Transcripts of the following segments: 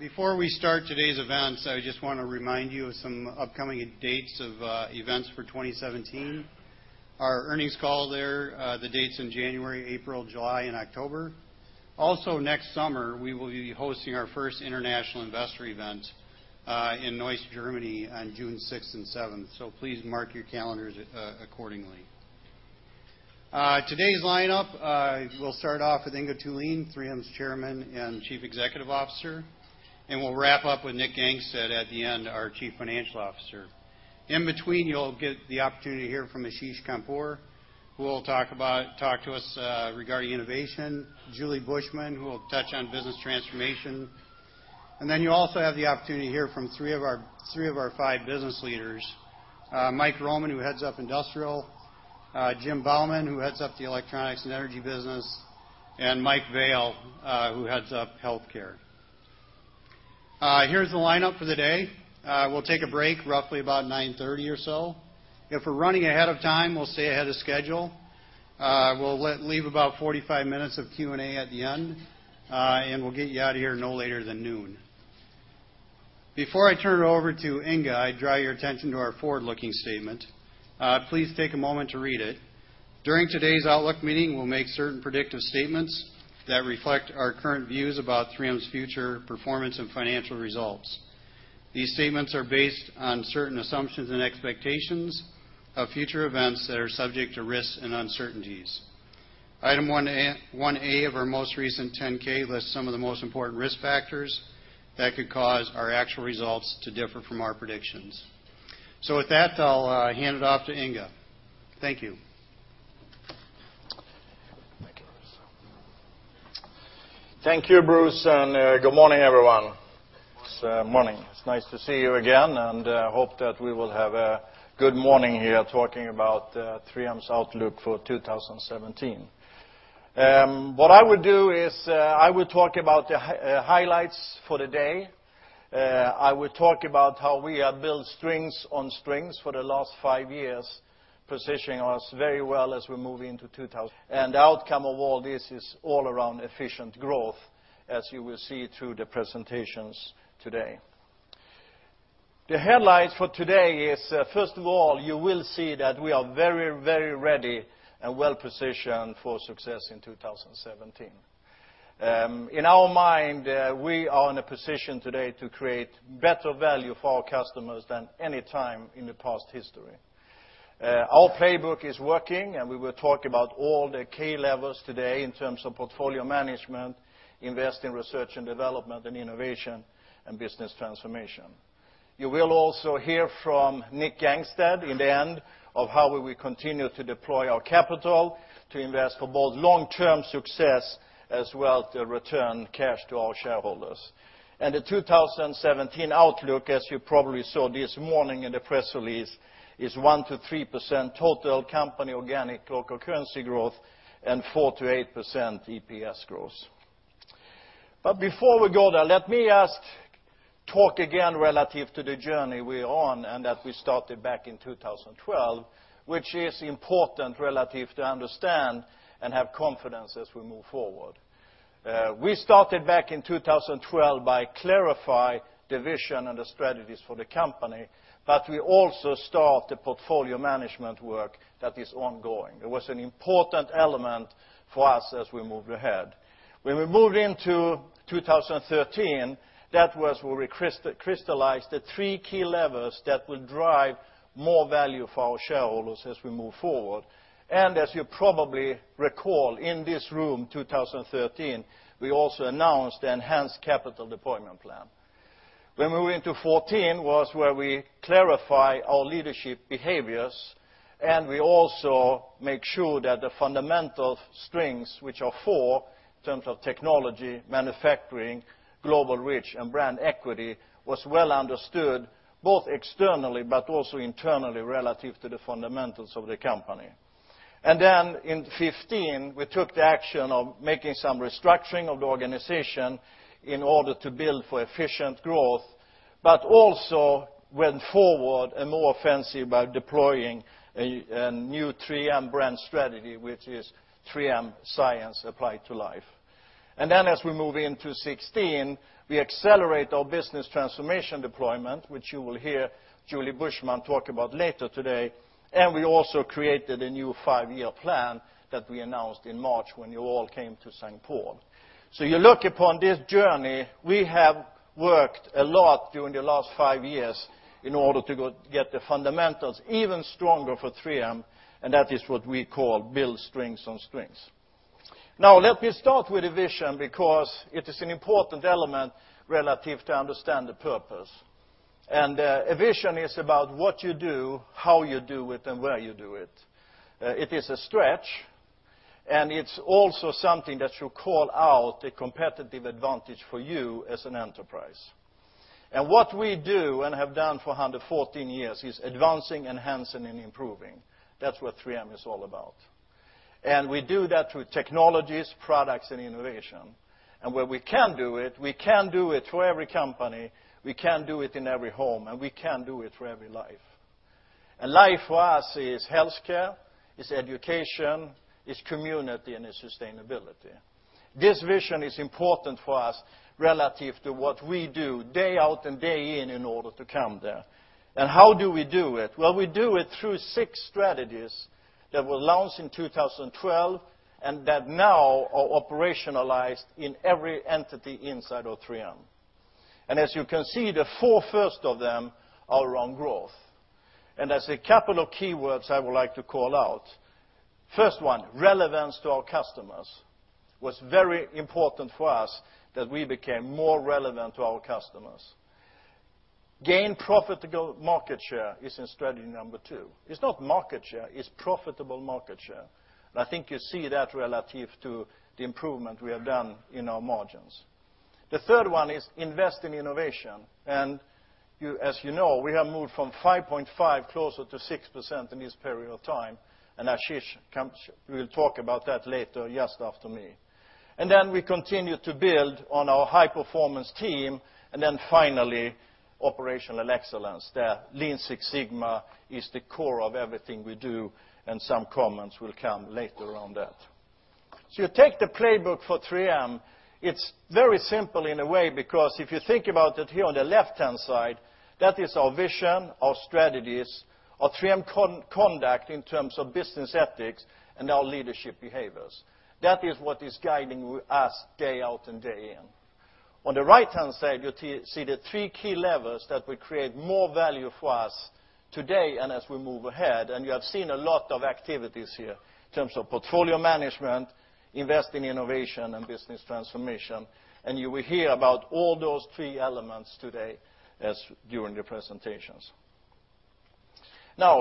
Before we start today's events, I just want to remind you of some upcoming dates of events for 2017. Our earnings call there, the dates in January, April, July, and October. Also, next summer, we will be hosting our first international investor event in Neuss, Germany on June 6th and 7th, so please mark your calendars accordingly. Today's lineup, we'll start off with Inge Thulin, 3M's Chairman and Chief Executive Officer, and we'll wrap up with Nick Gangestad at the end, our Chief Financial Officer. In between, you'll get the opportunity to hear from Ashish Khandpur, who will talk to us regarding innovation, Julie Bushman, who will touch on business transformation. You'll also have the opportunity to hear from three of our five business leaders, Mike Roman, who heads up industrial, Jim Bauman, who heads up the electronics and energy business, and Mike Vale, who heads up healthcare. Here's the lineup for the day. We'll take a break roughly about 9:30 or so. If we're running ahead of time, we'll stay ahead of schedule. We'll leave about 45 minutes of Q&A at the end. We'll get you out of here no later than noon. Before I turn it over to Inge, I draw your attention to our forward-looking statement. Please take a moment to read it. During today's outlook meeting, we'll make certain predictive statements that reflect our current views about 3M's future performance and financial results. These statements are based on certain assumptions and expectations of future events that are subject to risks and uncertainties. Item 1A of our most recent 10-K lists some of the most important risk factors that could cause our actual results to differ from our predictions. With that, I'll hand it off to Inge. Thank you. Thank you. Thank you, Bruce, and good morning, everyone. Good morning. It's morning. It's nice to see you again, and hope that we will have a good morning here talking about 3M's outlook for 2017. What I will do is, I will talk about the highlights for the day. I will talk about how we have built strengths on strengths for the last five years, positioning us very well as we move into 2017. The outcome of all this is all around efficient growth, as you will see through the presentations today. The headlines for today is, first of all, you will see that we are very ready and well-positioned for success in 2017. In our mind, we are in a position today to create better value for our customers than any time in the past history. Our playbook is working, and we will talk about all the key levers today in terms of portfolio management, invest in research and development and innovation and business transformation. You will also hear from Nick Gangestad in the end of how we will continue to deploy our capital to invest for both long-term success as well to return cash to our shareholders. The 2017 outlook, as you probably saw this morning in the press release, is 1%-3% total company organic local currency growth and 4%-8% EPS growth. Before we go there, let me just talk again relative to the journey we're on and that we started back in 2012, which is important relative to understand and have confidence as we move forward. We started back in 2012 by clarify the vision and the strategies for the company, but we also start the portfolio management work that is ongoing. It was an important element for us as we moved ahead. When we moved into 2013, that was where we crystallized the three key levers that will drive more value for our shareholders as we move forward. As you probably recall, in this room, 2013, we also announced the enhanced capital deployment plan. When we went into 2014 was where we clarify our leadership behaviors, and we also make sure that the fundamental strengths, which are four, in terms of technology, manufacturing, global reach, and brand equity, was well understood, both externally but also internally, relative to the fundamentals of the company. In 2015, we took the action of making some restructuring of the organization in order to build for efficient growth, also went forward and more fancy about deploying a new 3M brand strategy, which is 3M, Science Applied to Life. As we move into 2016, we accelerate our Business Transformation deployment, which you will hear Julie Bushman talk about later today. We also created a new five-year plan that we announced in March when you all came to St. Paul. You look upon this journey, we have worked a lot during the last five years in order to get the fundamentals even stronger for 3M, and that is what we call build strengths on strengths. Let me start with the vision because it is an important element relative to understand the purpose. A vision is about what you do, how you do it, and where you do it. It is a stretch, and it's also something that should call out a competitive advantage for you as an enterprise. What we do and have done for 114 years is advancing, enhancing, and improving. That's what 3M is all about. We do that through technologies, products, and innovation. Where we can do it, we can do it for every company, we can do it in every home, and we can do it for every life. Life for us is healthcare, is education, is community, and is sustainability. This vision is important for us relative to what we do day out and day in order to come there. How do we do it? We do it through six strategies that were launched in 2012 and that now are operationalized in every entity inside of 3M. As you can see, the four first of them are around growth. There's a couple of keywords I would like to call out. First one, relevance to our customers, was very important for us, that we became more relevant to our customers. Gain profitable market share is in strategy number 2. It's not market share, it's profitable market share. I think you see that relative to the improvement we have done in our margins. The third one is invest in innovation. As you know, we have moved from 5.5% closer to 6% in this period of time. Ashish will talk about that later, just after me. We continue to build on our high-performance team. Finally, operational excellence. The Lean Six Sigma is the core of everything we do, and some comments will come later on that. You take the playbook for 3M. It's very simple in a way, because if you think about it here on the left-hand side, that is our vision, our strategies, our 3M conduct in terms of business ethics and our leadership behaviors. That is what is guiding us day out and day in. On the right-hand side, you see the three key levers that will create more value for us today and as we move ahead, and you have seen a lot of activities here in terms of portfolio management, invest in innovation, and Business Transformation. You will hear about all those three elements today during the presentations.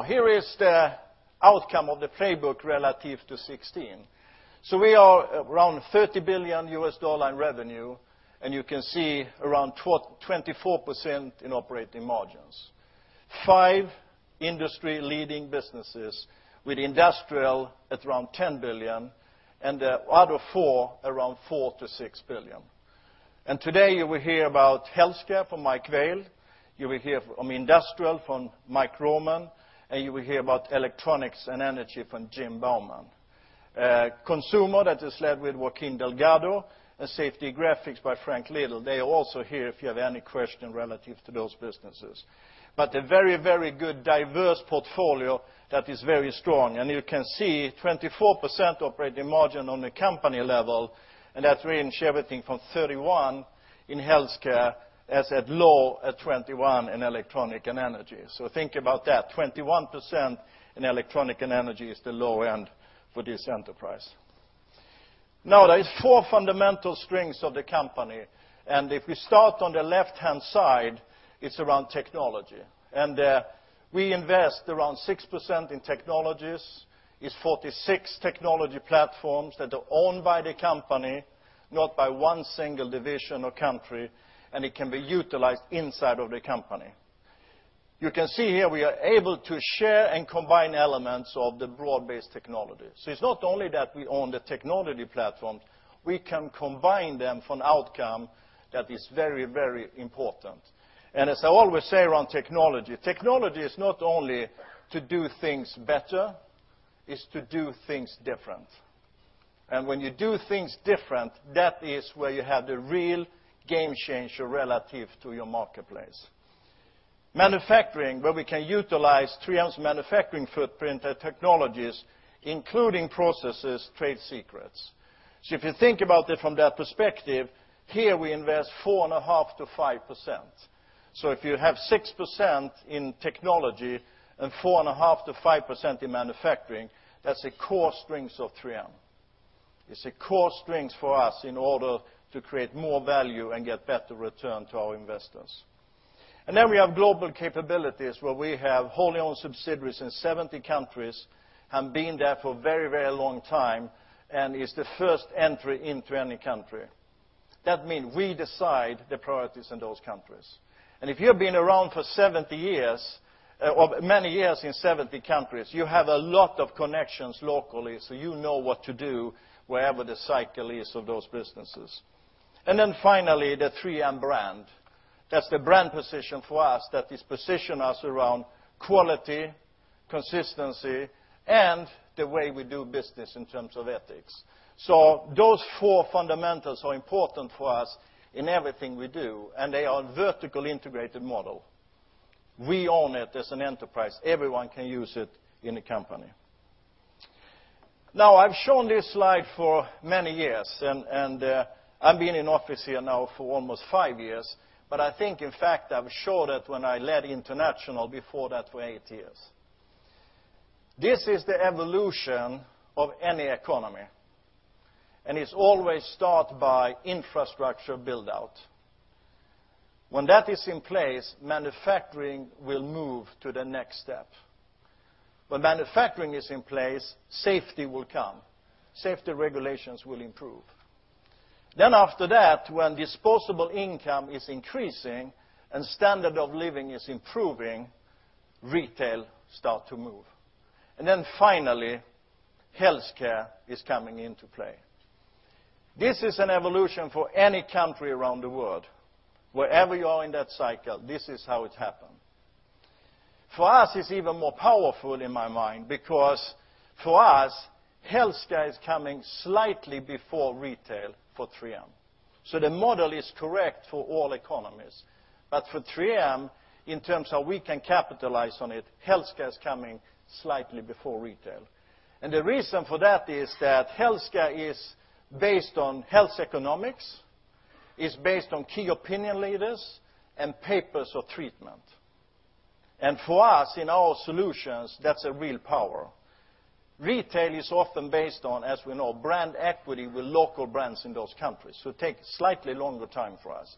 Here is the outcome of the playbook relative to 2016. We are around $30 billion in revenue, and you can see around 24% in operating margins. Five industry-leading businesses with Industrial at around $10 billion and the other four around $4 billion-$6 billion. Today you will hear about Healthcare from Mike Vale, you will hear from Industrial from Mike Roman, and you will hear about Electronics and Energy from Jim Bauman. Consumer, that is led with Joaquin Delgado, and Safety & Graphics by Frank Little. They are also here if you have any questions relative to those businesses. A very, very good diverse portfolio that is very strong. You can see 24% operating margin on the company level, and that range everything from 31% in Healthcare, as at low, at 21% in Electronics and Energy. Think about that. 21% in Electronics and Energy is the low end for this enterprise. There is four fundamental strengths of the company, and if we start on the left-hand side, it's around technology. We invest around 6% in technologies, is 46 technology platforms that are owned by the company, not by one single division or country, and it can be utilized inside of the company. You can see here we are able to share and combine elements of the broad-based technology. It's not only that we own the technology platform, we can combine them for an outcome that is very, very important. As I always say around technology is not only to do things better, it's to do things different. When you do things different, that is where you have the real game-changer relative to your marketplace. Manufacturing, where we can utilize 3M's manufacturing footprint and technologies, including processes, trade secrets. If you think about it from that perspective, here we invest 4.5%-5%. If you have 6% in technology and 4.5%-5% in manufacturing, that's a core strength of 3M. It's a core strength for us in order to create more value and get better return to our investors. We have global capabilities where we have wholly owned subsidiaries in 70 countries and been there for very, very long time and is the first entry into any country. That mean we decide the priorities in those countries. If you've been around for 70 years, or many years in 70 countries, you have a lot of connections locally, so you know what to do wherever the cycle is of those businesses. Finally, the 3M brand. That's the brand position for us that is position us around quality, consistency, and the way we do business in terms of ethics. Those four fundamentals are important for us in everything we do, and they are vertically integrated model. We own it as an enterprise. Everyone can use it in the company. I've shown this slide for many years, and I've been in office here now for almost five years, I think, in fact, I've showed it when I led international before that for eight years. This is the evolution of any economy, it always start by infrastructure build-out. When that is in place, manufacturing will move to the next step. When manufacturing is in place, safety will come. Safety regulations will improve. After that, when disposable income is increasing and standard of living is improving, retail start to move. Finally, healthcare is coming into play. This is an evolution for any country around the world. Wherever you are in that cycle, this is how it happens. For us, it's even more powerful in my mind, because for us, healthcare is coming slightly before retail for 3M. The model is correct for all economies. For 3M, in terms how we can capitalize on it, healthcare is coming slightly before retail. The reason for that is that healthcare is based on health economics, is based on key opinion leaders, and papers of treatment. For us, in our solutions, that's a real power. Retail is often based on, as we know, brand equity with local brands in those countries, so take slightly longer time for us.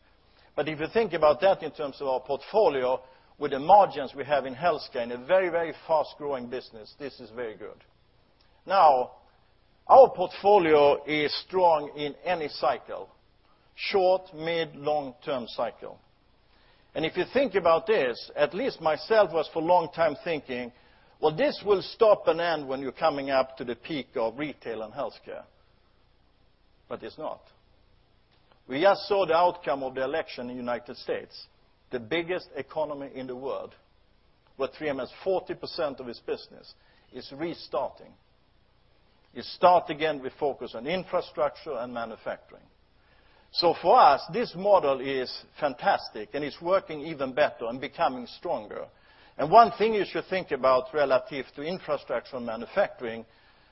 If you think about that in terms of our portfolio, with the margins we have in healthcare, in a very fast-growing business, this is very good. Our portfolio is strong in any cycle, short, mid, long-term cycle. If you think about this, at least myself was for long time thinking, "Well, this will stop and end when you're coming up to the peak of retail and healthcare." It's not. We just saw the outcome of the election in U.S., the biggest economy in the world, where 3M has 40% of its business, is restarting. It start again with focus on infrastructure and manufacturing. For us, this model is fantastic and it's working even better and becoming stronger. One thing you should think about relative to infrastructure and manufacturing,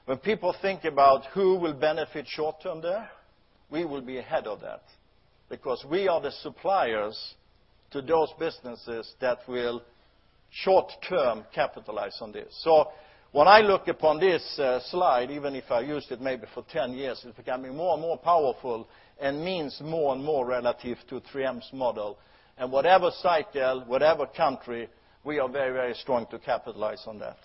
when people think about who will benefit short-term there, we will be ahead of that because we are the suppliers to those businesses that will short-term capitalize on this. When I look upon this slide, even if I used it maybe for 10 years, it's becoming more and more powerful and means more and more relative to 3M's model. Whatever cycle, whatever country, we are very strong to capitalize on that.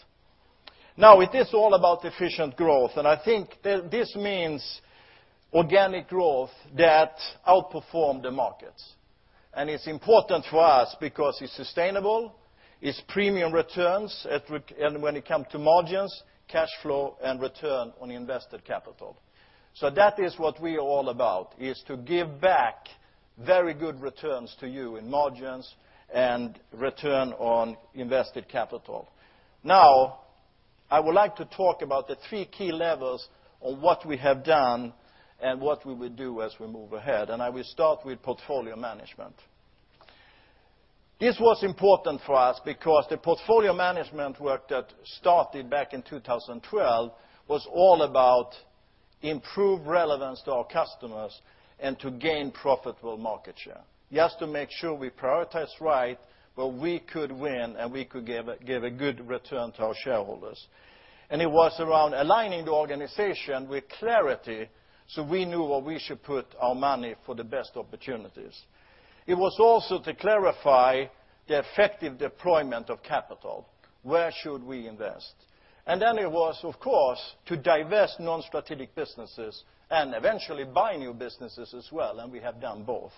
It is all about efficient growth, and I think this means organic growth that outperform the markets. It's important for us because it's sustainable, it's premium returns, and when it come to margins, cash flow, and return on invested capital. That is what we are all about, is to give back very good returns to you in margins and return on invested capital. I would like to talk about the three key levels on what we have done and what we will do as we move ahead, and I will start with portfolio management. This was important for us because the portfolio management work that started back in 2012 was all about improved relevance to our customers and to gain profitable market share, just to make sure we prioritize right where we could win, and we could give a good return to our shareholders. It was around aligning the organization with clarity so we knew where we should put our money for the best opportunities. It was also to clarify the effective deployment of capital. Where should we invest? It was, of course, to divest non-strategic businesses and eventually buy new businesses as well, and we have done both.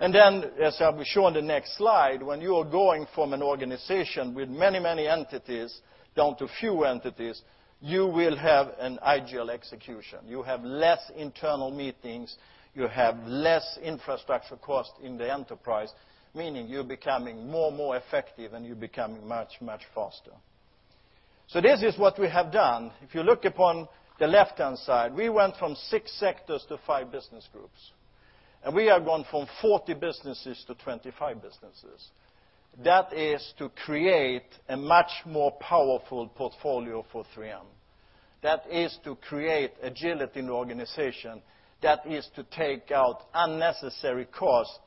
As I will show on the next slide, when you are going from an organization with many entities down to few entities, you will have an agile execution. You have less internal meetings. You have less infrastructure cost in the enterprise, meaning you're becoming more effective and you're becoming much faster. This is what we have done. If you look upon the left-hand side, we went from 6 sectors to 5 business groups. We have gone from 40 businesses to 25 businesses. That is to create a much more powerful portfolio for 3M. That is to create agility in the organization. That is to take out unnecessary cost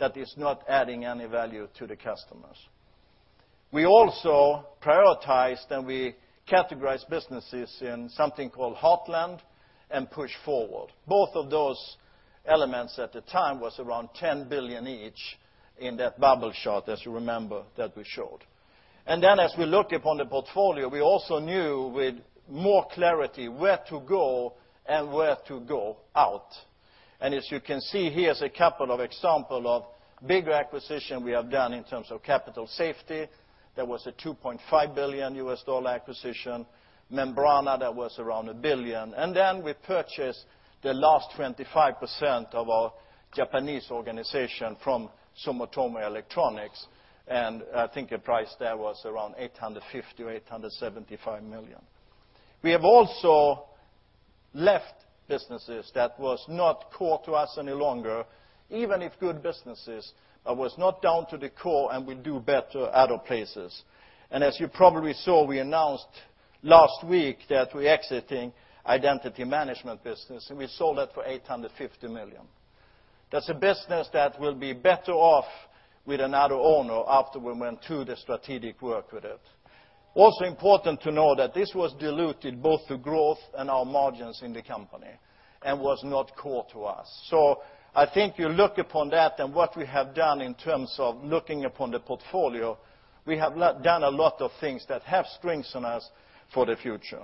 that is not adding any value to the customers. We also prioritized, and we categorized businesses in something called "Heartland" and "push-forward." Both of those elements at the time was around $10 billion each in that bubble chart, as you remember, that we showed. As we looked upon the portfolio, we also knew with more clarity where to go and where to go out. As you can see here is a couple of example of big acquisition we have done in terms of Capital Safety. That was a $2.5 billion U.S. dollar acquisition. Membrana, that was around $1 billion. We purchased the last 25% of our Japanese organization from Sumitomo Electric Industries, and I think the price there was around $850 million-$875 million. We have also left businesses that was not core to us any longer. Even if good businesses, but was not down to the core and will do better other places. As you probably saw, we announced last week that we're exiting identity management business, and we sold that for $850 million. That's a business that will be better off with another owner after we went through the strategic work with it. Also important to know that this was diluting both the growth and our margins in the company and was not core to us. I think you look upon that and what we have done in terms of looking upon the portfolio, we have done a lot of things that have strengthened us for the future.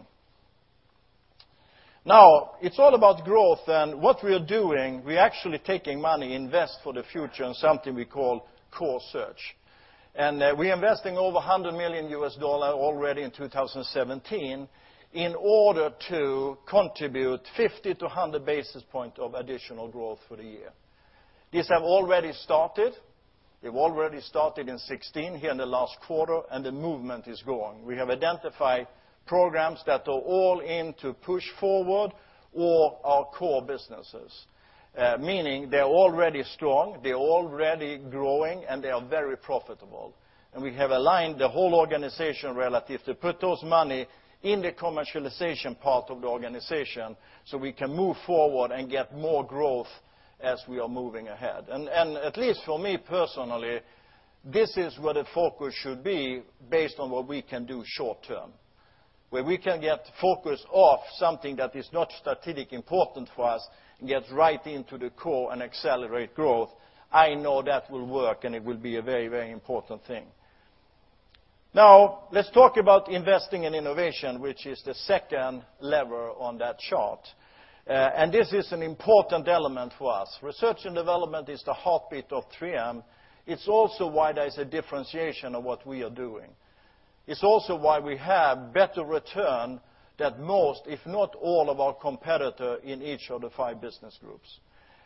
Now, it's all about growth and what we are doing, we're actually taking money, invest for the future in something we call Core Search. We're investing over $100 million U.S. dollar already in 2017 in order to contribute 50 to 100 basis points of additional growth for the year. These have already started. They've already started in 2016, here in the last quarter, and the movement is growing. We have identified programs that are all in to push forward all our core businesses, meaning they're already strong, they're already growing, and they are very profitable. We have aligned the whole organization relative to put that money in the commercialization part of the organization so we can move forward and get more growth as we are moving ahead. At least for me personally, this is where the focus should be based on what we can do short term, where we can get focus off something that is not strategically important for us and get right into the core and accelerate growth. I know that will work, and it will be a very important thing. Let's talk about investing in innovation, which is the second lever on that chart. This is an important element for us. Research and development is the heartbeat of 3M. It's also why there's a differentiation of what we are doing. It's also why we have better return than most, if not all of our competitors in each of the five business groups.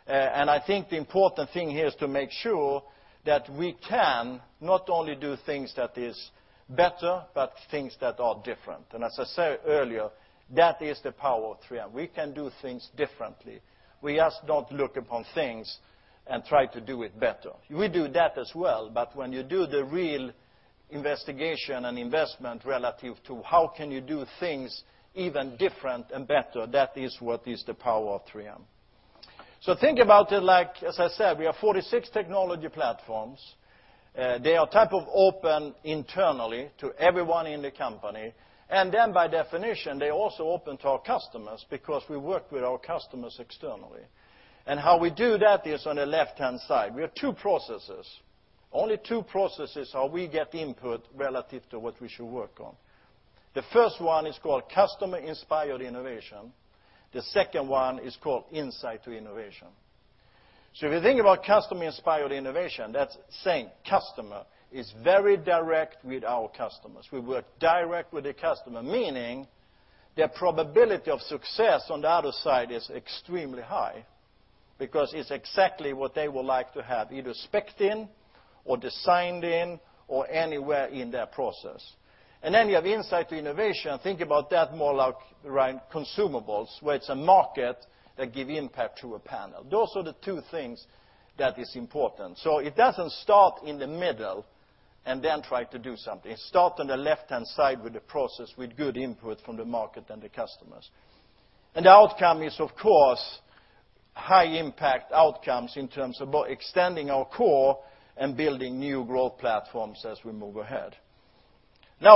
I think the important thing here is to make sure that we can not only do things that are better, but things that are different. As I said earlier, that is the power of 3M. We can do things differently. We just don't look upon things and try to do it better. We do that as well, but when you do the real investigation and investment relative to how can you do things even different and better, that is what is the power of 3M. Think about it like, as I said, we have 46 technology platforms. They are type of open internally to everyone in the company, and then by definition, they're also open to our customers because we work with our customers externally. How we do that is on the left-hand side. We have two processes, only two processes how we get input relative to what we should work on. The first one is called customer-inspired innovation. The second one is called insight-to-innovation. If you think about customer-inspired innovation, that's saying customer is very direct with our customers. We work directly with the customer, meaning the probability of success on the other side is extremely high because it's exactly what they would like to have, either specced in or designed in, or anywhere in their process. Then you have insight-to-innovation. Think about that more like around consumables, where it's a market that gives impact to a panel. Those are the two things that are important. It doesn't start in the middle and then try to do something. It starts on the left-hand side with the process with good input from the market and the customers. The outcome is, of course, high-impact outcomes in terms of extending our core and building new growth platforms as we move ahead.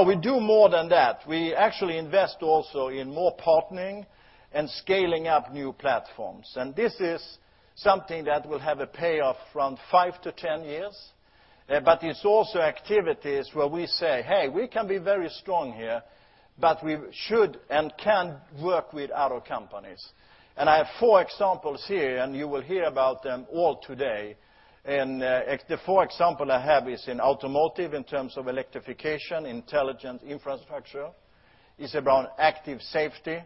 We do more than that. We actually invest also in more partnering and scaling up new platforms. This is something that will have a payoff from five to 10 years. It's also activities where we say, "Hey, we can be very strong here, but we should and can work with other companies." I have four examples here, and you will hear about them all today. The four examples I have is in automotive in terms of electrification, intelligent infrastructure. It's around active safety,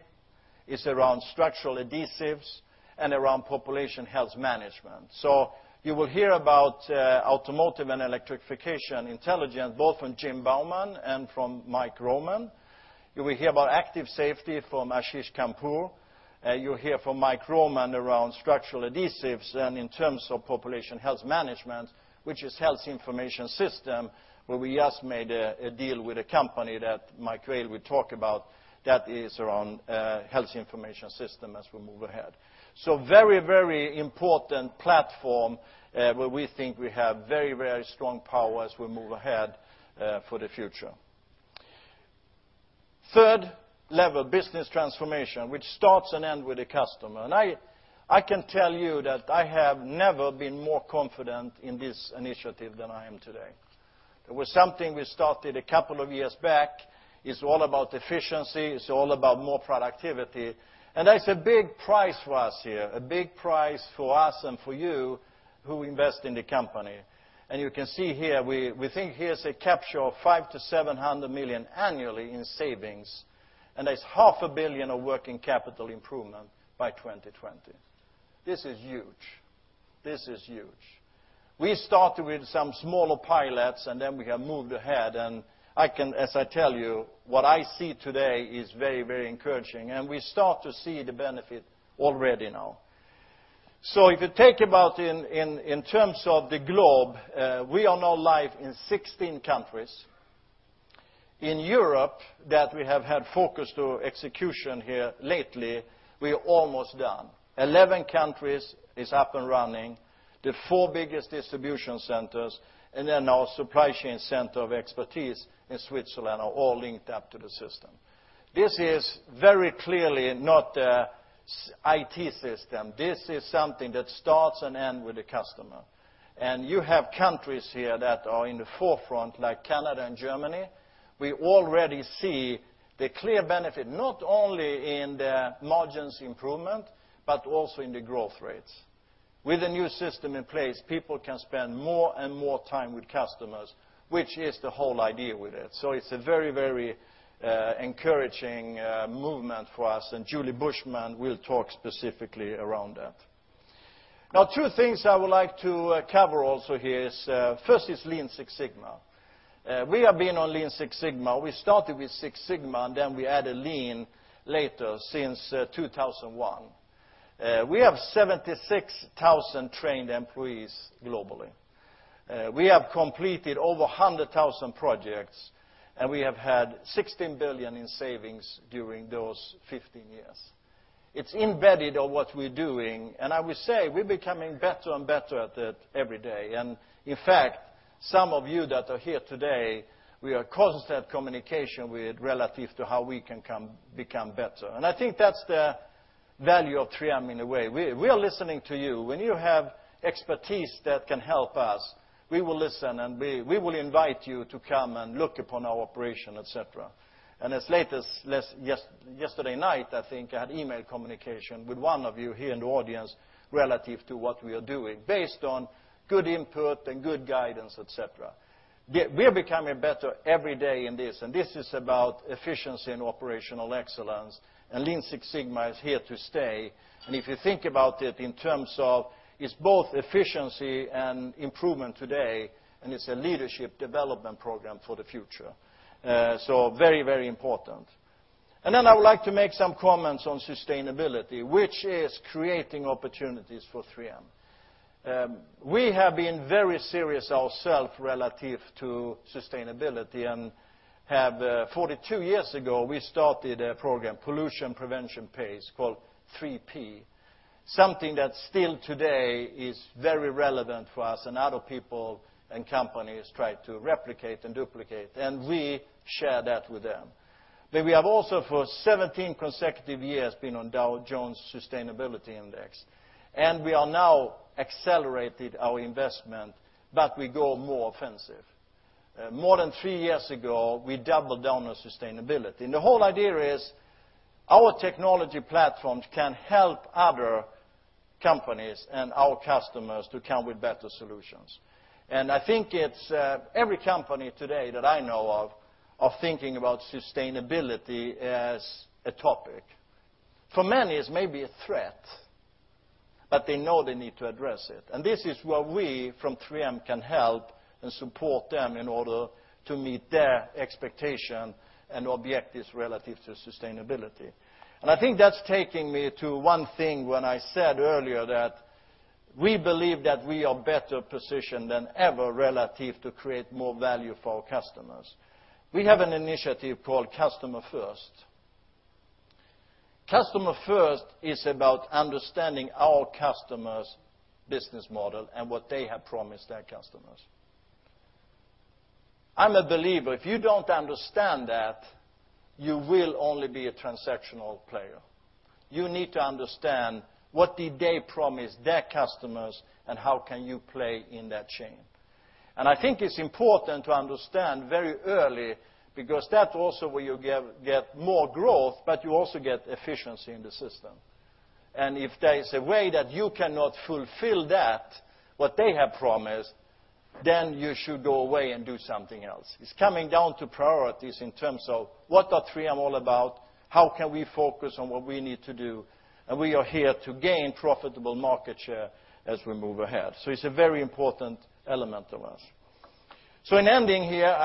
it's around structural adhesives, and around population health management. You will hear about automotive and electrification intelligence, both from Jim Bauman and from Mike Roman. You will hear about active safety from Ashish Khandpur. You'll hear from Mike Roman around structural adhesives and in terms of population health management, which is health information system, where we just made a deal with a company that Mike Vale will talk about that is around health information system as we move ahead. Very important platform, where we think we have very strong power as we move ahead for the future. Third level, Business Transformation, which starts and ends with the customer. I can tell you that I have never been more confident in this initiative than I am today. It was something we started a couple of years back. It's all about efficiency. It's all about more productivity. That's a big prize for us here, a big prize for us and for you who invest in the company. You can see here, we think here's a capture of $500 million-$700 million annually in savings, and there's half a billion of working capital improvement by 2020. This is huge. We started with some smaller pilots, we have moved ahead. As I tell you, what I see today is very encouraging, we start to see the benefit already now. If you think about in terms of the globe, we are now live in 16 countries. In Europe, that we have had focus to execution here lately, we are almost done. 11 countries is up and running. The four biggest distribution centers, our supply chain center of expertise in Switzerland are all linked up to the system. This is very clearly not an IT system. This is something that starts and ends with the customer. You have countries here that are in the forefront, like Canada and Germany. We already see the clear benefit, not only in the margins improvement, but also in the growth rates. With the new system in place, people can spend more and more time with customers, which is the whole idea with it. It's a very encouraging movement for us, Julie Bushman will talk specifically around that. Now, two things I would like to cover also here is, first is Lean Six Sigma. We have been on Lean Six Sigma. We started with Six Sigma, we added Lean later, since 2001. We have 76,000 trained employees globally. We have completed over 100,000 projects, we have had $16 billion in savings during those 15 years. It's embedded of what we're doing, I would say we're becoming better and better at it every day. In fact, some of you that are here today, we are constant communication with relative to how we can become better. I think that's the value of 3M in a way. We are listening to you. When you have expertise that can help us, we will listen, we will invite you to come and look upon our operation, et cetera. As late as yesterday night, I think, I had email communication with one of you here in the audience relative to what we are doing based on good input and good guidance, et cetera. We are becoming better every day in this is about efficiency and operational excellence, Lean Six Sigma is here to stay. If you think about it in terms of it's both efficiency and improvement today, it's a leadership development program for the future. Very, very important. I would like to make some comments on sustainability, which is creating opportunities for 3M. We have been very serious ourselves relative to sustainability, 42 years ago, we started a program, Pollution Prevention Pays, called 3P, something that still today is very relevant for us, and other people and companies try to replicate and duplicate. We share that with them. We have also, for 17 consecutive years, been on Dow Jones Sustainability Index, we are now accelerated our investment, we go more offensive. More than 3 years ago, we doubled down on sustainability. The whole idea is our technology platforms can help other companies and our customers to come with better solutions. I think it's every company today that I know of, are thinking about sustainability as a topic. For many, it's maybe a threat, but they know they need to address it. This is where we from 3M can help and support them in order to meet their expectation and objectives relative to sustainability. I think that's taking me to one thing when I said earlier that we believe that we are better positioned than ever relative to create more value for our customers. We have an initiative called Customer First. Customer First is about understanding our customers' business model and what they have promised their customers. I'm a believer, if you don't understand that, you will only be a transactional player. You need to understand what did they promise their customers, and how can you play in that chain. I think it's important to understand very early because that also where you get more growth, but you also get efficiency in the system. If there is a way that you cannot fulfill that, what they have promised, you should go away and do something else. It's coming down to priorities in terms of what are 3M all about, how can we focus on what we need to do, and we are here to gain profitable market share as we move ahead. It's a very important element of us. In ending here,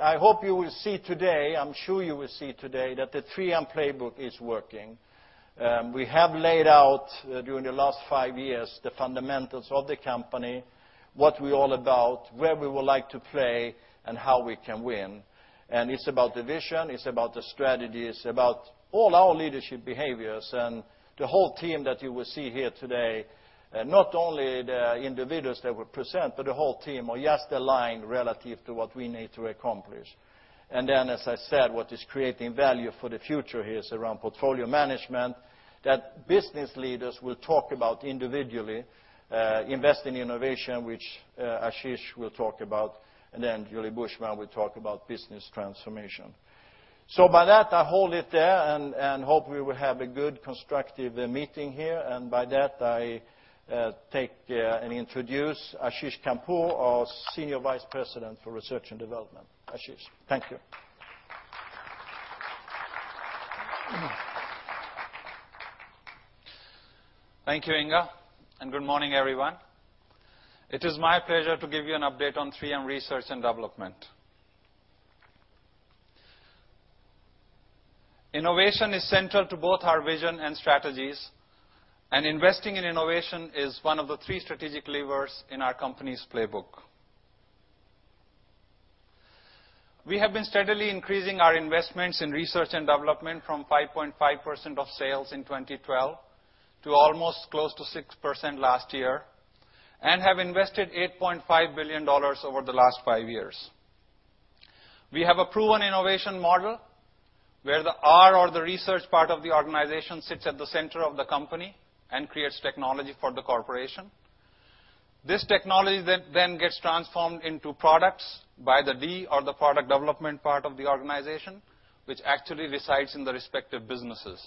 I hope you will see today, I'm sure you will see today that the 3M playbook is working. We have laid out, during the last 5 years, the fundamentals of the company, what we're all about, where we would like to play, and how we can win. It's about the vision, it's about the strategies, it's about all our leadership behaviors and the whole team that you will see here today, not only the individuals that will present, but the whole team are just aligned relative to what we need to accomplish. Then, as I said, what is creating value for the future here is around portfolio management, that business leaders will talk about individually, invest in innovation, which Ashish will talk about, and Julie Bushman will talk about business transformation. By that, I hold it there and hope we will have a good, constructive meeting here. By that, I take and introduce Ashish Khandpur, our Senior Vice President for Research and Development. Ashish, thank you. Thank you, Inge, and good morning, everyone. It is my pleasure to give you an update on 3M Research and Development. Innovation is central to both our vision and strategies. Investing in innovation is one of the three strategic levers in our company's playbook. We have been steadily increasing our investments in research and development from 5.5% of sales in 2012 to almost close to 6% last year, and have invested $8.5 billion over the last five years. We have a proven innovation model, where the R or the research part of the organization sits at the center of the company and creates technology for the corporation. This technology then gets transformed into products by the D or the product development part of the organization, which actually resides in the respective businesses.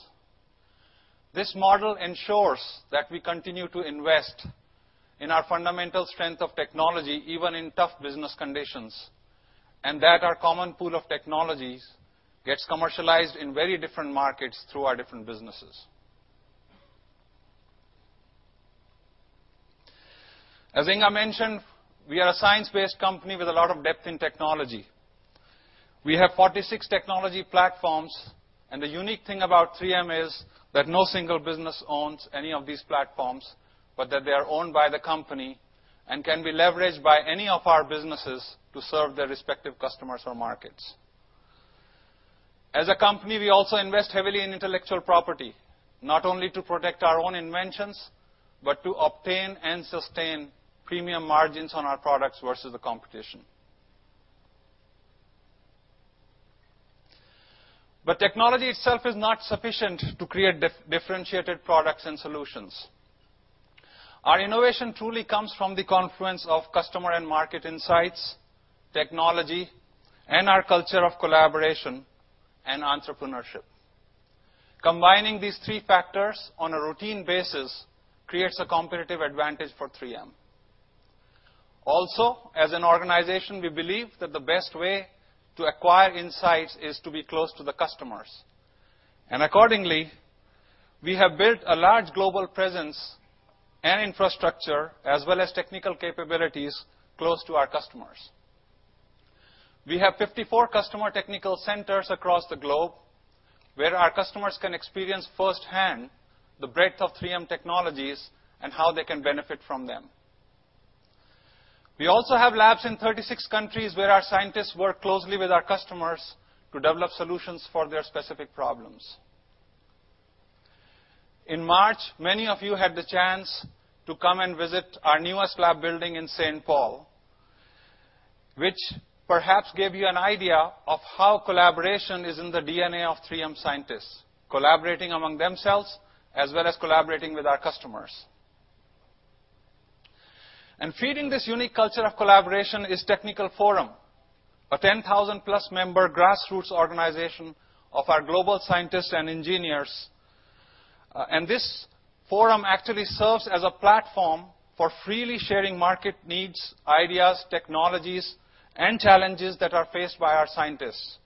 This model ensures that we continue to invest in our fundamental strength of technology, even in tough business conditions. That our common pool of technologies gets commercialized in very different markets through our different businesses. As Inge mentioned, we are a science-based company with a lot of depth in technology. We have 46 technology platforms, and the unique thing about 3M is that no single business owns any of these platforms, but that they are owned by the company and can be leveraged by any of our businesses to serve their respective customers or markets. As a company, we also invest heavily in intellectual property, not only to protect our own inventions, but to obtain and sustain premium margins on our products versus the competition. Technology itself is not sufficient to create differentiated products and solutions. Our innovation truly comes from the confluence of customer and market insights, technology, and our culture of collaboration and entrepreneurship. Combining these three factors on a routine basis creates a competitive advantage for 3M. Also, as an organization, we believe that the best way to acquire insights is to be close to the customers. Accordingly, we have built a large global presence and infrastructure, as well as technical capabilities close to our customers. We have 54 customer technical centers across the globe where our customers can experience firsthand the breadth of 3M technologies and how they can benefit from them. We also have labs in 36 countries where our scientists work closely with our customers to develop solutions for their specific problems. In March, many of you had the chance to come and visit our newest lab building in St. Paul, which perhaps gave you an idea of how collaboration is in the DNA of 3M scientists, collaborating among themselves, as well as collaborating with our customers. Feeding this unique culture of collaboration is Technical Forum, a 10,000-plus member grassroots organization of our global scientists and engineers. This forum actually serves as a platform for freely sharing market needs, ideas, technologies, and challenges that are faced by our scientists.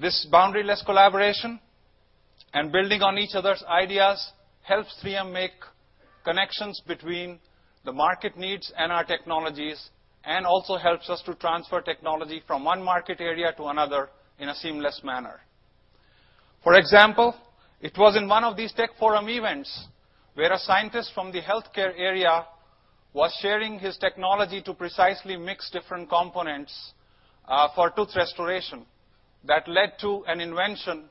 This boundary-less collaboration and building on each other's ideas helps 3M make connections between the market needs and our technologies, and also helps us to transfer technology from one market area to another in a seamless manner. It was in one of these Technical Forum events where a scientist from the healthcare area was sharing his technology to precisely mix different components for tooth restoration that led to an invention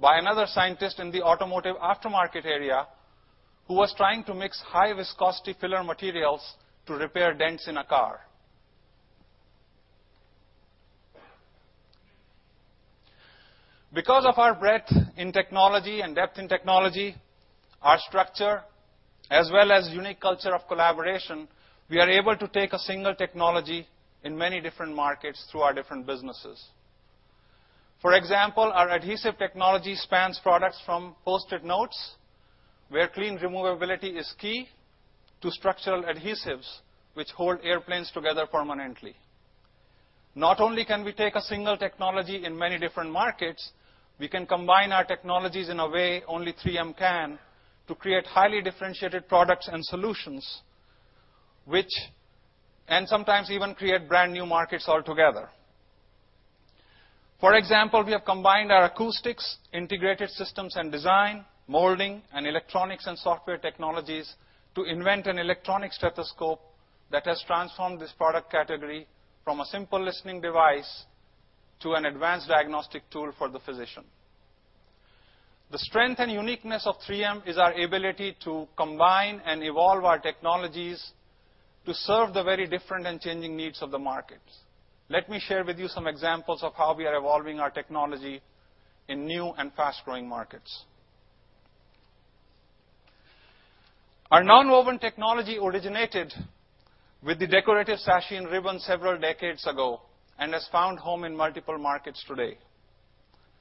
by another scientist in the automotive aftermarket area who was trying to mix high viscosity filler materials to repair dents in a car. Of our breadth in technology and depth in technology, our structure, as well as unique culture of collaboration, we are able to take a single technology in many different markets through our different businesses. For example, our adhesive technology spans products from Post-it Notes, where clean removability is key, to structural adhesives, which hold airplanes together permanently. Not only can we take a single technology in many different markets, we can combine our technologies in a way only 3M can to create highly differentiated products and solutions, and sometimes even create brand-new markets altogether. For example, we have combined our acoustics, integrated systems and design, molding, and electronics and software technologies to invent an electronic stethoscope that has transformed this product category from a simple listening device to an advanced diagnostic tool for the physician. The strength and uniqueness of 3M is our ability to combine and evolve our technologies to serve the very different and changing needs of the markets. Let me share with you some examples of how we are evolving our technology in new and fast-growing markets. Our nonwoven technology originated with the decorative sash and ribbon several decades ago and has found home in multiple markets today.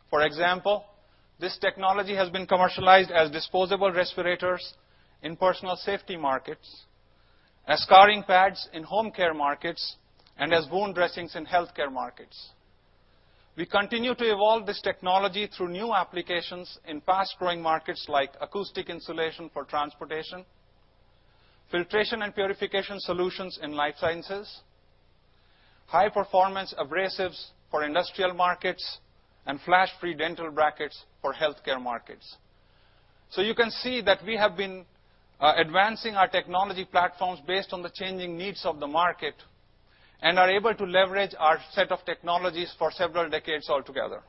For example, this technology has been commercialized as disposable respirators in personal safety markets, as scouring pads in home care markets, and as wound dressings in healthcare markets. We continue to evolve this technology through new applications in fast-growing markets like acoustic insulation for transportation, filtration and purification solutions in life sciences, high-performance abrasives for industrial markets, and flash-free dental brackets for healthcare markets. You can see that we have been advancing our technology platforms based on the changing needs of the market and are able to leverage our set of technologies for several decades altogether.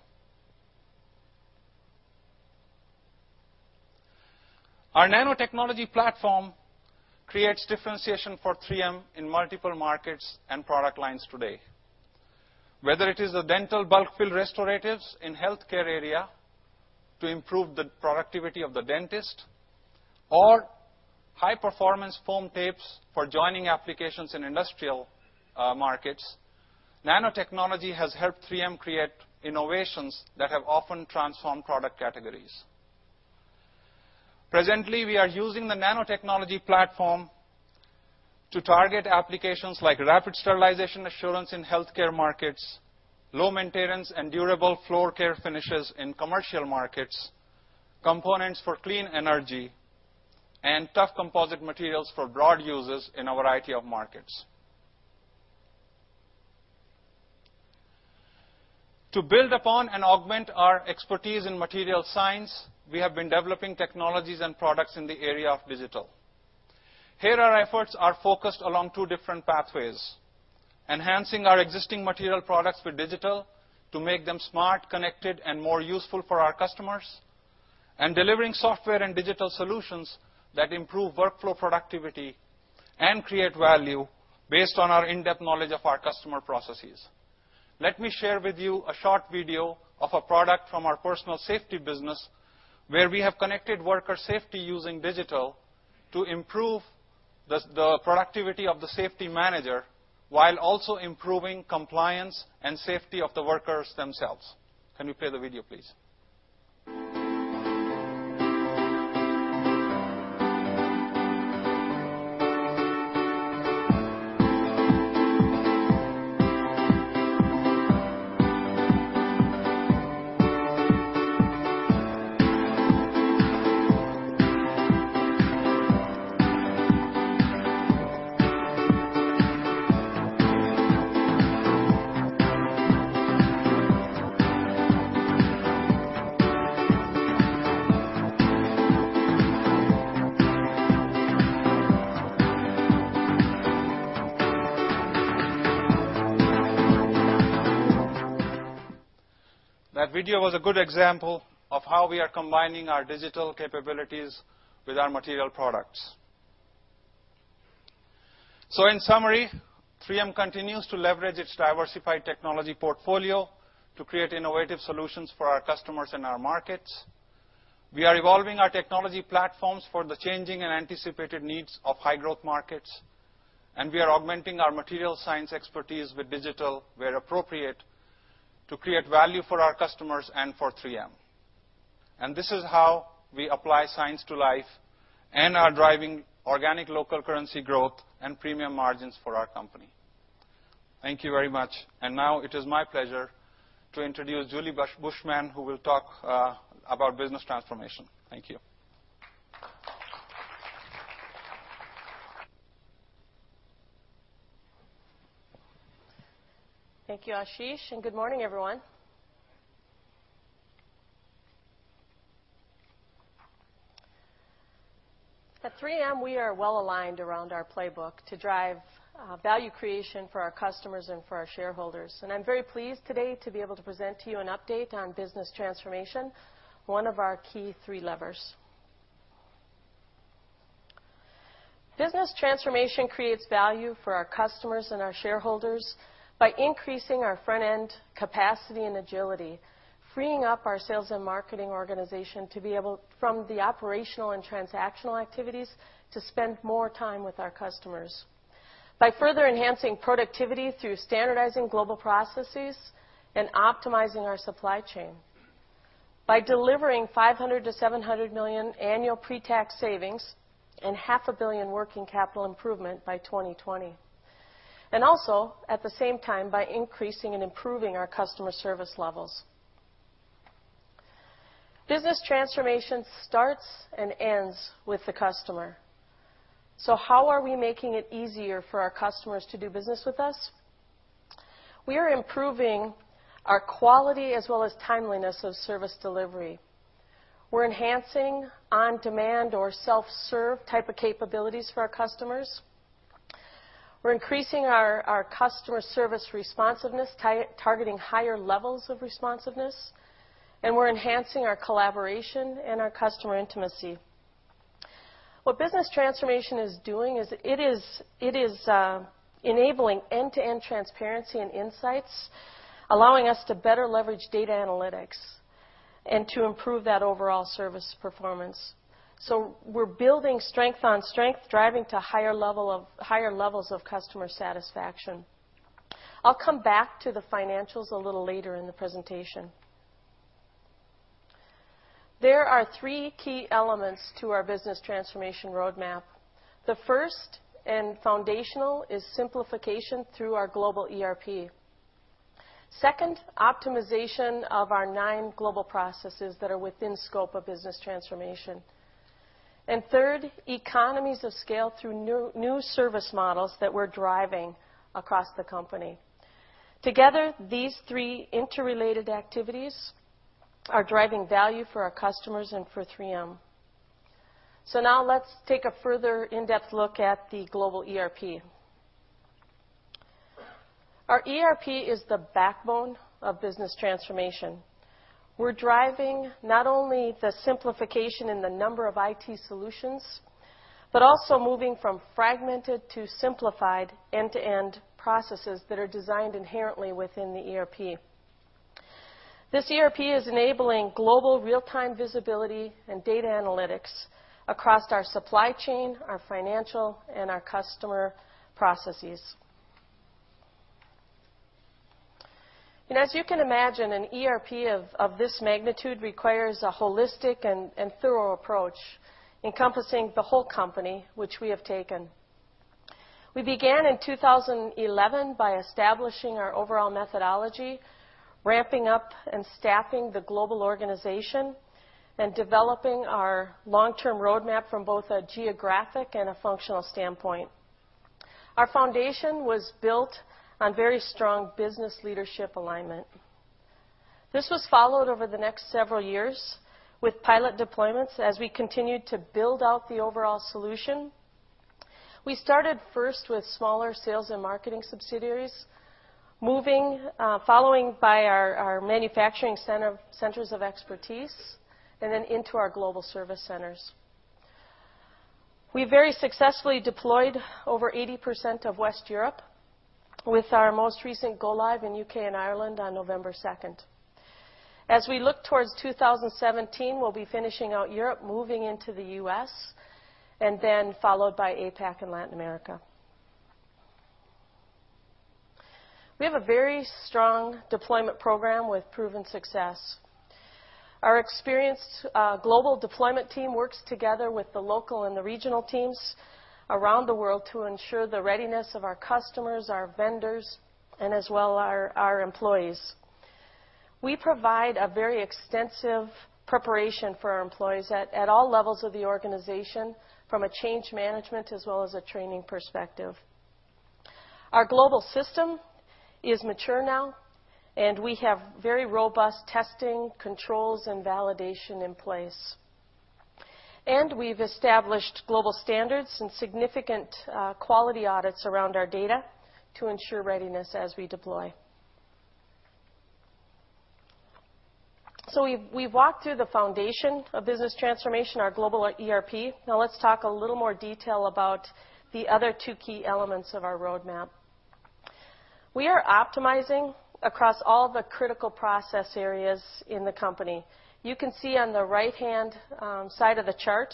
Our nanotechnology platform creates differentiation for 3M in multiple markets and product lines today. Whether it is the dental bulk fill restoratives in healthcare area to improve the productivity of the dentist or high-performance foam tapes for joining applications in industrial markets, nanotechnology has helped 3M create innovations that have often transformed product categories. Presently, we are using the nanotechnology platform to target applications like rapid sterilization assurance in healthcare markets, low maintenance and durable floor care finishes in commercial markets, components for clean energy, and tough composite materials for broad uses in a variety of markets. To build upon and augment our expertise in material science, we have been developing technologies and products in the area of digital. Here, our efforts are focused along two different pathways, enhancing our existing material products with digital to make them smart, connected, and more useful for our customers, and delivering software and digital solutions that improve workflow productivity and create value based on our in-depth knowledge of our customer processes. Let me share with you a short video of a product from our personal safety business, where we have connected worker safety using digital to improve the productivity of the safety manager while also improving compliance and safety of the workers themselves. Can you play the video, please? That video was a good example of how we are combining our digital capabilities with our material products. In summary, 3M continues to leverage its diversified technology portfolio to create innovative solutions for our customers and our markets. We are evolving our technology platforms for the changing and anticipated needs of high growth markets, we are augmenting our material science expertise with digital where appropriate to create value for our customers and for 3M. This is how we apply Science to Life and are driving organic local currency growth and premium margins for our company. Thank you very much. Now it is my pleasure to introduce Julie Bushman, who will talk about Business Transformation. Thank you. Thank you, Ashish, good morning everyone. At 3M, we are well-aligned around our playbook to drive value creation for our customers and for our shareholders. I'm very pleased today to be able to present to you an update on Business Transformation, one of our key three levers. Business Transformation creates value for our customers and our shareholders by increasing our front-end capacity and agility, freeing up our sales and marketing organization to be able from the operational and transactional activities to spend more time with our customers, by further enhancing productivity through standardizing global processes and optimizing our supply chain, by delivering $500 million-$700 million annual pre-tax savings and $half a billion working capital improvement by 2020, and also at the same time, by increasing and improving our customer service levels. Business Transformation starts and ends with the customer. How are we making it easier for our customers to do business with us? We are improving our quality as well as timeliness of service delivery. We're enhancing on-demand or self-serve type of capabilities for our customers. We're increasing our customer service responsiveness, targeting higher levels of responsiveness, we're enhancing our collaboration and our customer intimacy. What Business Transformation is doing is it is enabling end-to-end transparency and insights, allowing us to better leverage data analytics and to improve that overall service performance. We're building strength on strength, driving to higher levels of customer satisfaction. I'll come back to the financials a little later in the presentation. There are three key elements to our Business Transformation roadmap. The first and foundational is simplification through our global ERP. Second, optimization of our nine global processes that are within scope of Business Transformation. Third, economies of scale through new service models that we're driving across the company. Together, these three interrelated activities are driving value for our customers and for 3M. Now let's take a further in-depth look at the global ERP. Our ERP is the backbone of business transformation. We're driving not only the simplification in the number of IT solutions, but also moving from fragmented to simplified end-to-end processes that are designed inherently within the ERP. This ERP is enabling global real-time visibility and data analytics across our supply chain, our financial, and our customer processes. As you can imagine, an ERP of this magnitude requires a holistic and thorough approach encompassing the whole company, which we have taken. We began in 2011 by establishing our overall methodology, ramping up and staffing the global organization, and developing our long-term roadmap from both a geographic and a functional standpoint. Our foundation was built on very strong business leadership alignment. This was followed over the next several years with pilot deployments as we continued to build out the overall solution. We started first with smaller sales and marketing subsidiaries, following by our manufacturing centers of expertise, then into our GSCs. We very successfully deployed over 80% of West Europe with our most recent go live in U.K. and Ireland on November 2nd. As we look towards 2017, we'll be finishing out Europe, moving into the U.S., then followed by APAC and Latin America. We have a very strong deployment program with proven success. Our experienced global deployment team works together with the local and the regional teams around the world to ensure the readiness of our customers, our vendors, as well our employees. We provide a very extensive preparation for our employees at all levels of the organization from a change management as well as a training perspective. Our global system is mature now. We have very robust testing, controls, and validation in place. We've established global standards and significant quality audits around our data to ensure readiness as we deploy. We've walked through the foundation of business transformation, our global ERP. Now let's talk a little more detail about the other two key elements of our roadmap. We are optimizing across all the critical process areas in the company. You can see on the right-hand side of the chart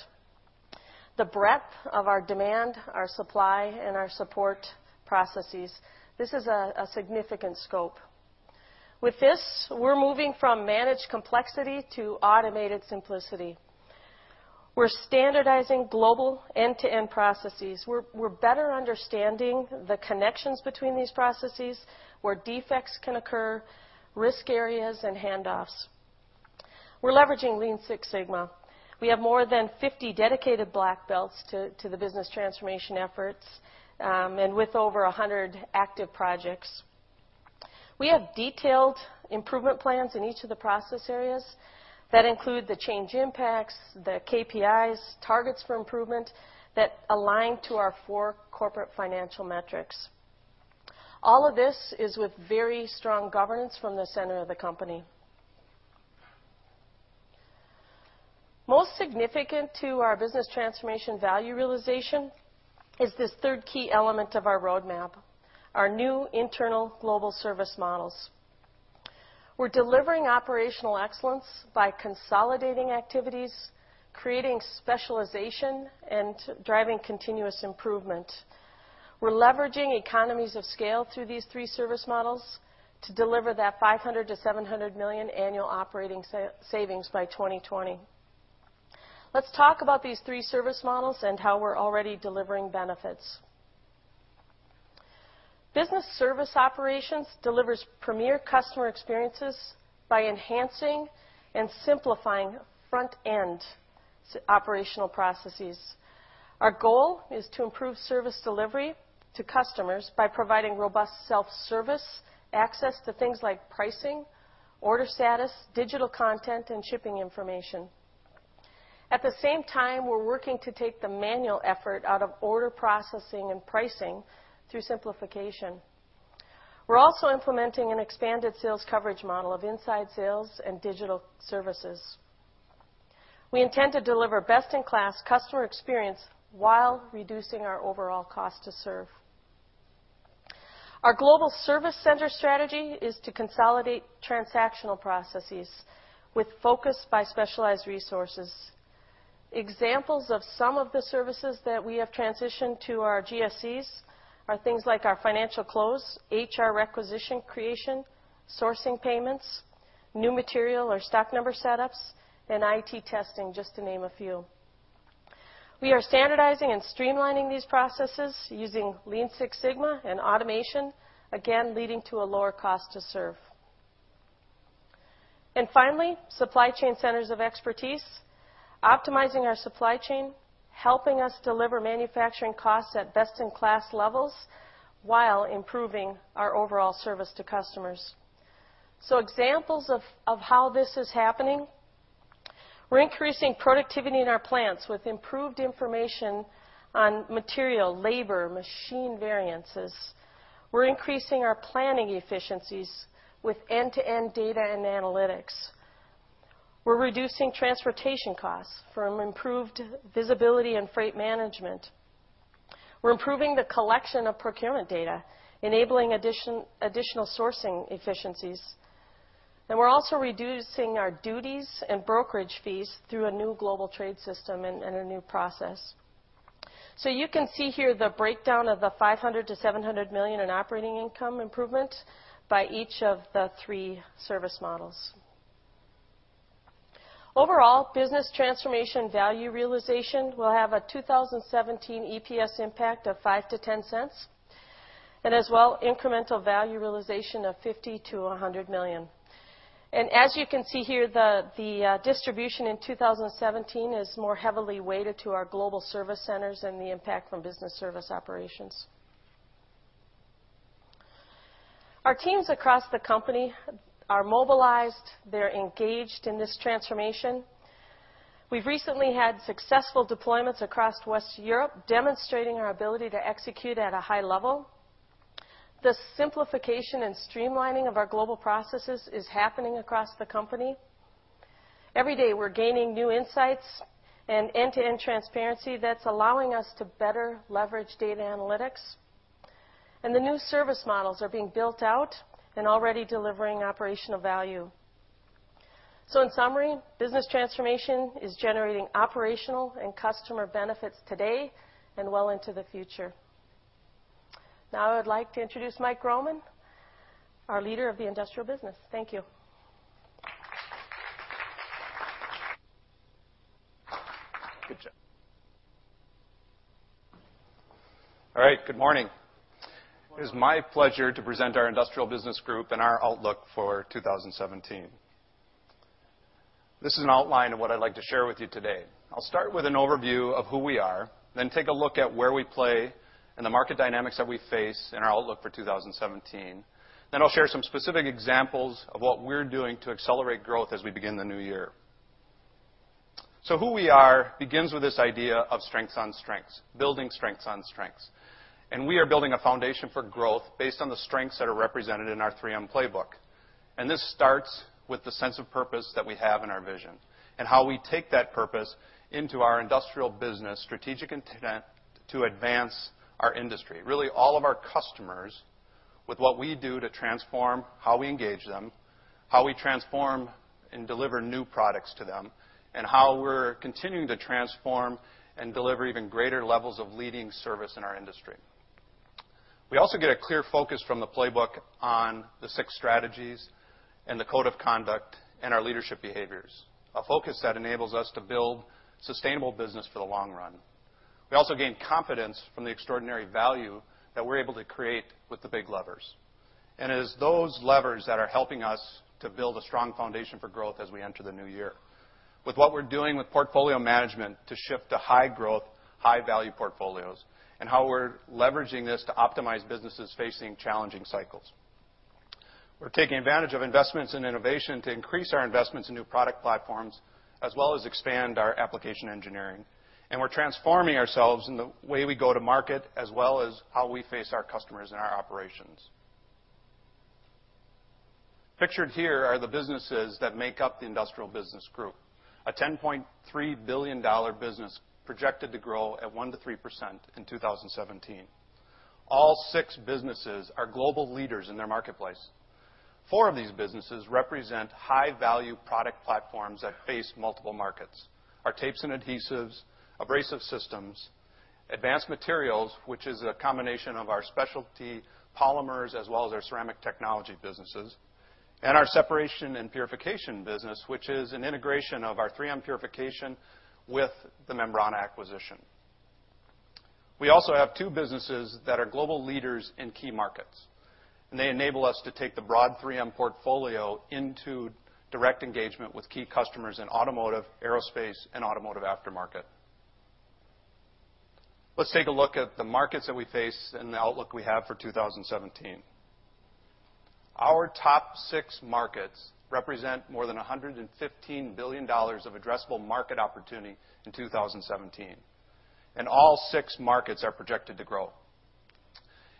the breadth of our demand, our supply, and our support processes. This is a significant scope. With this, we're moving from managed complexity to automated simplicity. We're standardizing global end-to-end processes. We're better understanding the connections between these processes, where defects can occur, risk areas, and handoffs. We're leveraging Lean Six Sigma. We have more than 50 dedicated black belts to the business transformation efforts, with over 100 active projects. We have detailed improvement plans in each of the process areas that include the change impacts, the KPIs, targets for improvement that align to our four corporate financial metrics. All of this is with very strong governance from the center of the company. Most significant to our business transformation value realization is this third key element of our roadmap, our new internal global service models. We're delivering operational excellence by consolidating activities, creating specialization, and driving continuous improvement. We're leveraging economies of scale through these three service models to deliver that $500 million-$700 million annual operating savings by 2020. Let's talk about these three service models and how we're already delivering benefits. Business Service Operations delivers premier customer experiences by enhancing and simplifying front-end operational processes. Our goal is to improve service delivery to customers by providing robust self-service access to things like pricing, order status, digital content, and shipping information. At the same time, we're working to take the manual effort out of order processing and pricing through simplification. We're also implementing an expanded sales coverage model of inside sales and digital services. We intend to deliver best-in-class customer experience while reducing our overall cost to serve. Our global service center strategy is to consolidate transactional processes with focus by specialized resources. Examples of some of the services that we have transitioned to our GSCs are things like our financial close, HR requisition creation, sourcing payments, new material or stock number setups, and IT testing, just to name a few. We are standardizing and streamlining these processes using Lean Six Sigma and automation, again, leading to a lower cost to serve. Finally, supply chain centers of expertise, optimizing our supply chain, helping us deliver manufacturing costs at best-in-class levels while improving our overall service to customers. Examples of how this is happening. We're increasing productivity in our plants with improved information on material, labor, machine variances. We're increasing our planning efficiencies with end-to-end data and analytics. We're reducing transportation costs from improved visibility and freight management. We're improving the collection of procurement data, enabling additional sourcing efficiencies. We're also reducing our duties and brokerage fees through a new global trade system and a new process. You can see here the breakdown of the $500 to $700 million in operating income improvement by each of the three service models. Overall, Business Transformation value realization will have a 2017 EPS impact of $0.05-$0.10, and as well, incremental value realization of $50 million-$100 million. As you can see here, the distribution in 2017 is more heavily weighted to our Global Service Centers and the impact from Business Service Operations. Our teams across the company are mobilized. They're engaged in this transformation. We've recently had successful deployments across West Europe, demonstrating our ability to execute at a high level. The simplification and streamlining of our global processes is happening across the company. Every day, we're gaining new insights and end-to-end transparency that's allowing us to better leverage data analytics. The new service models are being built out and already delivering operational value. In summary, Business Transformation is generating operational and customer benefits today and well into the future. Now I would like to introduce Mike Roman, our leader of the Industrial Business. Thank you. Good job. All right. Good morning. It is my pleasure to present our Industrial Business Group and our outlook for 2017. This is an outline of what I'd like to share with you today. I'll start with an overview of who we are, then take a look at where we play and the market dynamics that we face and our outlook for 2017. Then I'll share some specific examples of what we're doing to accelerate growth as we begin the new year. Who we are begins with this idea of strengths on strengths, building strengths on strengths, and we are building a foundation for growth based on the strengths that are represented in our 3M playbook. This starts with the sense of purpose that we have in our vision, and how we take that purpose into our industrial business strategic intent to advance our industry. Really, all of our customers with what we do to transform how we engage them, how we transform and deliver new products to them, and how we're continuing to transform and deliver even greater levels of leading service in our industry. We also get a clear focus from the playbook on the six strategies and the code of conduct and our leadership behaviors. A focus that enables us to build sustainable business for the long run. We also gain confidence from the extraordinary value that we're able to create with the big levers. It is those levers that are helping us to build a strong foundation for growth as we enter the new year. With what we're doing with portfolio management to shift to high growth, high value portfolios, and how we're leveraging this to optimize businesses facing challenging cycles. We're taking advantage of investments in innovation to increase our investments in new product platforms, as well as expand our application engineering, and we're transforming ourselves in the way we go to market, as well as how we face our customers and our operations. Pictured here are the businesses that make up the Industrial Business Group, a $10.3 billion business projected to grow at 1%-3% in 2017. All six businesses are global leaders in their marketplace. Four of these businesses represent high-value product platforms that face multiple markets. Our tapes and adhesives, abrasive systems, advanced materials, which is a combination of our specialty polymers as well as our ceramic technology businesses, and our separation and purification business, which is an integration of our 3M purification with the Membrana acquisition. We also have two businesses that are global leaders in key markets, and they enable us to take the broad 3M portfolio into direct engagement with key customers in automotive, aerospace, and automotive aftermarket. Let's take a look at the markets that we face and the outlook we have for 2017. Our top six markets represent more than $115 billion of addressable market opportunity in 2017, and all six markets are projected to grow.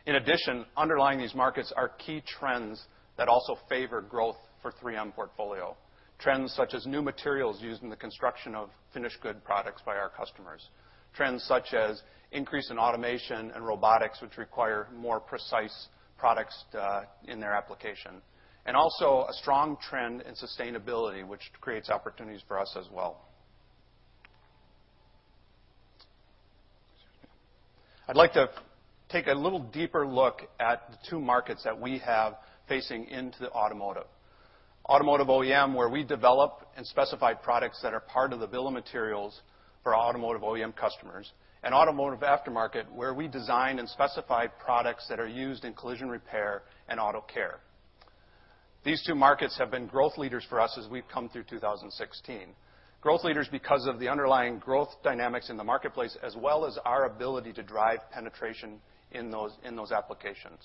In addition, underlying these markets are key trends that also favor growth for 3M portfolio. Trends such as new materials used in the construction of finished good products by our customers. Trends such as increase in automation and robotics, which require more precise products, in their application. Also a strong trend in sustainability, which creates opportunities for us as well. I'd like to take a little deeper look at the two markets that we have facing into automotive. Automotive OEM, where we develop and specify products that are part of the bill of materials for our automotive OEM customers, and automotive aftermarket, where we design and specify products that are used in collision repair and auto care. These two markets have been growth leaders for us as we've come through 2016. Growth leaders because of the underlying growth dynamics in the marketplace, as well as our ability to drive penetration in those applications.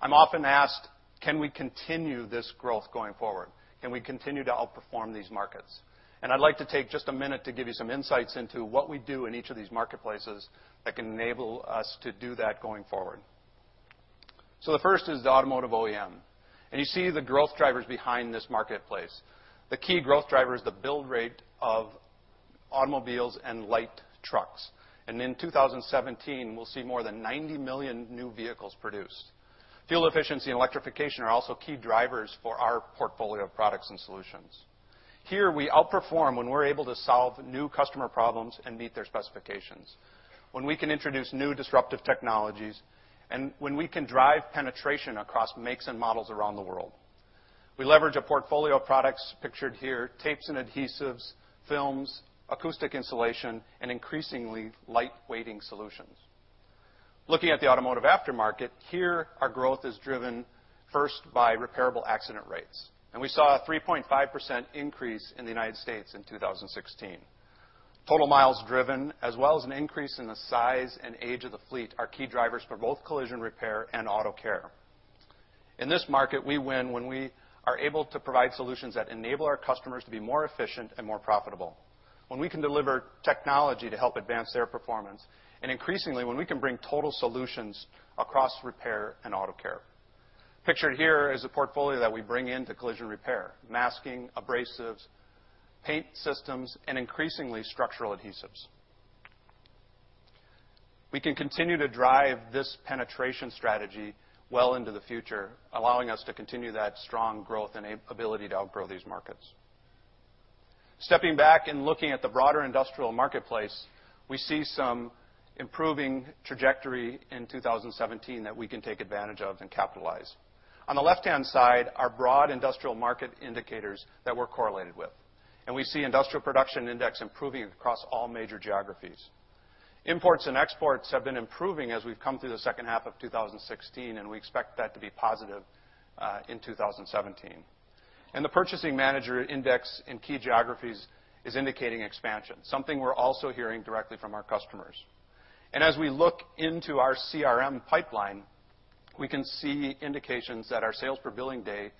I'm often asked, "Can we continue this growth going forward? Can we continue to outperform these markets?" I'd like to take just a minute to give you some insights into what we do in each of these marketplaces that can enable us to do that going forward. The first is the automotive OEM, and you see the growth drivers behind this marketplace. The key growth driver is the build rate of Automobiles and light trucks. In 2017, we'll see more than 90 million new vehicles produced. Fuel efficiency and electrification are also key drivers for our portfolio of products and solutions. Here, we outperform when we're able to solve new customer problems and meet their specifications, when we can introduce new disruptive technologies, and when we can drive penetration across makes and models around the world. We leverage a portfolio of products pictured here, tapes and adhesives, films, acoustic insulation, and increasingly, lightweighting solutions. Looking at the automotive aftermarket, here, our growth is driven first by repairable accident rates, and we saw a 3.5% increase in the U.S. in 2016. Total miles driven, as well as an increase in the size and age of the fleet are key drivers for both collision repair and auto care. In this market, we win when we are able to provide solutions that enable our customers to be more efficient and more profitable, when we can deliver technology to help advance their performance, and increasingly, when we can bring total solutions across repair and auto care. Pictured here is a portfolio that we bring into collision repair, masking, abrasives, paint systems, and increasingly, structural adhesives. We can continue to drive this penetration strategy well into the future, allowing us to continue that strong growth and ability to outgrow these markets. Stepping back and looking at the broader industrial marketplace, we see some improving trajectory in 2017 that we can take advantage of and capitalize. On the left-hand side are broad industrial market indicators that we're correlated with, and we see Industrial Production Index improving across all major geographies. Imports and exports have been improving as we've come through the second half of 2016, and we expect that to be positive in 2017. The Purchasing Managers' Index in key geographies is indicating expansion, something we're also hearing directly from our customers. As we look into our CRM pipeline, we can see indications that our sales per billing day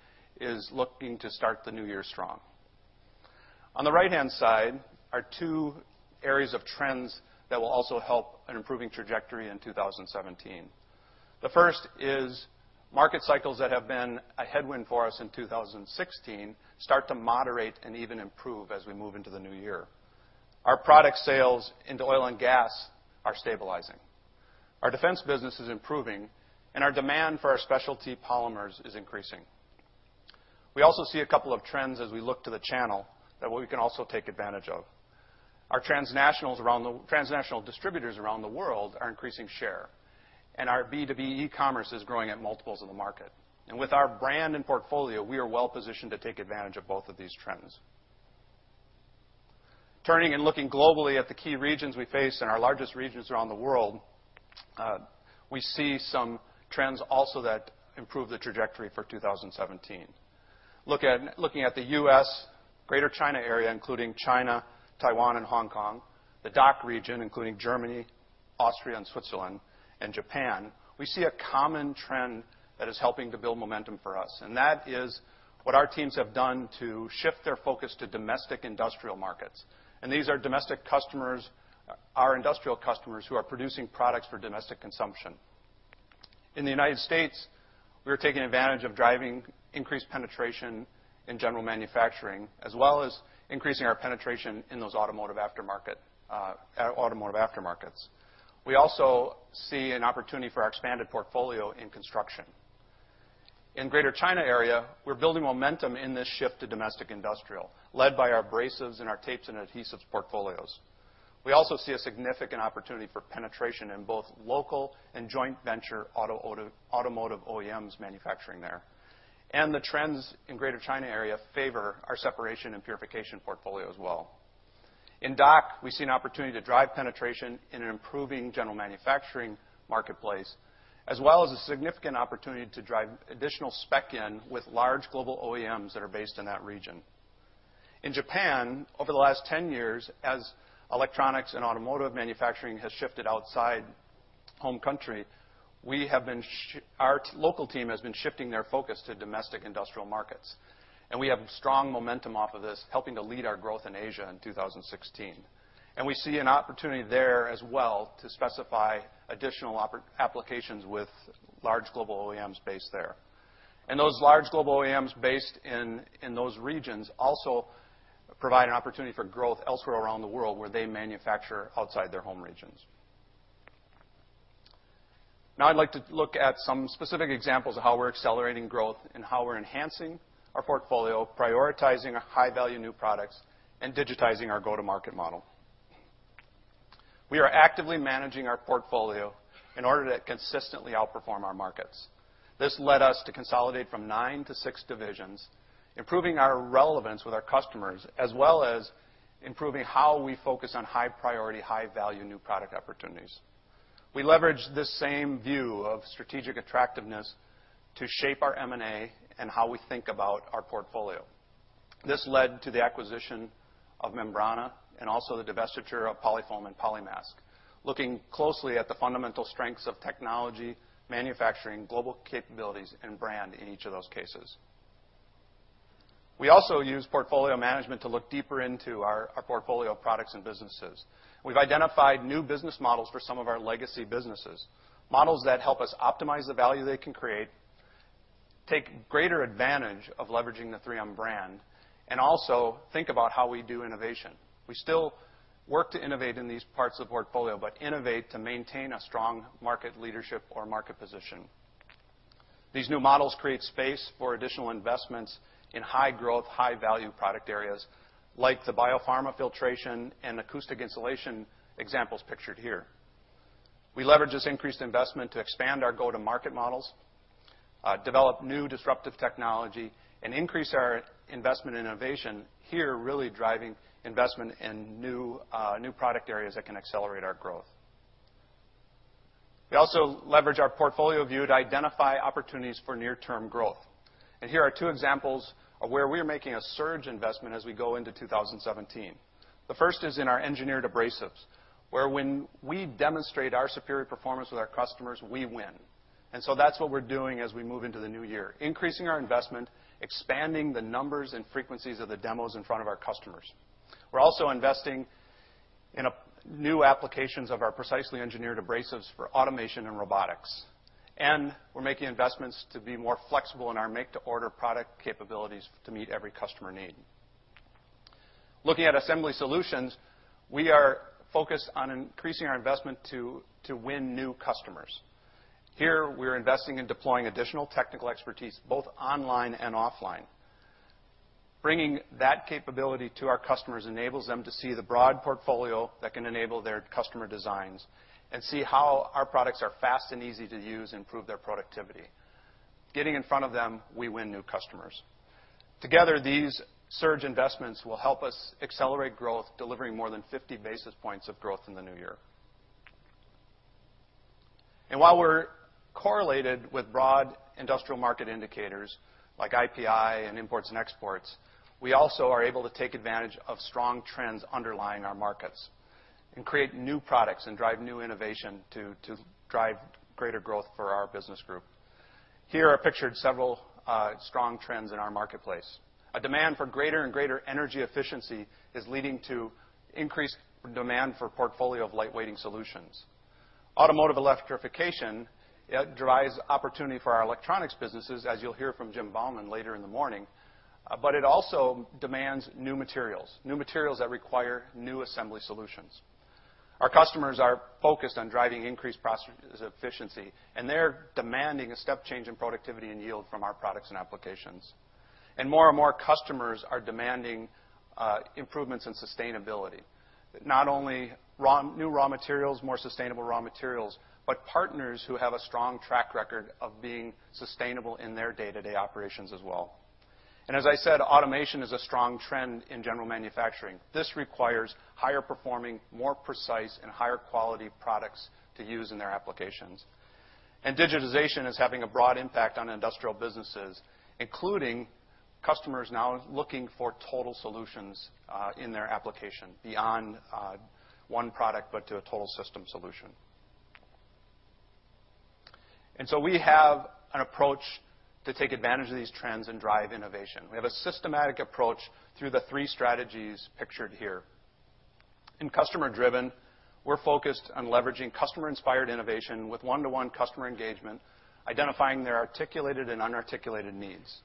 is looking to start the new year strong. On the right-hand side are two areas of trends that will also help an improving trajectory in 2017. The first is market cycles that have been a headwind for us in 2016, start to moderate and even improve as we move into the new year. Our product sales into oil and gas are stabilizing. Our defense business is improving, and our demand for our specialty polymers is increasing. We also see a couple of trends as we look to the channel that we can also take advantage of. Our transnational distributors around the world are increasing share, and our B2B e-commerce is growing at multiples of the market. With our brand and portfolio, we are well-positioned to take advantage of both of these trends. Turning and looking globally at the key regions we face and our largest regions around the world, we see some trends also that improve the trajectory for 2017. Looking at the U.S., Greater China area, including China, Taiwan, and Hong Kong, the DACH region, including Germany, Austria, and Switzerland, and Japan, we see a common trend that is helping to build momentum for us, and that is what our teams have done to shift their focus to domestic industrial markets. These are domestic customers, our industrial customers, who are producing products for domestic consumption. In the United States, we are taking advantage of driving increased penetration in general manufacturing, as well as increasing our penetration in those automotive aftermarkets. We also see an opportunity for our expanded portfolio in construction. In Greater China area, we're building momentum in this shift to domestic industrial, led by our abrasives and our tapes and adhesives portfolios. We also see a significant opportunity for penetration in both local and joint venture automotive OEMs manufacturing there. The trends in Greater China area favor our separation and purification portfolio as well. In DACH, we see an opportunity to drive penetration in an improving general manufacturing marketplace, as well as a significant opportunity to drive additional spec in with large global OEMs that are based in that region. In Japan, over the last 10 years, as electronics and automotive manufacturing has shifted outside home country, our local team has been shifting their focus to domestic industrial markets. We have strong momentum off of this, helping to lead our growth in Asia in 2016. We see an opportunity there as well to specify additional applications with large global OEMs based there. Those large global OEMs based in those regions also provide an opportunity for growth elsewhere around the world where they manufacture outside their home regions. Now, I'd like to look at some specific examples of how we're accelerating growth and how we're enhancing our portfolio, prioritizing high-value new products, and digitizing our go-to-market model. We are actively managing our portfolio in order to consistently outperform our markets. This led us to consolidate from nine to six divisions, improving our relevance with our customers, as well as improving how we focus on high priority, high value, new product opportunities. We leveraged this same view of strategic attractiveness to shape our M&A and how we think about our portfolio. This led to the acquisition of Membrana and also the divestiture of Polyfoam and PolyMask. Looking closely at the fundamental strengths of technology, manufacturing, global capabilities, and brand in each of those cases. We also use portfolio management to look deeper into our portfolio of products and businesses. We've identified new business models for some of our legacy businesses, models that help us optimize the value they can create. Take greater advantage of leveraging the 3M brand, also think about how we do innovation. We still work to innovate in these parts of the portfolio, but innovate to maintain a strong market leadership or market position. These new models create space for additional investments in high growth, high value product areas, like the biopharma filtration and acoustic insulation examples pictured here. We leverage this increased investment to expand our go-to-market models, develop new disruptive technology, increase our investment in innovation here, really driving investment in new product areas that can accelerate our growth. We also leverage our portfolio view to identify opportunities for near-term growth. Here are two examples of where we are making a surge investment as we go into 2017. The first is in our engineered abrasives, where when we demonstrate our superior performance with our customers, we win. That's what we're doing as we move into the new year, increasing our investment, expanding the numbers and frequencies of the demos in front of our customers. We're also investing in new applications of our precisely engineered abrasives for automation and robotics. We're making investments to be more flexible in our make-to-order product capabilities to meet every customer need. Looking at assembly solutions, we are focused on increasing our investment to win new customers. Here, we're investing in deploying additional technical expertise, both online and offline. Bringing that capability to our customers enables them to see the broad portfolio that can enable their customer designs and see how our products are fast and easy to use, improve their productivity. Getting in front of them, we win new customers. Together, these surge investments will help us accelerate growth, delivering more than 50 basis points of growth in the new year. While we're correlated with broad industrial market indicators like IPI and imports and exports, we also are able to take advantage of strong trends underlying our markets and create new products and drive new innovation to drive greater growth for our business group. Here, I pictured several strong trends in our marketplace. A demand for greater and greater energy efficiency is leading to increased demand for a portfolio of lightweighting solutions. Automotive electrification, it drives opportunity for our electronics businesses, as you'll hear from Jim Bauman later in the morning, but it also demands new materials, new materials that require new assembly solutions. Our customers are focused on driving increased process efficiency, they're demanding a step change in productivity and yield from our products and applications. More and more customers are demanding improvements in sustainability. Not only new raw materials, more sustainable raw materials, but partners who have a strong track record of being sustainable in their day-to-day operations as well. As I said, automation is a strong trend in general manufacturing. This requires higher performing, more precise, and higher quality products to use in their applications. Digitization is having a broad impact on industrial businesses, including customers now looking for total solutions in their application, beyond one product, but to a total system solution. We have an approach to take advantage of these trends and drive innovation. We have a systematic approach through the three strategies pictured here. In customer-driven, we're focused on leveraging customer-inspired innovation with one-to-one customer engagement, identifying their articulated and unarticulated needs.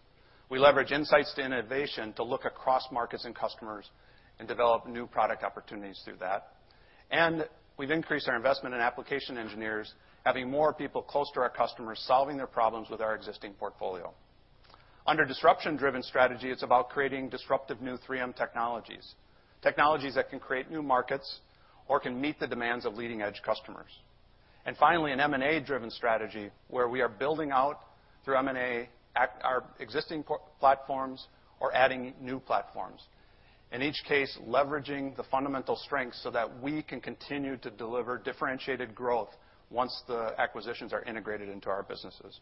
We leverage insight-to-innovation to look across markets and customers and develop new product opportunities through that. We've increased our investment in application engineers, having more people close to our customers, solving their problems with our existing portfolio. Under disruption-driven strategy, it's about creating disruptive new 3M technologies that can create new markets or can meet the demands of leading-edge customers. Finally, an M&A-driven strategy, where we are building out through M&A, our existing platforms or adding new platforms. In each case, leveraging the fundamental strengths so that we can continue to deliver differentiated growth once the acquisitions are integrated into our businesses.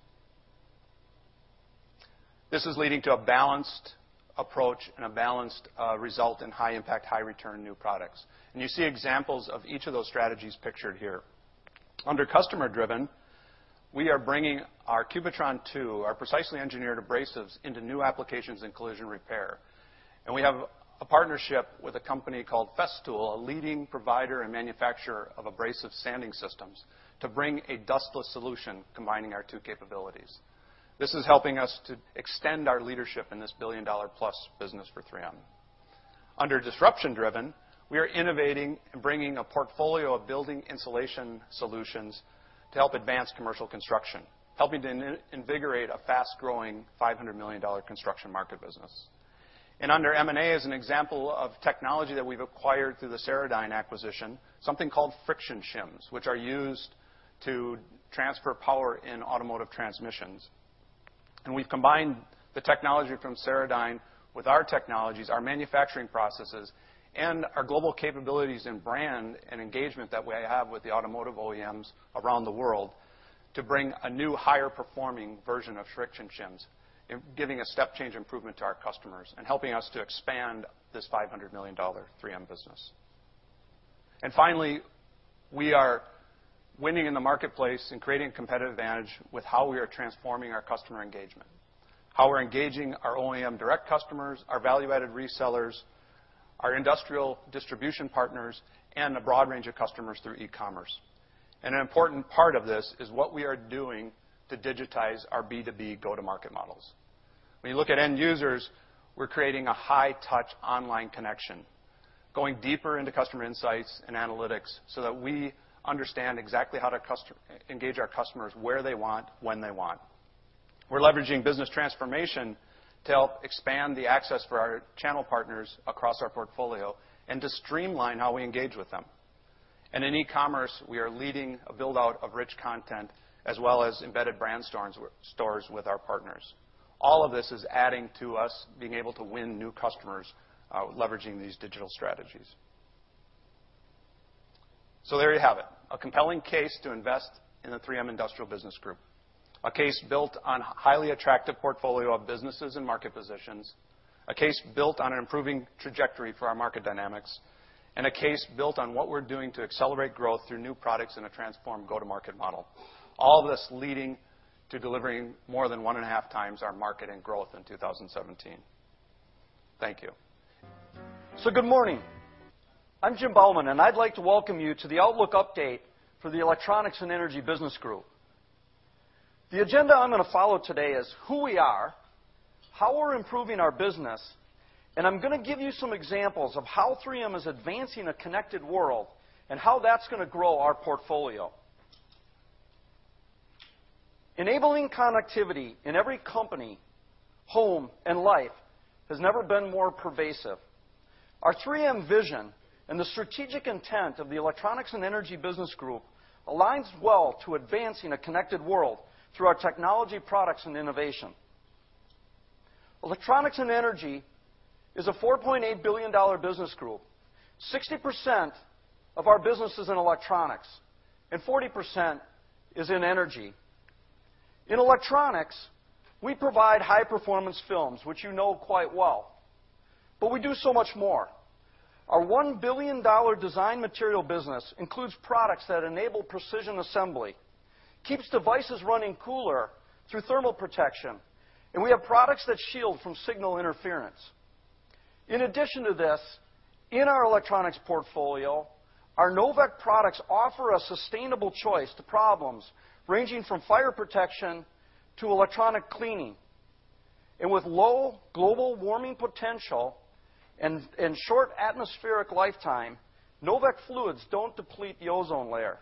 This is leading to a balanced approach and a balanced result in high impact, high return new products. You see examples of each of those strategies pictured here. Under customer-driven, we are bringing our Cubitron II, our precisely engineered abrasives, into new applications in collision repair. We have a partnership with a company called Festool, a leading provider and manufacturer of abrasive sanding systems, to bring a dustless solution combining our two capabilities. This is helping us to extend our leadership in this $1 billion-plus business for 3M. Under disruption-driven, we are innovating and bringing a portfolio of building insulation solutions to help advance commercial construction, helping to invigorate a fast-growing $500 million construction market business. Under M&A, as an example of technology that we've acquired through the Ceradyne acquisition, something called Friction Shims, which are used to transfer power in automotive transmissions. We've combined the technology from Ceradyne with our technologies, our manufacturing processes, and our global capabilities in brand and engagement that we have with the automotive OEMs around the world to bring a new, higher performing version of Friction Shims, giving a step change improvement to our customers and helping us to expand this $500 million 3M business. Finally, we are winning in the marketplace and creating competitive advantage with how we are transforming our customer engagement, how we're engaging our OEM direct customers, our value-added resellers, our industrial distribution partners and a broad range of customers through e-commerce. An important part of this is what we are doing to digitize our B2B go-to-market models. When you look at end users, we're creating a high-touch online connection, going deeper into customer insights and analytics so that we understand exactly how to engage our customers where they want, when they want. We're leveraging business transformation to help expand the access for our channel partners across our portfolio and to streamline how we engage with them. In e-commerce, we are leading a build-out of rich content as well as embedded brand stores with our partners. All of this is adding to us being able to win new customers, leveraging these digital strategies. There you have it, a compelling case to invest in the 3M Industrial Business Group. A case built on a highly attractive portfolio of businesses and market positions, a case built on an improving trajectory for our market dynamics, and a case built on what we're doing to accelerate growth through new products and a transformed go-to-market model. All this leading to delivering more than one and a half times our market in growth in 2017. Thank you. Good morning. I'm Jim Bauman, and I'd like to welcome you to the outlook update for the Electronics & Energy Business Group. The agenda I'm going to follow today is who we are, how we're improving our business, and I'm going to give you some examples of how 3M is advancing a connected world, and how that's going to grow our portfolio. Enabling connectivity in every company, home, and life has never been more pervasive. Our 3M vision and the strategic intent of the Electronics & Energy Business Group aligns well to advancing a connected world through our technology products and innovation. Electronics & Energy is a $4.8 billion business group. 60% of our business is in electronics and 40% is in energy. In electronics, we provide high-performance films, which you know quite well. We do so much more. Our $1 billion design material business includes products that enable precision assembly, keeps devices running cooler through thermal protection, and we have products that shield from signal interference. In addition to this, in our electronics portfolio, our Novec products offer a sustainable choice to problems ranging from fire protection to electronic cleaning. With low global warming potential and short atmospheric lifetime, Novec fluids don't deplete the ozone layer.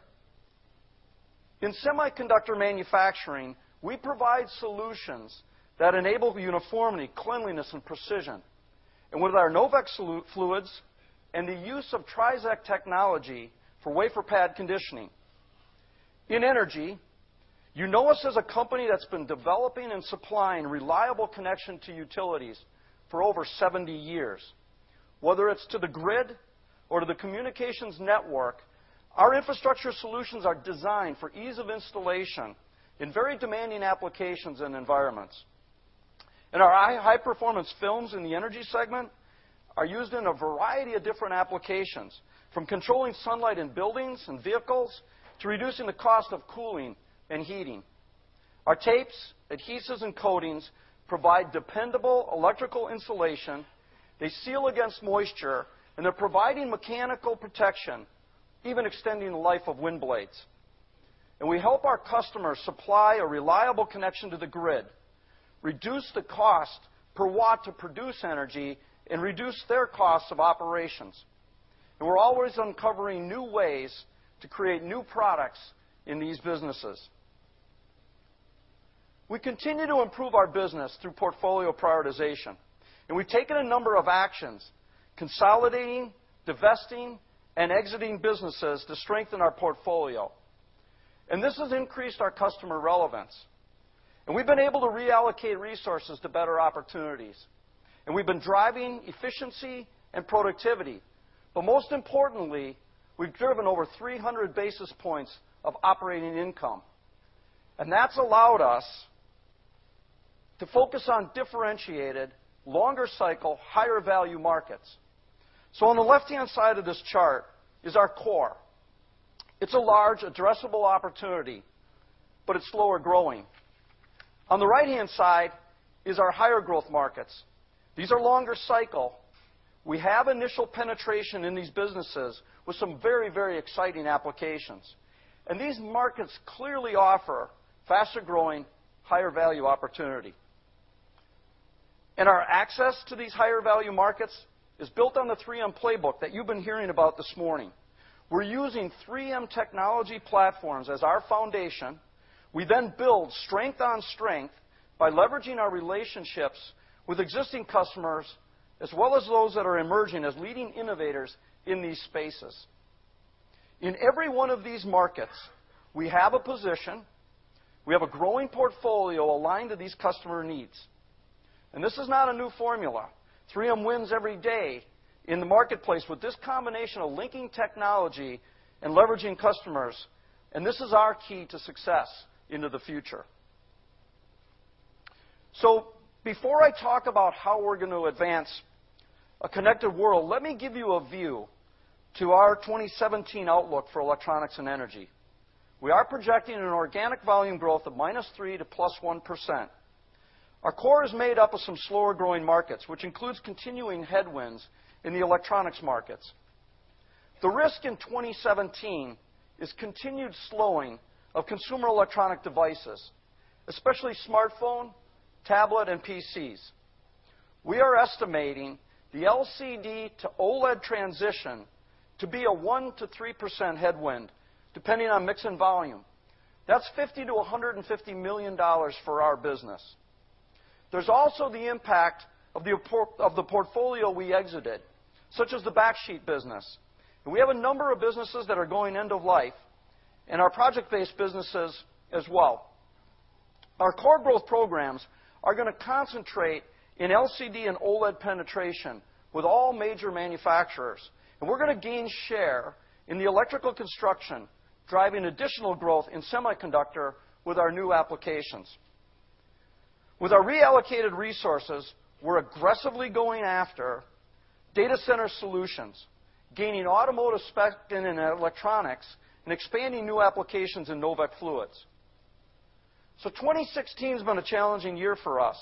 In semiconductor manufacturing, we provide solutions that enable uniformity, cleanliness, and precision, and with our Novec fluids and the use of Trizact technology for wafer pad conditioning. In energy, you know us as a company that's been developing and supplying reliable connection to utilities for over 70 years. Whether it's to the grid or to the communications network, our infrastructure solutions are designed for ease of installation in very demanding applications and environments. Our high-performance films in the energy segment are used in a variety of different applications, from controlling sunlight in buildings and vehicles to reducing the cost of cooling and heating. Our tapes, adhesives, and coatings provide dependable electrical insulation, they seal against moisture, and they're providing mechanical protection, even extending the life of wind blades. We help our customers supply a reliable connection to the grid, reduce the cost per watt to produce energy, and reduce their costs of operations. We're always uncovering new ways to create new products in these businesses. We continue to improve our business through portfolio prioritization, and we've taken a number of actions, consolidating, divesting, and exiting businesses to strengthen our portfolio. This has increased our customer relevance. We've been able to reallocate resources to better opportunities. We've been driving efficiency and productivity, but most importantly, we've driven over 300 basis points of operating income. That's allowed us to focus on differentiated, longer cycle, higher value markets. On the left-hand side of this chart is our core. It's a large addressable opportunity, but it's slower growing. On the right-hand side is our higher growth markets. These are longer cycle. We have initial penetration in these businesses with some very exciting applications. These markets clearly offer faster growing, higher value opportunity. Our access to these higher value markets is built on the 3M playbook that you've been hearing about this morning. We're using 3M technology platforms as our foundation. We then build strength on strength by leveraging our relationships with existing customers, as well as those that are emerging as leading innovators in these spaces. In every one of these markets, we have a position, we have a growing portfolio aligned to these customer needs. This is not a new formula. 3M wins every day in the marketplace with this combination of linking technology and leveraging customers, and this is our key to success into the future. Before I talk about how we're going to advance a connected world, let me give you a view to our 2017 outlook for Electronics & Energy. We are projecting an organic volume growth of -3% to +1%. Our core is made up of some slower-growing markets, which includes continuing headwinds in the electronics markets. The risk in 2017 is continued slowing of consumer electronic devices, especially smartphone, tablet, and PCs. We are estimating the LCD to OLED transition to be a 1% to 3% headwind, depending on mix and volume. That's $50 million-$150 million for our business. There's also the impact of the portfolio we exited, such as the backsheet business. We have a number of businesses that are going end of life, and our project-based businesses as well. Our core growth programs are going to concentrate in LCD and OLED penetration with all major manufacturers, and we're going to gain share in the electrical construction, driving additional growth in semiconductor with our new applications. With our reallocated resources, we're aggressively going after data center solutions, gaining automotive spec in electronics, and expanding new applications in Novec fluids. 2016's been a challenging year for us,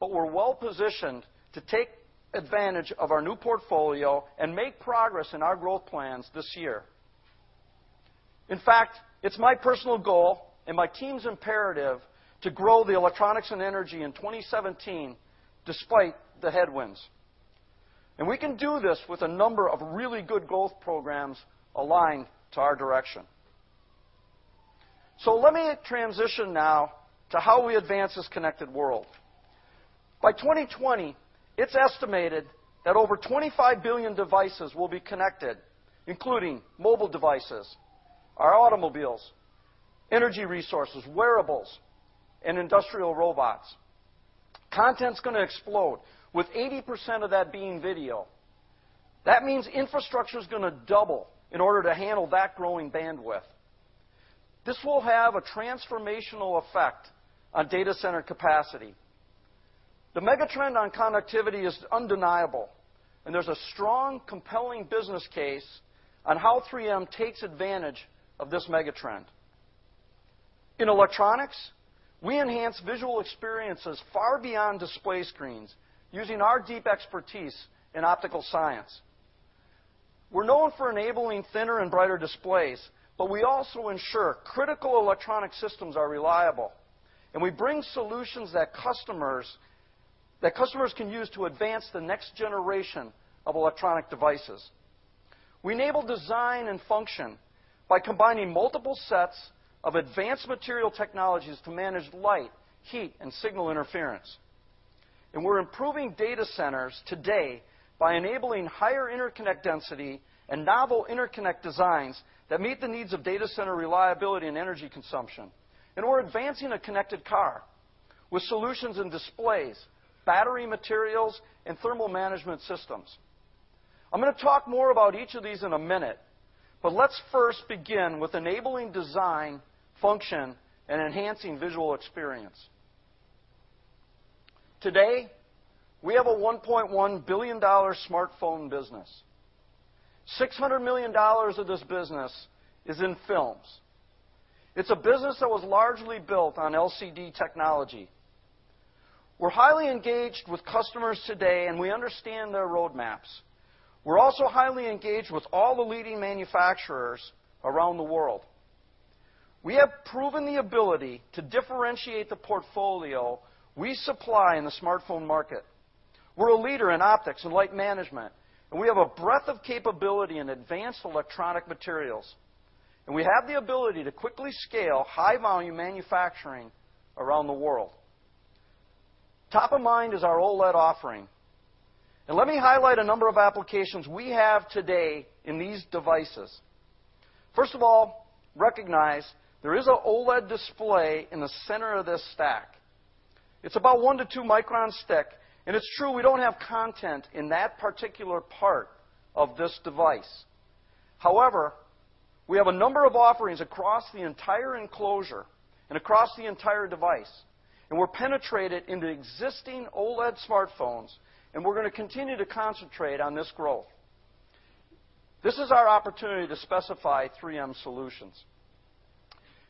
but we're well-positioned to take advantage of our new portfolio and make progress in our growth plans this year. In fact, it's my personal goal and my team's imperative to grow the electronics and energy in 2017 despite the headwinds. We can do this with a number of really good growth programs aligned to our direction. Let me transition now to how we advance this connected world. By 2020, it's estimated that over 25 billion devices will be connected, including mobile devices, our automobiles, energy resources, wearables, and industrial robots. Content's going to explode, with 80% of that being video. That means infrastructure's going to double in order to handle that growing bandwidth. This will have a transformational effect on data center capacity. The megatrend on connectivity is undeniable, and there's a strong, compelling business case on how 3M takes advantage of this megatrend. In electronics, we enhance visual experiences far beyond display screens using our deep expertise in optical science. We're known for enabling thinner and brighter displays. We also ensure critical electronic systems are reliable. We bring solutions that customers can use to advance the next generation of electronic devices. We enable design and function by combining multiple sets of advanced material technologies to manage light, heat, and signal interference. We're improving data centers today by enabling higher interconnect density and novel interconnect designs that meet the needs of data center reliability and energy consumption. We're advancing a connected car with solutions in displays, battery materials, and thermal management systems. I'm going to talk more about each of these in a minute, but let's first begin with enabling design, function, and enhancing visual experience. Today, we have a $1.1 billion smartphone business. $600 million of this business is in films. It's a business that was largely built on LCD technology. We're highly engaged with customers today. We understand their roadmaps. We're also highly engaged with all the leading manufacturers around the world. We have proven the ability to differentiate the portfolio we supply in the smartphone market. We're a leader in optics and light management. We have a breadth of capability in advanced electronic materials. We have the ability to quickly scale high-volume manufacturing around the world. Top of mind is our OLED offering. Let me highlight a number of applications we have today in these devices. First of all, recognize there is an OLED display in the center of this stack. It's about one to two microns thick, and it's true we don't have content in that particular part of this device. However, we have a number of offerings across the entire enclosure and across the entire device. We're penetrated into existing OLED smartphones. We're going to continue to concentrate on this growth. This is our opportunity to specify 3M solutions.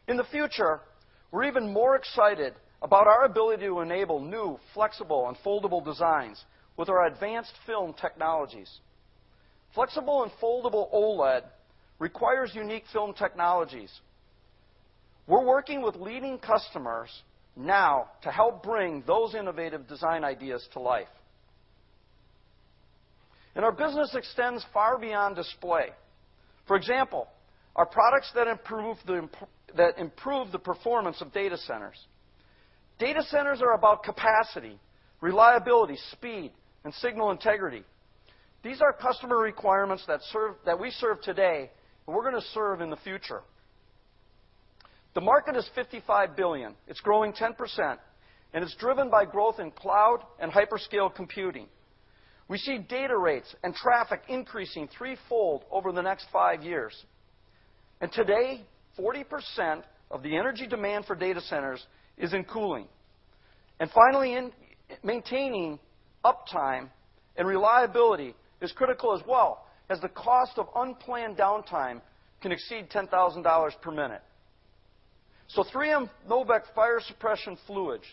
In the future, we're even more excited about our ability to enable new flexible and foldable designs with our advanced film technologies. Flexible and foldable OLED requires unique film technologies. We're working with leading customers now to help bring those innovative design ideas to life. Our business extends far beyond display. For example, our products that improve the performance of data centers. Data centers are about capacity, reliability, speed, and signal integrity. These are customer requirements that we serve today. We're going to serve in the future. The market is $55 billion, it's growing 10%, and it's driven by growth in cloud and hyperscale computing. We see data rates and traffic increasing threefold over the next five years. Today, 40% of the energy demand for data centers is in cooling. Finally, in maintaining uptime and reliability is critical as well, as the cost of unplanned downtime can exceed $10,000 per minute. 3M Novec fire suppression fluids,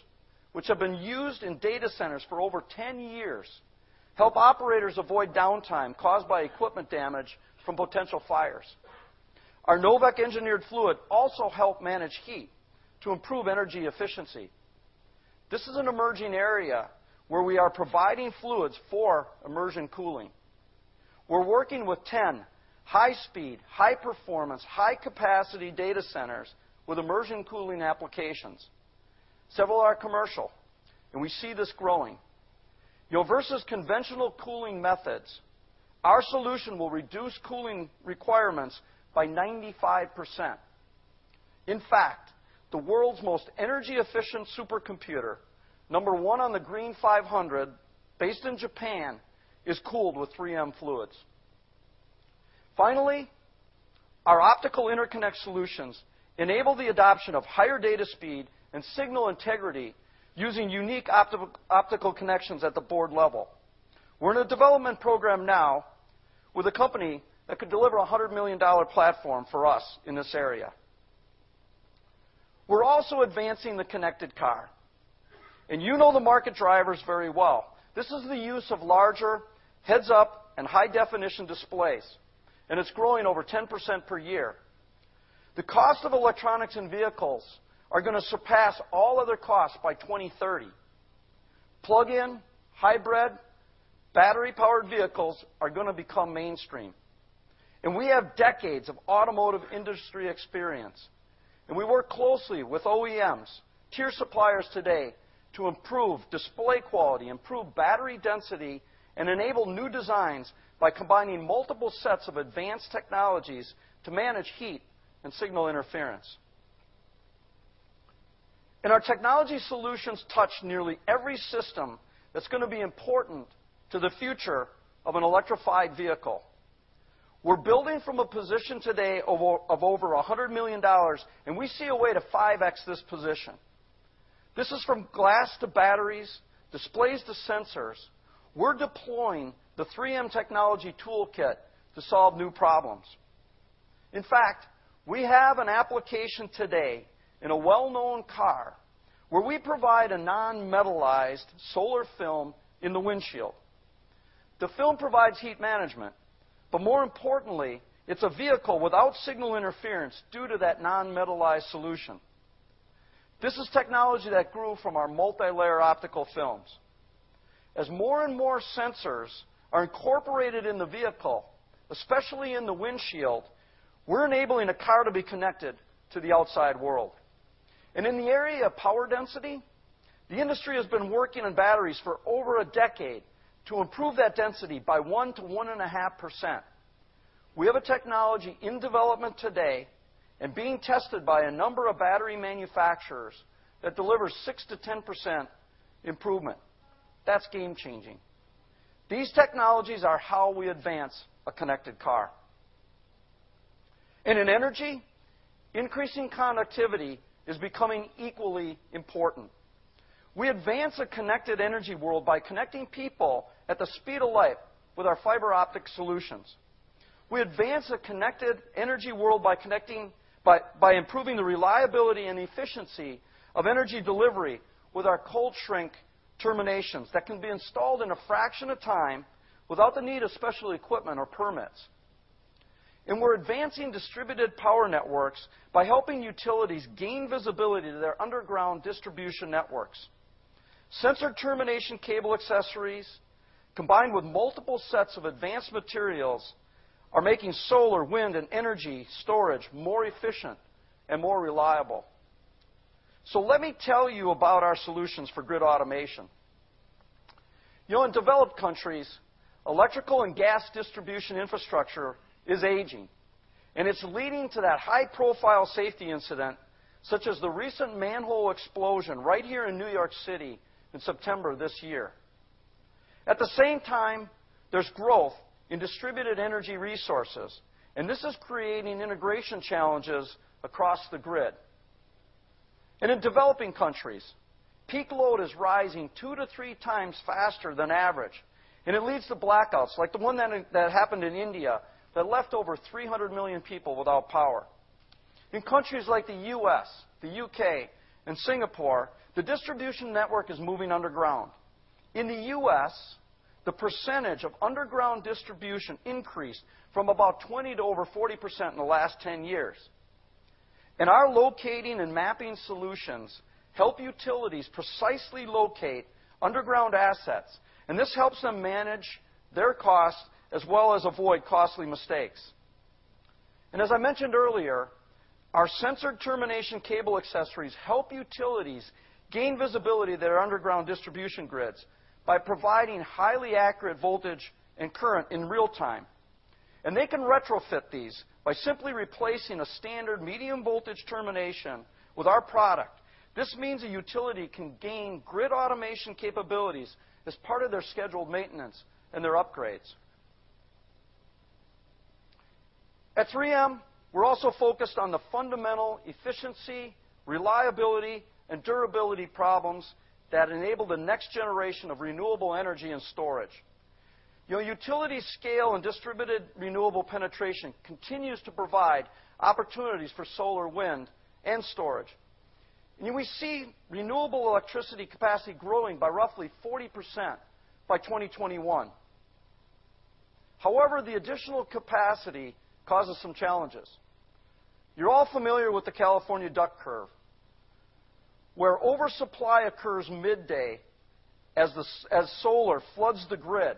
which have been used in data centers for over 10 years, help operators avoid downtime caused by equipment damage from potential fires. Our Novec-engineered fluid also help manage heat to improve energy efficiency. This is an emerging area where we are providing fluids for immersion cooling. We're working with 10 high-speed, high-performance, high-capacity data centers with immersion cooling applications. Several are commercial. We see this growing. Versus conventional cooling methods, our solution will reduce cooling requirements by 95%. In fact, the world's most energy-efficient supercomputer, number one on the Green500, based in Japan, is cooled with 3M fluids. Finally, our optical interconnect solutions enable the adoption of higher data speed and signal integrity using unique optical connections at the board level. We're in a development program now with a company that could deliver a $100 million platform for us in this area. We're also advancing the connected car. You know the market drivers very well. This is the use of larger heads-up and high-definition displays, and it's growing over 10% per year. The cost of electronics in vehicles are going to surpass all other costs by 2030. Plug-in, hybrid, battery-powered vehicles are going to become mainstream, and we have decades of automotive industry experience. We work closely with OEMs, tier suppliers today to improve display quality, improve battery density, and enable new designs by combining multiple sets of advanced technologies to manage heat and signal interference. Our technology solutions touch nearly every system that's going to be important to the future of an electrified vehicle. We're building from a position today of over $100 million, and we see a way to 5x this position. This is from glass to batteries, displays to sensors. We're deploying the 3M technology toolkit to solve new problems. In fact, we have an application today in a well-known car where we provide a non-metallized solar film in the windshield. The film provides heat management, but more importantly, it's a vehicle without signal interference due to that non-metallized solution. This is technology that grew from our multilayer optical films. As more and more sensors are incorporated in the vehicle, especially in the windshield, we're enabling a car to be connected to the outside world. In the area of power density, the industry has been working on batteries for over a decade to improve that density by 1%-1.5%. We have a technology in development today and being tested by a number of battery manufacturers that delivers 6%-10% improvement. That's game-changing. These technologies are how we advance a connected car. In energy, increasing connectivity is becoming equally important. We advance a connected energy world by connecting people at the speed of light with our fiber optic solutions. We advance a connected energy world by improving the reliability and efficiency of energy delivery with our Cold Shrink terminations that can be installed in a fraction of time without the need of special equipment or permits. We're advancing distributed power networks by helping utilities gain visibility to their underground distribution networks. Sensor termination cable accessories, combined with multiple sets of advanced materials, are making solar, wind, and energy storage more efficient and more reliable. Let me tell you about our solutions for grid automation. In developed countries, electrical and gas distribution infrastructure is aging, and it's leading to that high-profile safety incident, such as the recent manhole explosion right here in New York City in September of this year. At the same time, there's growth in distributed energy resources, and this is creating integration challenges across the grid. In developing countries, peak load is rising two to three times faster than average, and it leads to blackouts, like the one that happened in India that left over 300 million people without power. In countries like the U.S., the U.K., and Singapore, the distribution network is moving underground. In the U.S., the percentage of underground distribution increased from about 20% to over 40% in the last 10 years. Our locating and mapping solutions help utilities precisely locate underground assets, and this helps them manage their costs as well as avoid costly mistakes. As I mentioned earlier, our sensor termination cable accessories help utilities gain visibility to their underground distribution grids by providing highly accurate voltage and current in real time. They can retrofit these by simply replacing a standard medium voltage termination with our product. This means a utility can gain grid automation capabilities as part of their scheduled maintenance and their upgrades. At 3M, we're also focused on the fundamental efficiency, reliability, and durability problems that enable the next generation of renewable energy and storage. Utility scale and distributed renewable penetration continues to provide opportunities for solar, wind, and storage. We see renewable electricity capacity growing by roughly 40% by 2021. However, the additional capacity causes some challenges. You're all familiar with the California duck curve, where oversupply occurs midday as solar floods the grid,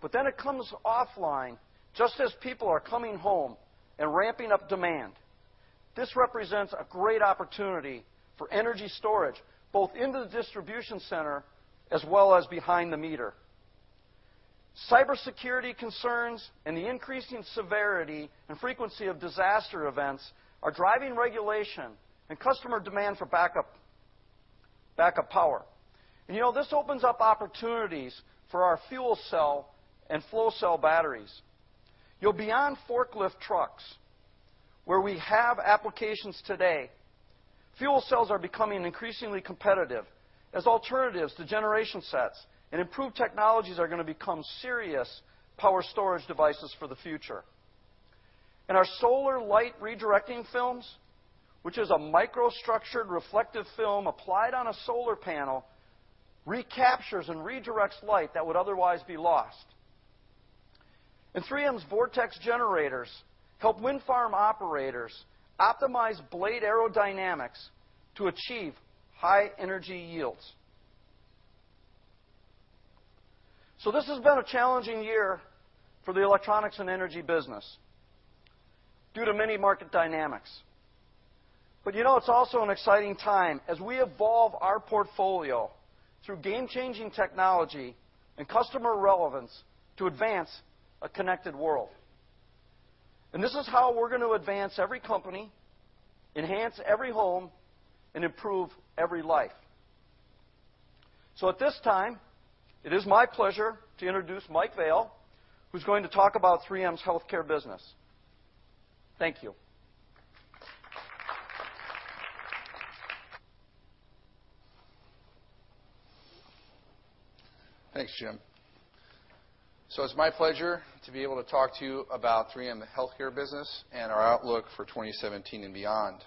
but then it comes offline just as people are coming home and ramping up demand. This represents a great opportunity for energy storage, both into the distribution center as well as behind the meter. Cybersecurity concerns and the increasing severity and frequency of disaster events are driving regulation and customer demand for backup power. This opens up opportunities for our fuel cell and flow cell batteries. Beyond forklift trucks, where we have applications today, fuel cells are becoming increasingly competitive as alternatives to generation sets, and improved technologies are going to become serious power storage devices for the future. Our solar light redirecting films, which is a micro-structured reflective film applied on a solar panel, recaptures and redirects light that would otherwise be lost. 3M's vortex generators help wind farm operators optimize blade aerodynamics to achieve high energy yields. This has been a challenging year for the electronics and energy business due to many market dynamics. It's also an exciting time as we evolve our portfolio through game-changing technology and customer relevance to advance a connected world. This is how we're going to advance every company, enhance every home, and improve every life. At this time, it is my pleasure to introduce Mike Vale, who's going to talk about 3M's healthcare business. Thank you. Thanks, Jim. It's my pleasure to be able to talk to you about 3M the healthcare business and our outlook for 2017 and beyond.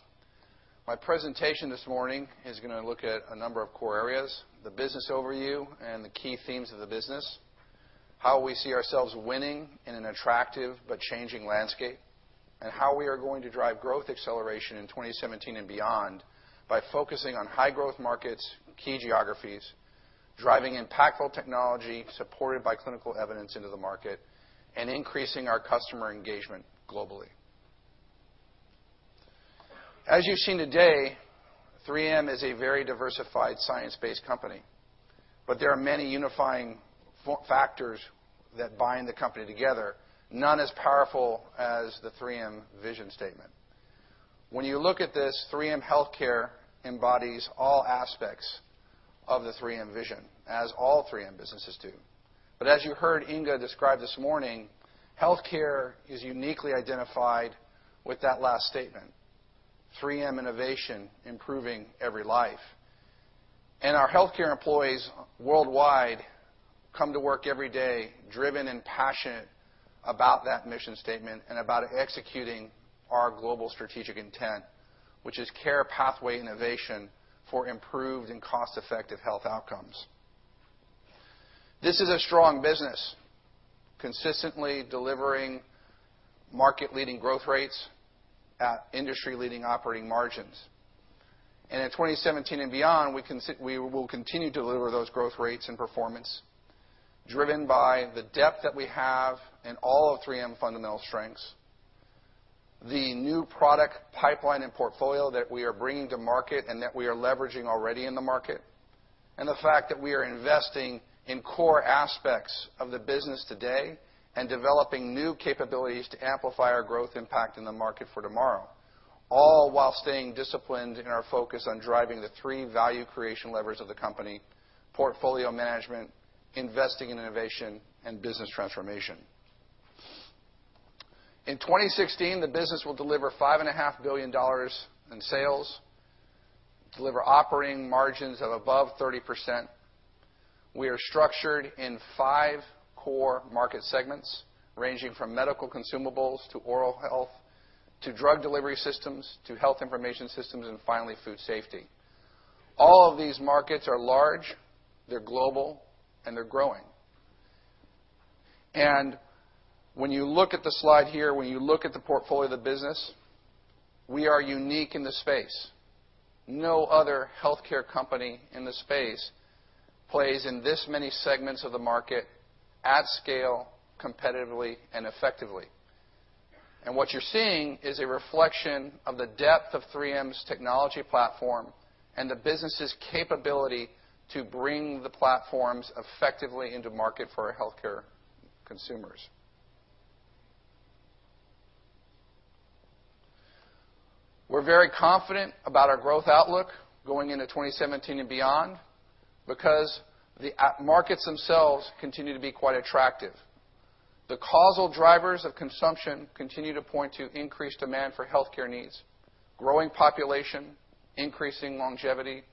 My presentation this morning is going to look at a number of core areas, the business overview and the key themes of the business, how we see ourselves winning in an attractive but changing landscape, and how we are going to drive growth acceleration in 2017 and beyond by focusing on high-growth markets and key geographies, driving impactful technology supported by clinical evidence into the market, and increasing our customer engagement globally. As you've seen today, 3M is a very diversified science-based company, there are many unifying factors that bind the company together, none as powerful as the 3M vision statement. When you look at this, 3M healthcare embodies all aspects of the 3M vision, as all 3M businesses do. As you heard Inge describe this morning, healthcare is uniquely identified with that last statement, 3M Innovation Improving Every Life. Our healthcare employees worldwide come to work every day driven and passionate about that mission statement and about executing our global strategic intent, which is care pathway innovation for improved and cost-effective health outcomes. This is a strong business, consistently delivering market-leading growth rates at industry-leading operating margins. In 2017 and beyond, we will continue to deliver those growth rates and performance driven by the depth that we have in all of 3M fundamental strengths, the new product pipeline and portfolio that we are bringing to market and that we are leveraging already in the market, and the fact that we are investing in core aspects of the business today and developing new capabilities to amplify our growth impact in the market for tomorrow, all while staying disciplined in our focus on driving the three value creation levers of the company: portfolio management, investing in innovation, and business transformation. In 2016, the business will deliver $5.5 billion in sales, deliver operating margins of above 30%. We are structured in five core market segments, ranging from medical consumables, to oral health, to drug delivery systems, to health information systems and finally, food safety. All of these markets are large, they're global, and they're growing. When you look at the slide here, when you look at the portfolio of the business, we are unique in the space. No other healthcare company in the space plays in this many segments of the market at scale, competitively and effectively. What you're seeing is a reflection of the depth of 3M's technology platform and the business's capability to bring the platforms effectively into market for healthcare consumers. We're very confident about our growth outlook going into 2017 and beyond because the markets themselves continue to be quite attractive. The causal drivers of consumption continue to point to increased demand for healthcare needs, growing population, increasing longevity,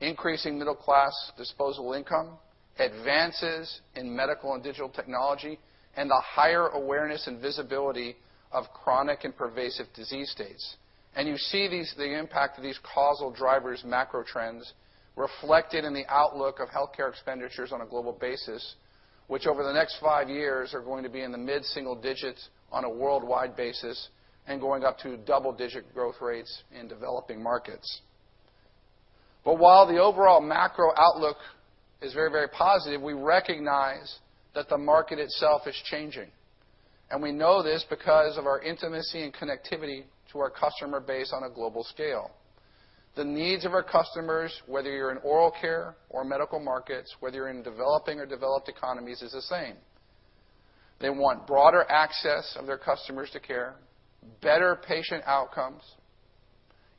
increasing middle class disposal income, advances in medical and digital technology, and the higher awareness and visibility of chronic and pervasive disease states. You see the impact of these causal drivers, macro trends reflected in the outlook of healthcare expenditures on a global basis, which over the next five years are going to be in the mid-single digits on a worldwide basis and going up to double-digit growth rates in developing markets. While the overall macro outlook is very positive, we recognize that the market itself is changing. We know this because of our intimacy and connectivity to our customer base on a global scale. The needs of our customers, whether you are in oral care or medical markets, whether you are in developing or developed economies, is the same. They want broader access of their customers to care, better patient outcomes,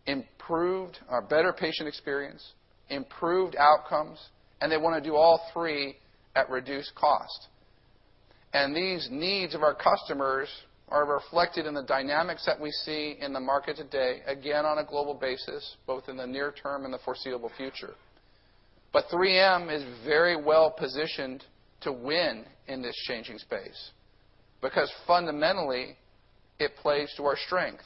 better patient experience, improved outcomes, and they want to do all three at reduced cost. These needs of our customers are reflected in the dynamics that we see in the market today, again, on a global basis, both in the near term and the foreseeable future. 3M is very well-positioned to win in this changing space, because fundamentally it plays to our strength.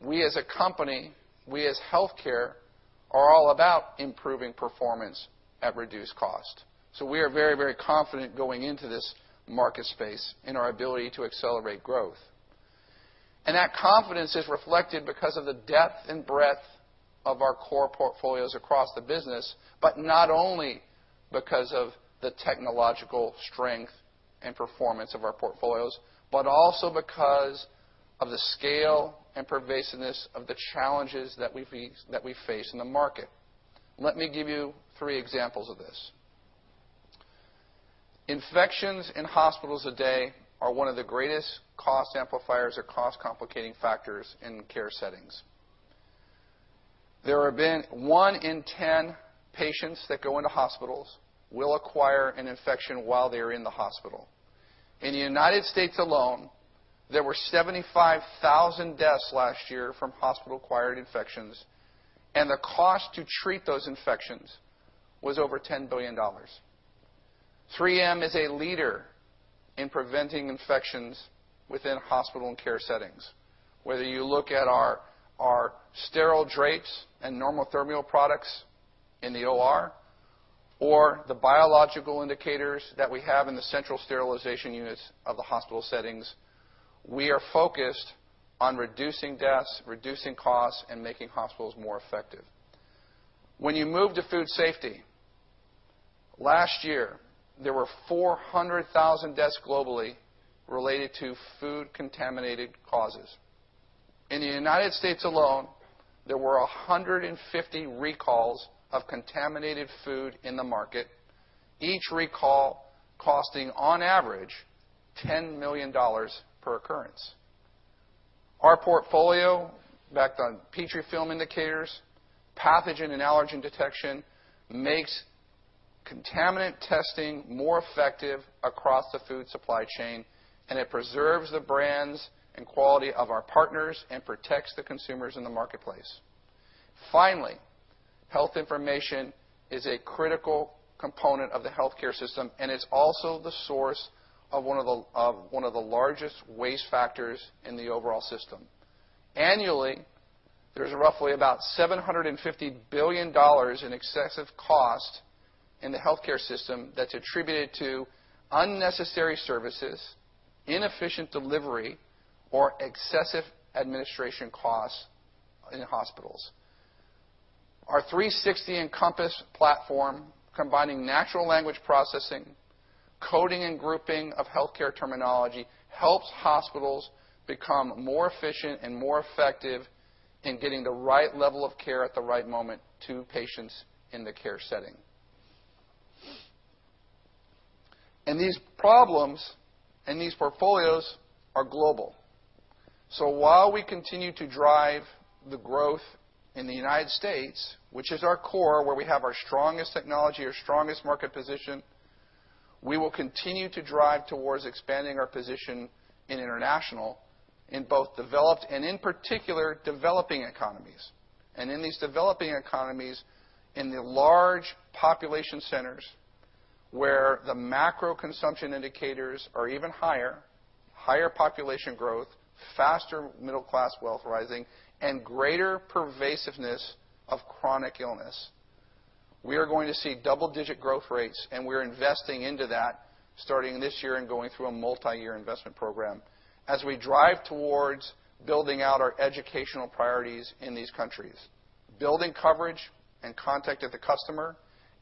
We as a company, we as healthcare, are all about improving performance at reduced cost. So we are very confident going into this market space in our ability to accelerate growth. That confidence is reflected because of the depth and breadth of our core portfolios across the business, but not only because of the technological strength and performance of our portfolios, but also because of the scale and pervasiveness of the challenges that we face in the market. Let me give you three examples of this. Infections in hospitals today are one of the greatest cost amplifiers or cost complicating factors in care settings. There have been one in 10 patients that go into hospitals will acquire an infection while they are in the hospital. In the United States alone, there were 75,000 deaths last year from hospital-acquired infections, and the cost to treat those infections was over $10 billion. 3M is a leader in preventing infections within hospital and care settings. Whether you look at our sterile drapes and normothermia products in the OR, or the biological indicators that we have in the central sterilization units of the hospital settings, we are focused on reducing deaths, reducing costs, and making hospitals more effective. When you move to food safety, last year, there were 400,000 deaths globally related to food contaminated causes. In the United States alone, there were 150 recalls of contaminated food in the market, each recall costing on average $10 million per occurrence. Our portfolio backed on Petrifilm indicators, pathogen and allergen detection makes contaminant testing more effective across the food supply chain, and it preserves the brands and quality of our partners and protects the consumers in the marketplace. Finally, health information is a critical component of the healthcare system, and it is also the source of one of the largest waste factors in the overall system. Annually, there is roughly about $750 billion in excessive cost in the healthcare system that is attributed to unnecessary services, inefficient delivery, or excessive administration costs in hospitals. Our 360 Encompass platform, combining natural language processing, coding, and grouping of healthcare terminology, helps hospitals become more efficient and more effective in getting the right level of care at the right moment to patients in the care setting. These problems and these portfolios are global. While we continue to drive the growth in the U.S., which is our core, where we have our strongest technology, our strongest market position, we will continue to drive towards expanding our position in international, in both developed and in particular, developing economies. In these developing economies, in the large population centers where the macro consumption indicators are even higher population growth, faster middle class wealth rising, and greater pervasiveness of chronic illness. We are going to see double-digit growth rates, and we're investing into that starting this year and going through a multi-year investment program. As we drive towards building out our educational priorities in these countries, building coverage and contact with the customer,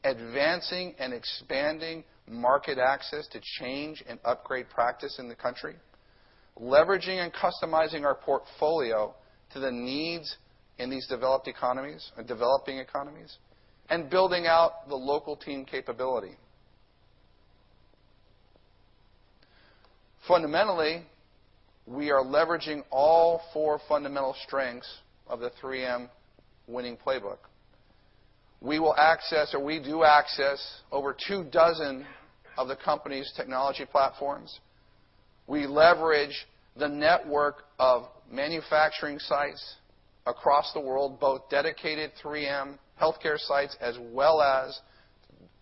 advancing and expanding market access to change and upgrade practice in the country, leveraging and customizing our portfolio to the needs in these developing economies, and building out the local team capability. Fundamentally, we are leveraging all four fundamental strengths of the 3M winning playbook. We will access, or we do access over 2 dozen of the company's technology platforms. We leverage the network of manufacturing sites across the world, both dedicated 3M healthcare sites as well as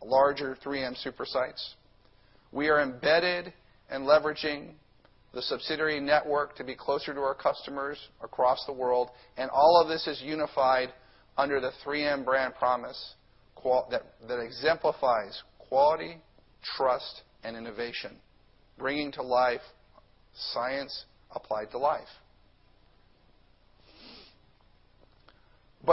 larger 3M super sites. We are embedded and leveraging the subsidiary network to be closer to our customers across the world, and all of this is unified under the 3M brand promise, that exemplifies quality, trust, and innovation, bringing to life Science Applied to Life.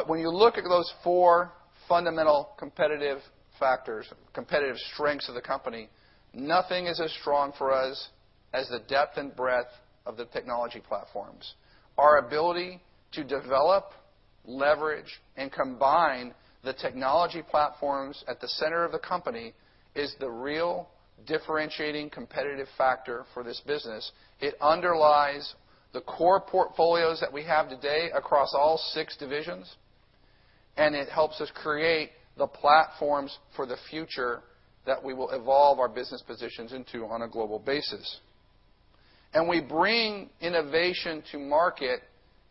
When you look at those four fundamental competitive factors, competitive strengths of the company, nothing is as strong for us as the depth and breadth of the technology platforms. Our ability to develop, leverage, and combine the technology platforms at the center of the company is the real differentiating competitive factor for this business. It underlies the core portfolios that we have today across all six divisions, and it helps us create the platforms for the future that we will evolve our business positions into on a global basis. We bring innovation to market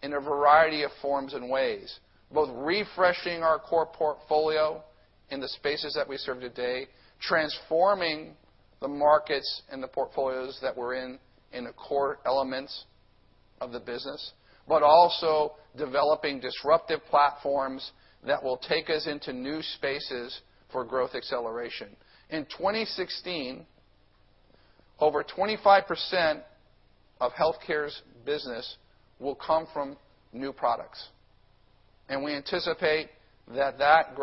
in a variety of forms and ways, both refreshing our core portfolio in the spaces that we serve today, transforming the markets and the portfolios that we're in the core elements of the business, but also developing disruptive platforms that will take us into new spaces for growth acceleration. In 2016, over 25% of healthcare's business will come from new products, and we anticipate that that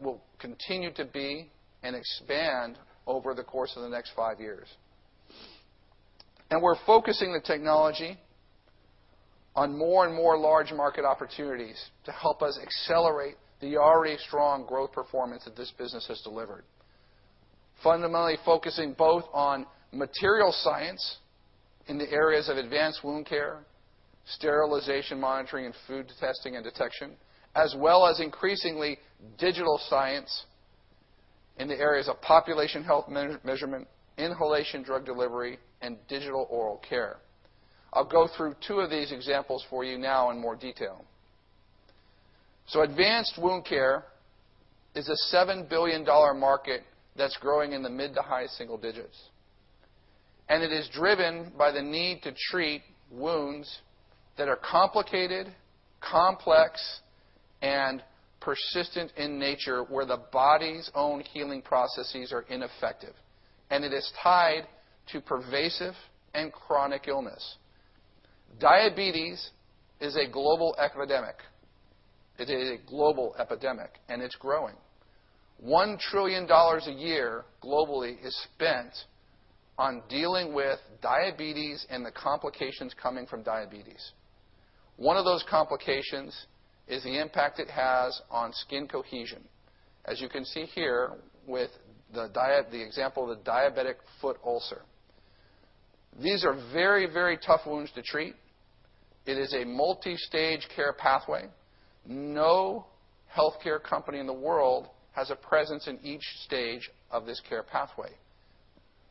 will continue to be and expand over the course of the next five years. We're focusing the technology on more and more large market opportunities to help us accelerate the already strong growth performance that this business has delivered. Fundamentally focusing both on material science in the areas of advanced wound care, sterilization monitoring and food testing and detection, as well as increasingly digital science in the areas of population health measurement, inhalation drug delivery, and digital oral care. I'll go through two of these examples for you now in more detail. Advanced wound care is a $7 billion market that's growing in the mid to high single digits. It is driven by the need to treat wounds that are complicated, complex, and persistent in nature, where the body's own healing processes are ineffective, and it is tied to pervasive and chronic illness. Diabetes is a global epidemic, and it's growing. $1 trillion a year globally is spent on dealing with diabetes and the complications coming from diabetes. One of those complications is the impact it has on skin cohesion. As you can see here with the example of the diabetic foot ulcer. These are very tough wounds to treat. It is a multi-stage care pathway. No healthcare company in the world has a presence in each stage of this care pathway.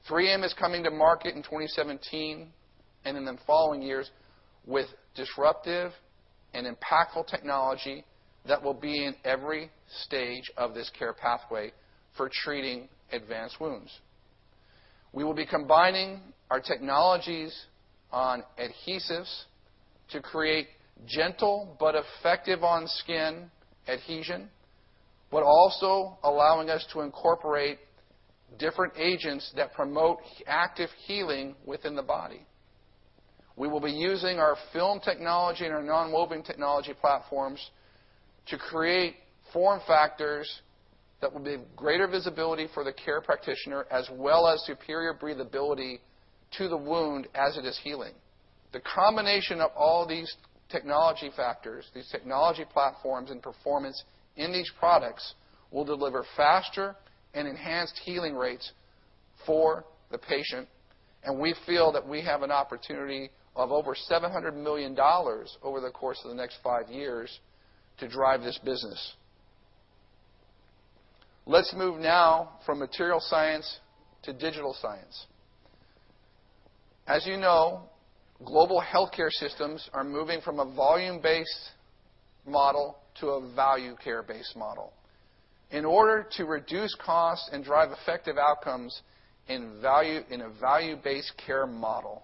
3M is coming to market in 2017, and in the following years, with disruptive and impactful technology that will be in every stage of this care pathway for treating advanced wounds. We will be combining our technologies on adhesives to create gentle but effective on skin adhesion, but also allowing us to incorporate different agents that promote active healing within the body. We will be using our film technology and our nonwoven technology platforms to create form factors that will be greater visibility for the care practitioner as well as superior breathability to the wound as it is healing. The combination of all these technology platforms and performance in these products will deliver faster and enhanced healing rates for the patient, and we feel that we have an opportunity of $700 million over the course of the next 5 years to drive this business. Let's move now from material science to digital science. As you know, global healthcare systems are moving from a volume-based model to a value care-based model. In order to reduce costs and drive effective outcomes in a value-based care model,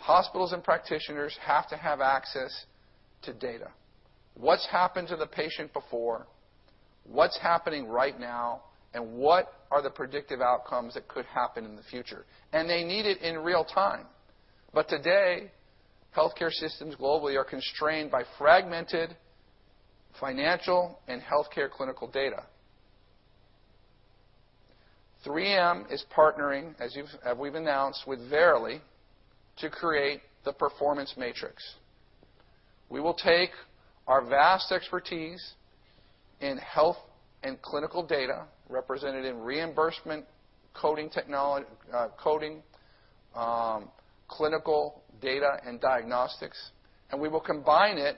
hospitals and practitioners have to have access to data. What's happened to the patient before? What's happening right now? What are the predictive outcomes that could happen in the future? They need it in real time. Today, healthcare systems globally are constrained by fragmented financial and healthcare clinical data. 3M is partnering, as we've announced, with Verily to create the Performance Matrix. We will take our vast expertise in health and clinical data, represented in reimbursement coding, clinical data, and diagnostics, and we will combine it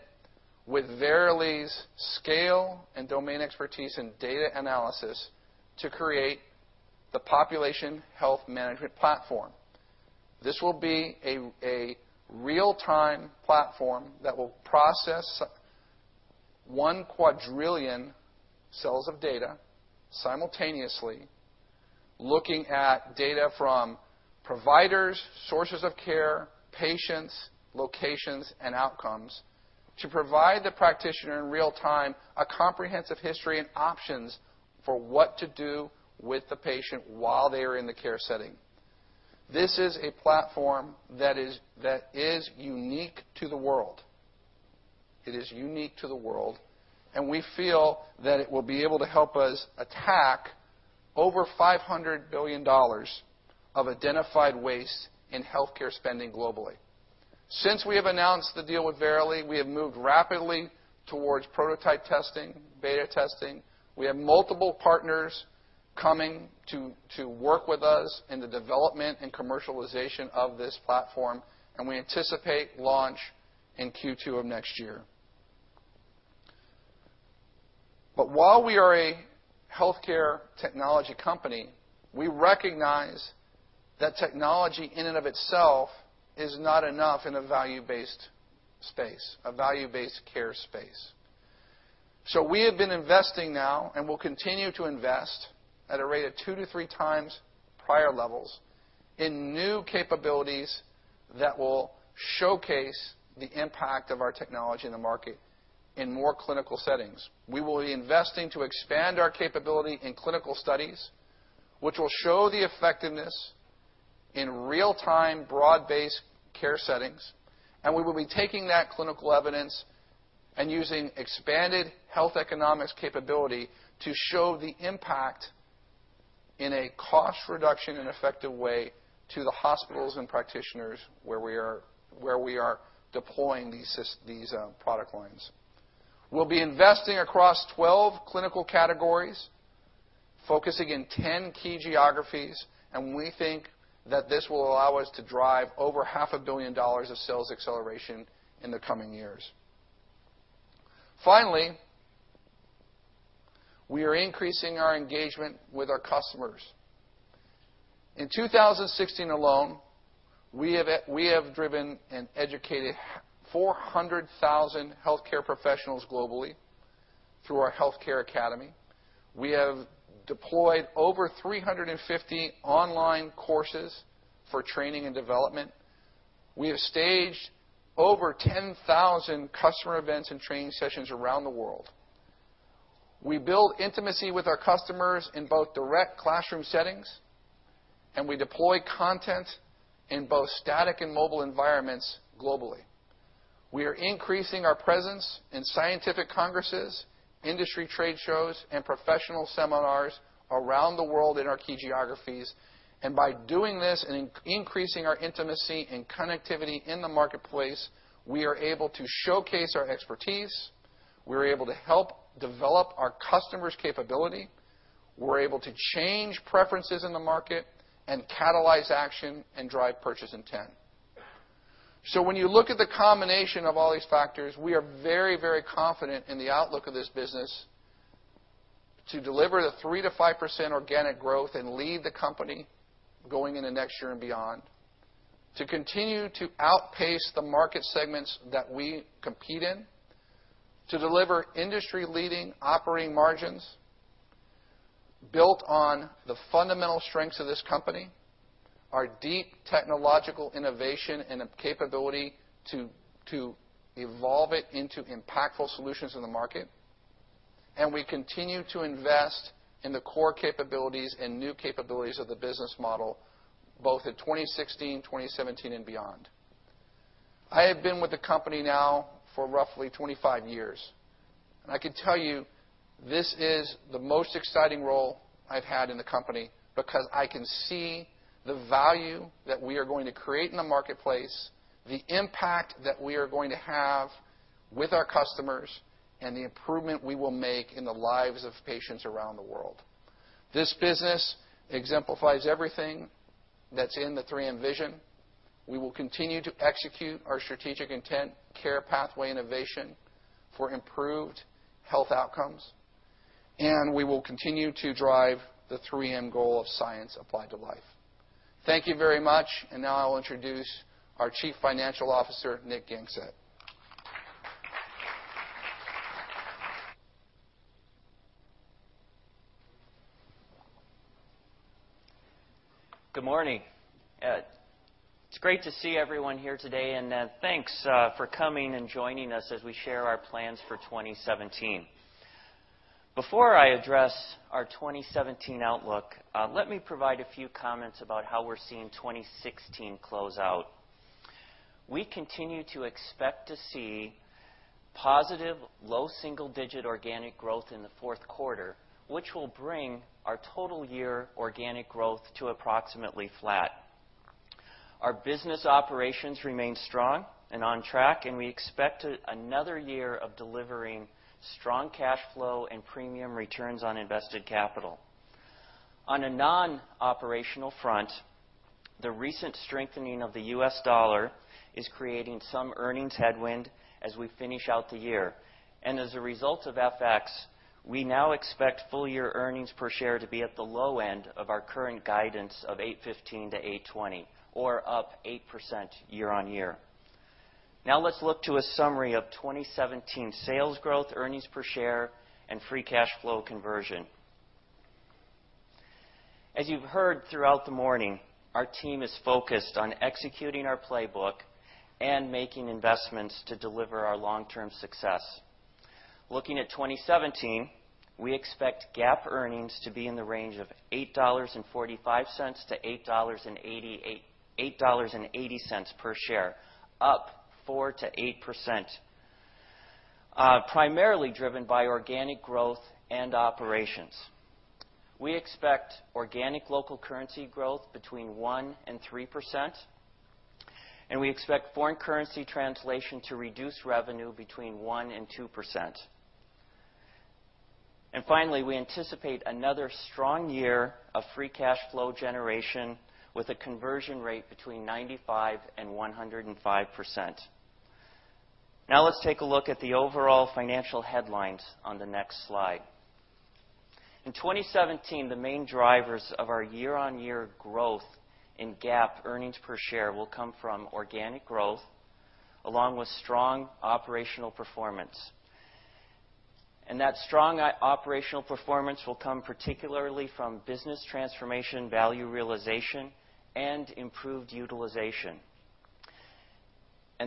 with Verily's scale and domain expertise in data analysis to create the Population Health Management platform. This will be a real-time platform that will process 1 quadrillion cells of data simultaneously, looking at data from providers, sources of care, patients, locations, and outcomes to provide the practitioner in real time a comprehensive history and options for what to do with the patient while they are in the care setting. This is a platform that is unique to the world. It is unique to the world, and we feel that it will be able to help us attack $500 billion of identified waste in healthcare spending globally. Since we have announced the deal with Verily, we have moved rapidly towards prototype testing, beta testing. We have multiple partners coming to work with us in the development and commercialization of this platform, and we anticipate launch in Q2 of next year. While we are a healthcare technology company, we recognize that technology in and of itself is not enough in a value-based care space. We have been investing now and will continue to invest at a rate of 2 to 3 times prior levels in new capabilities that will showcase the impact of our technology in the market in more clinical settings. We will be investing to expand our capability in clinical studies, which will show the effectiveness in real-time, broad-based care settings, and we will be taking that clinical evidence and using expanded health economics capability to show the impact in a cost reduction and effective way to the hospitals and practitioners where we are deploying these product lines. We will be investing across 12 clinical categories, focusing in 10 key geographies, and we think that this will allow us to drive over half a billion dollars of sales acceleration in the coming years. Finally, we are increasing our engagement with our customers. In 2016 alone, we have driven and educated 400,000 healthcare professionals globally through our 3M Health Care Academy. We have deployed over 350 online courses for training and development. We have staged over 10,000 customer events and training sessions around the world. We build intimacy with our customers in both direct classroom settings, and we deploy content in both static and mobile environments globally. We are increasing our presence in scientific congresses, industry trade shows, and professional seminars around the world in our key geographies. By doing this and increasing our intimacy and connectivity in the marketplace, we are able to showcase our expertise, we are able to help develop our customers' capability, we are able to change preferences in the market and catalyze action and drive purchase intent. When you look at the combination of all these factors, we are very confident in the outlook of this business to deliver the 3%-5% organic growth and lead the company going into next year and beyond, to continue to outpace the market segments that we compete in, to deliver industry-leading operating margins built on the fundamental strengths of this company, our deep technological innovation, and a capability to evolve it into impactful solutions in the market. We continue to invest in the core capabilities and new capabilities of the business model, both in 2016, 2017, and beyond. I have been with the company now for roughly 25 years. I can tell you, this is the most exciting role I have had in the company because I can see the value that we are going to create in the marketplace, the impact that we are going to have with our customers, and the improvement we will make in the lives of patients around the world. This business exemplifies everything that is in the 3M vision. We will continue to execute our strategic intent care pathway innovation for improved health outcomes, and we will continue to drive the 3M goal of Science Applied to Life. Thank you very much. Now I will introduce our Chief Financial Officer, Nick Gangestad. Good morning. It's great to see everyone here today. Thanks for coming and joining us as we share our plans for 2017. Before I address our 2017 outlook, let me provide a few comments about how we're seeing 2016 closeout. We continue to expect to see positive low single-digit organic growth in the Q4, which will bring our total year organic growth to approximately flat. Our business operations remain strong and on track. We expect another year of delivering strong cash flow and premium returns on invested capital. On a non-operational front, the recent strengthening of the U.S. dollar is creating some earnings headwind as we finish out the year. As a result of FX, we now expect full-year EPS to be at the low end of our current guidance of $8.15-$8.20, or up 8% year-over-year. Now let's look to a summary of 2017 sales growth, EPS, and free cash flow conversion. As you've heard throughout the morning, our team is focused on executing our playbook and making investments to deliver our long-term success. Looking at 2017, we expect GAAP earnings to be in the range of $8.45-$8.80 per share, up 4%-8%, primarily driven by organic growth and operations. We expect organic local currency growth between 1% and 3%. We expect foreign currency translation to reduce revenue between 1% and 2%. Finally, we anticipate another strong year of free cash flow generation with a conversion rate between 95%-105%. Now let's take a look at the overall financial headlines on the next slide. In 2017, the main drivers of our year-over-year growth in GAAP EPS will come from organic growth, along with strong operational performance. That strong operational performance will come particularly from business transformation value realization and improved utilization.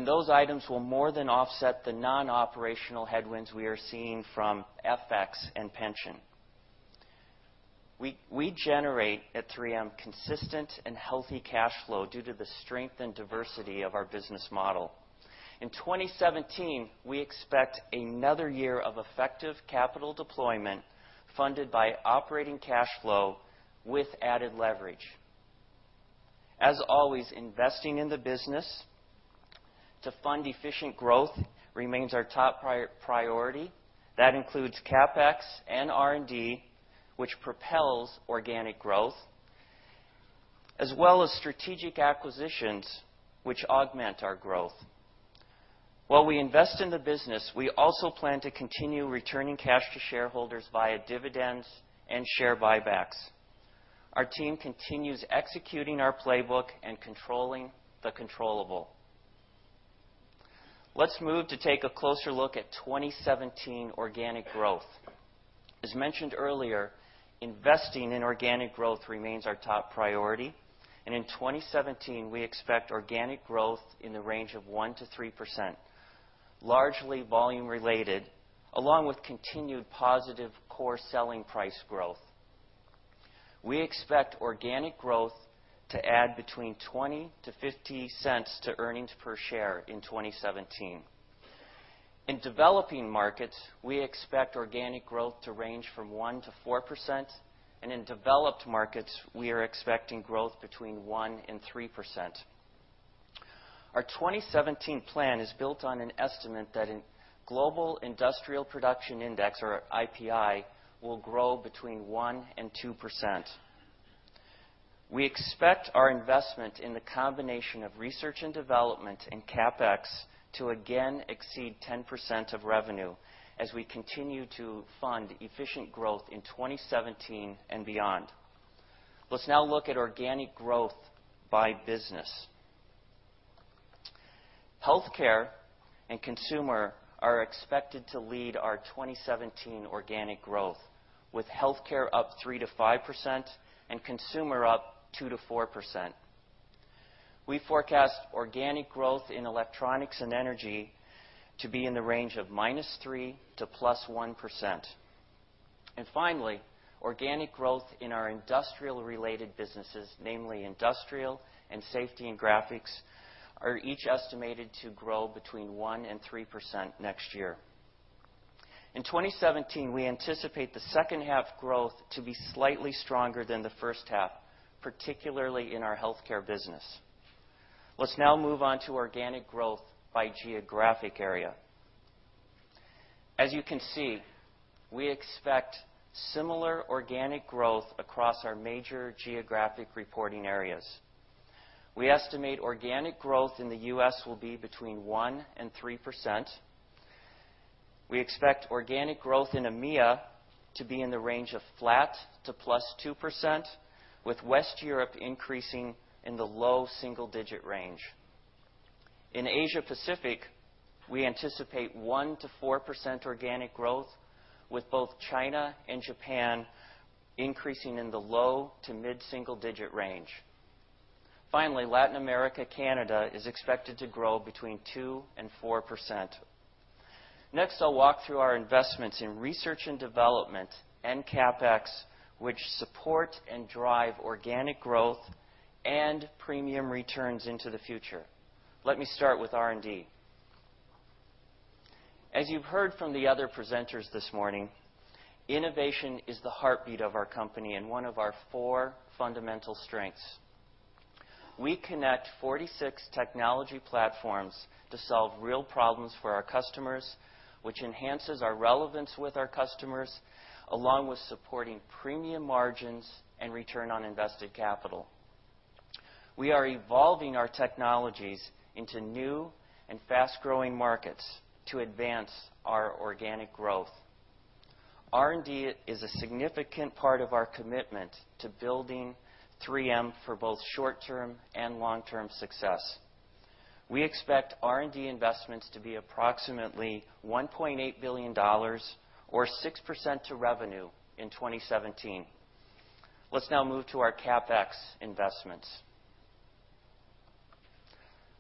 Those items will more than offset the non-operational headwinds we are seeing from FX and pension. We generate, at 3M, consistent and healthy cash flow due to the strength and diversity of our business model. In 2017, we expect another year of effective capital deployment funded by operating cash flow with added leverage. As always, investing in the business to fund efficient growth remains our top priority. That includes CapEx and R&D, which propels organic growth, as well as strategic acquisitions, which augment our growth. While we invest in the business, we also plan to continue returning cash to shareholders via dividends and share buybacks. Our team continues executing our playbook and controlling the controllable. Let's move to take a closer look at 2017 organic growth. As mentioned earlier, investing in organic growth remains our top priority. In 2017, we expect organic growth in the range of 1%-3%, largely volume related, along with continued positive core selling price growth. We expect organic growth to add between $0.20-$0.50 to EPS in 2017. In developing markets, we expect organic growth to range from 1%-4%. In developed markets, we are expecting growth between 1% and 3%. Our 2017 plan is built on an estimate that a global Industrial Production Index, or IPI, will grow between 1%-2%. We expect our investment in the combination of R&D and CapEx to again exceed 10% of revenue as we continue to fund efficient growth in 2017 and beyond. Let's now look at organic growth by business. Healthcare and Consumer are expected to lead our 2017 organic growth, with Healthcare up 3%-5% and Consumer up 2%-4%. We forecast organic growth in Electronics and Energy to be in the range of -3% to +1%. Finally, organic growth in our industrial-related businesses, namely Industrial and Safety and Graphics, are each estimated to grow between 1% and 3% next year. In 2017, we anticipate the second half growth to be slightly stronger than the first half, particularly in our Healthcare business. Let's now move on to organic growth by geographic area. As you can see, we expect similar organic growth across our major geographic reporting areas. We estimate organic growth in the U.S. will be between 1% and 3%. We expect organic growth in EMEIA to be in the range of flat to +2%, with West Europe increasing in the low single-digit range. In Asia Pacific, we anticipate 1%-4% organic growth, with both China and Japan increasing in the low to mid single-digit range. Latin America/Canada is expected to grow between 2% and 4%. Next, I'll walk through our investments in Research and Development and CapEx, which support and drive organic growth and premium returns into the future. Let me start with R&D. As you've heard from the other presenters this morning, innovation is the heartbeat of our company and one of our four fundamental strengths. We connect 46 technology platforms to solve real problems for our customers, which enhances our relevance with our customers, along with supporting premium margins and return on invested capital. We are evolving our technologies into new and fast-growing markets to advance our organic growth. R&D is a significant part of our commitment to building 3M for both short-term and long-term success. We expect R&D investments to be approximately $1.8 billion or 6% to revenue in 2017. Let's now move to our CapEx investments.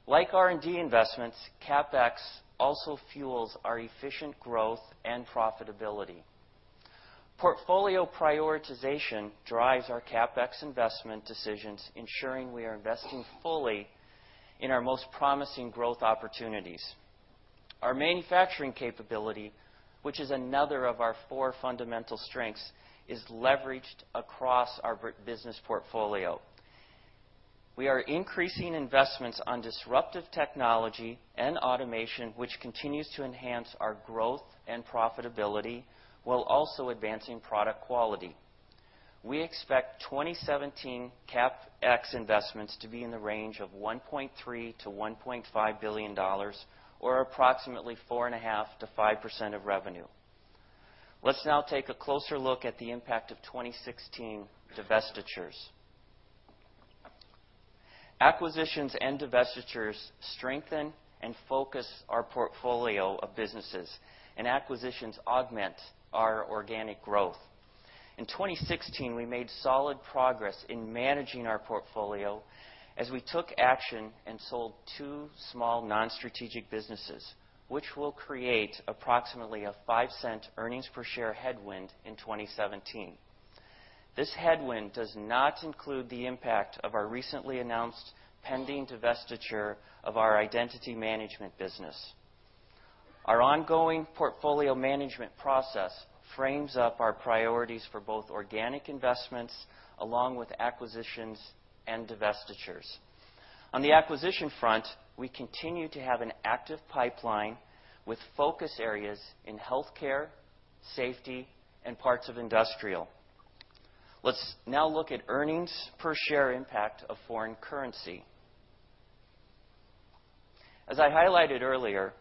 Like R&D investments, CapEx also fuels our efficient growth and profitability. Portfolio prioritization drives our CapEx investment decisions, ensuring we are investing fully in our most promising growth opportunities. Our manufacturing capability, which is another of our four fundamental strengths, is leveraged across our business portfolio. We are increasing investments on disruptive technology and automation, which continues to enhance our growth and profitability while also advancing product quality. We expect 2017 CapEx investments to be in the range of $1.3 billion-$1.5 billion, or approximately 4.5%-5% of revenue. Let's now take a closer look at the impact of 2016 divestitures. Acquisitions and divestitures strengthen and focus our portfolio of businesses. Acquisitions augment our organic growth. In 2016, we made solid progress in managing our portfolio as we took action and sold two small non-strategic businesses, which will create approximately a $0.05 earnings per share headwind in 2017. This headwind does not include the impact of our recently announced pending divestiture of our identity management business. Our ongoing portfolio management process frames up our priorities for both organic investments along with acquisitions and divestitures. On the acquisition front, we continue to have an active pipeline with focus areas in Healthcare, Safety, and parts of Industrial. Let's now look at earnings per share impact of foreign currency. As I highlighted earlier,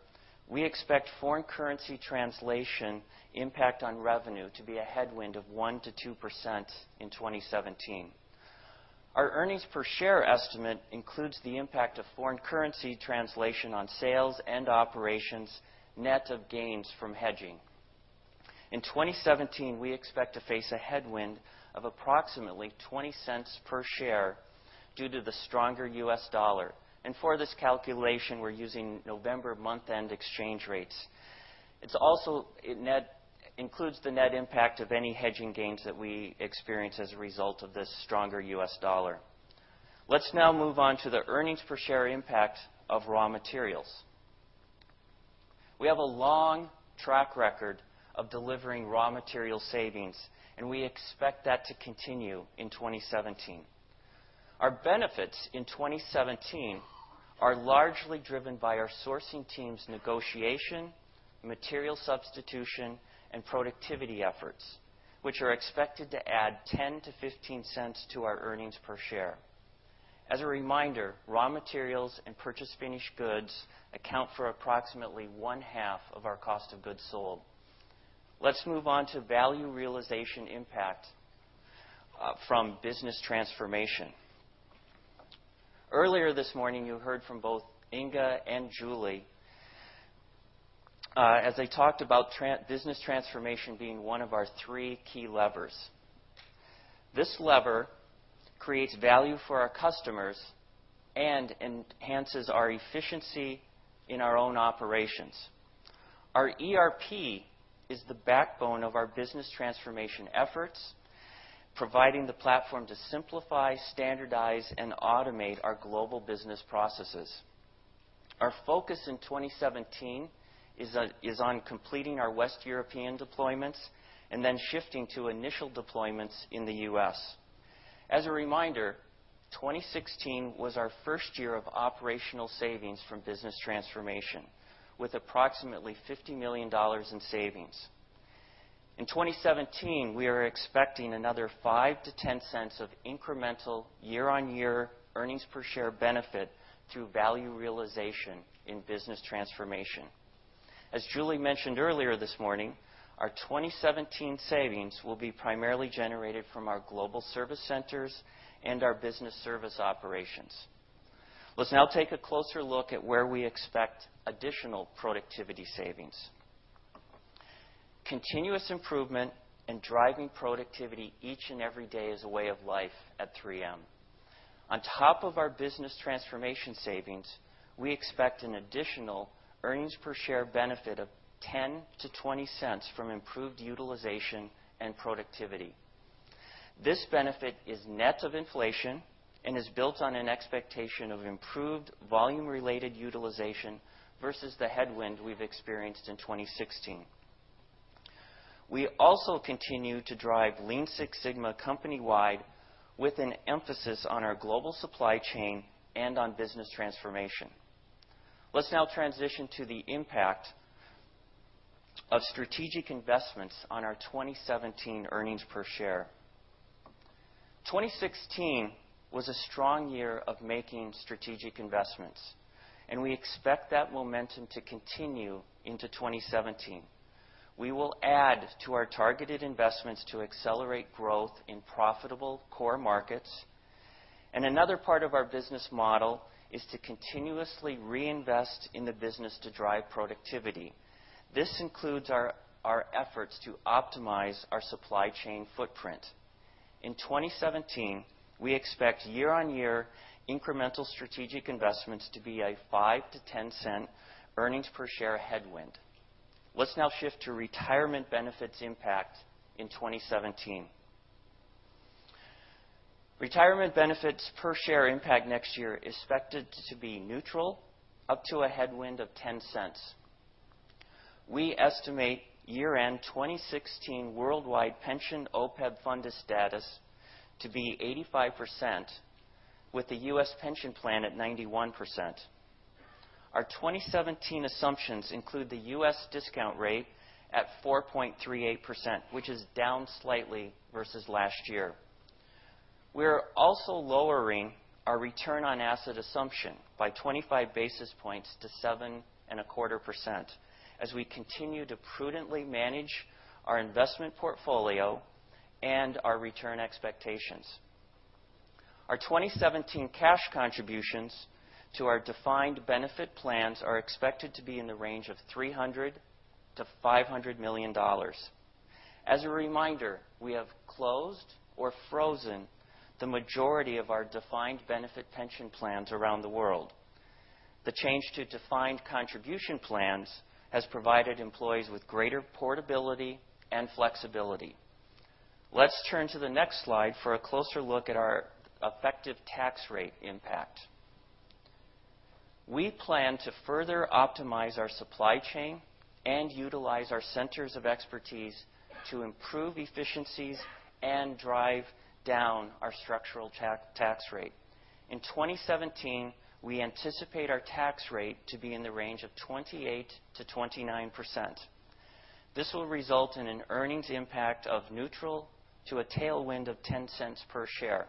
we expect foreign currency translation impact on revenue to be a headwind of 1%-2% in 2017. Our earnings per share estimate includes the impact of foreign currency translation on sales and operations, net of gains from hedging. In 2017, we expect to face a headwind of approximately $0.20 per share due to the stronger U.S. dollar, and for this calculation, we're using November month-end exchange rates. It also includes the net impact of any hedging gains that we experience as a result of this stronger U.S. dollar. Let's now move on to the earnings per share impact of raw materials. We have a long track record of delivering raw material savings, and we expect that to continue in 2017. Our benefits in 2017 are largely driven by our sourcing team's negotiation, material substitution, and productivity efforts, which are expected to add $0.10-$0.15 to our earnings per share. As a reminder, raw materials and purchased finished goods account for approximately one-half of our cost of goods sold. Let's move on to value realization impact from business transformation. Earlier this morning, you heard from both Inge and Julie as they talked about business transformation being one of our three key levers. This lever creates value for our customers and enhances our efficiency in our own operations. Our ERP is the backbone of our business transformation efforts, providing the platform to simplify, standardize, and automate our global business processes. Our focus in 2017 is on completing our West European deployments and then shifting to initial deployments in the U.S. As a reminder, 2016 was our first year of operational savings from business transformation, with approximately $50 million in savings. In 2017, we are expecting another $0.05-$0.10 of incremental year-on-year earnings per share benefit through value realization in business transformation. As Julie mentioned earlier this morning, our 2017 savings will be primarily generated from our Global Service Centers and our business service operations. Let's now take a closer look at where we expect additional productivity savings. Continuous improvement and driving productivity each and every day is a way of life at 3M. On top of our business transformation savings, we expect an additional earnings per share benefit of $0.10-$0.20 from improved utilization and productivity. This benefit is net of inflation and is built on an expectation of improved volume-related utilization versus the headwind we've experienced in 2016. We also continue to drive Lean Six Sigma company-wide, with an emphasis on our global supply chain and on business transformation. Let's now transition to the impact of strategic investments on our 2017 earnings per share. 2016 was a strong year of making strategic investments, and we expect that momentum to continue into 2017. We will add to our targeted investments to accelerate growth in profitable core markets, and another part of our business model is to continuously reinvest in the business to drive productivity. This includes our efforts to optimize our supply chain footprint. In 2017, we expect year-on-year incremental strategic investments to be a $0.05-$0.10 earnings per share headwind. Let's now shift to retirement benefits impact in 2017. Retirement benefits per share impact next year is expected to be neutral, up to a headwind of $0.10. We estimate year-end 2016 worldwide pension OPEB funded status to be 85%, with the U.S. pension plan at 91%. Our 2017 assumptions include the U.S. discount rate at 4.38%, which is down slightly versus last year. We're also lowering our return on asset assumption by 25 basis points to 7.25% as we continue to prudently manage our investment portfolio and our return expectations. Our 2017 cash contributions to our defined benefit plans are expected to be in the range of $300 million-$500 million. As a reminder, we have closed or frozen the majority of our defined benefit pension plans around the world. The change to defined contribution plans has provided employees with greater portability and flexibility. Let's turn to the next slide for a closer look at our effective tax rate impact. We plan to further optimize our supply chain and utilize our centers of expertise to improve efficiencies and drive down our structural tax rate. In 2017, we anticipate our tax rate to be in the range of 28%-29%. This will result in an earnings impact of neutral to a tailwind of $0.10 per share.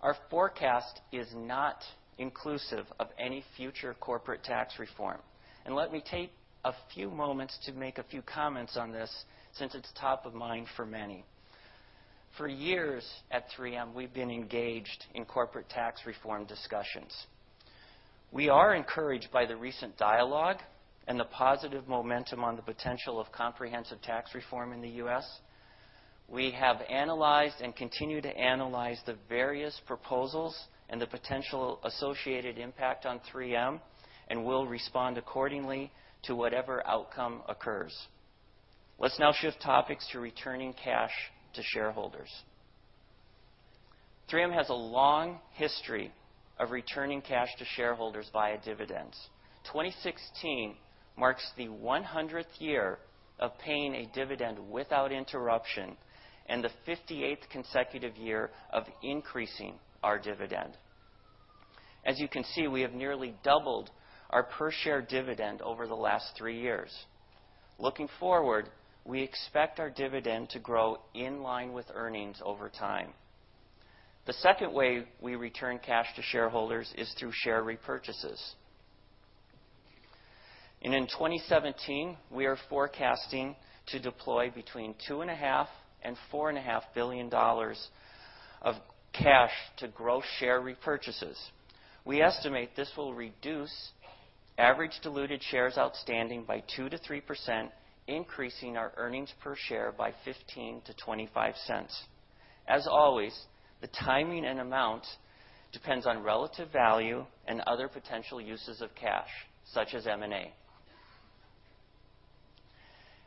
Our forecast is not inclusive of any future corporate tax reform. Let me take a few moments to make a few comments on this since it's top of mind for many. For years at 3M, we've been engaged in corporate tax reform discussions. We are encouraged by the recent dialogue and the positive momentum on the potential of comprehensive tax reform in the U.S. We have analyzed and continue to analyze the various proposals and the potential associated impact on 3M and will respond accordingly to whatever outcome occurs. Let's now shift topics to returning cash to shareholders. 3M has a long history of returning cash to shareholders via dividends. 2016 marks the 100th year of paying a dividend without interruption and the 58th consecutive year of increasing our dividend. As you can see, we have nearly doubled our per share dividend over the last three years. Looking forward, we expect our dividend to grow in line with earnings over time. The second way we return cash to shareholders is through share repurchases. In 2017, we are forecasting to deploy between $2.5 billion and $4.5 billion of cash to grow share repurchases. We estimate this will reduce average diluted shares outstanding by 2%-3%, increasing our earnings per share by $0.15-$0.25. As always, the timing and amount depends on relative value and other potential uses of cash, such as M&A.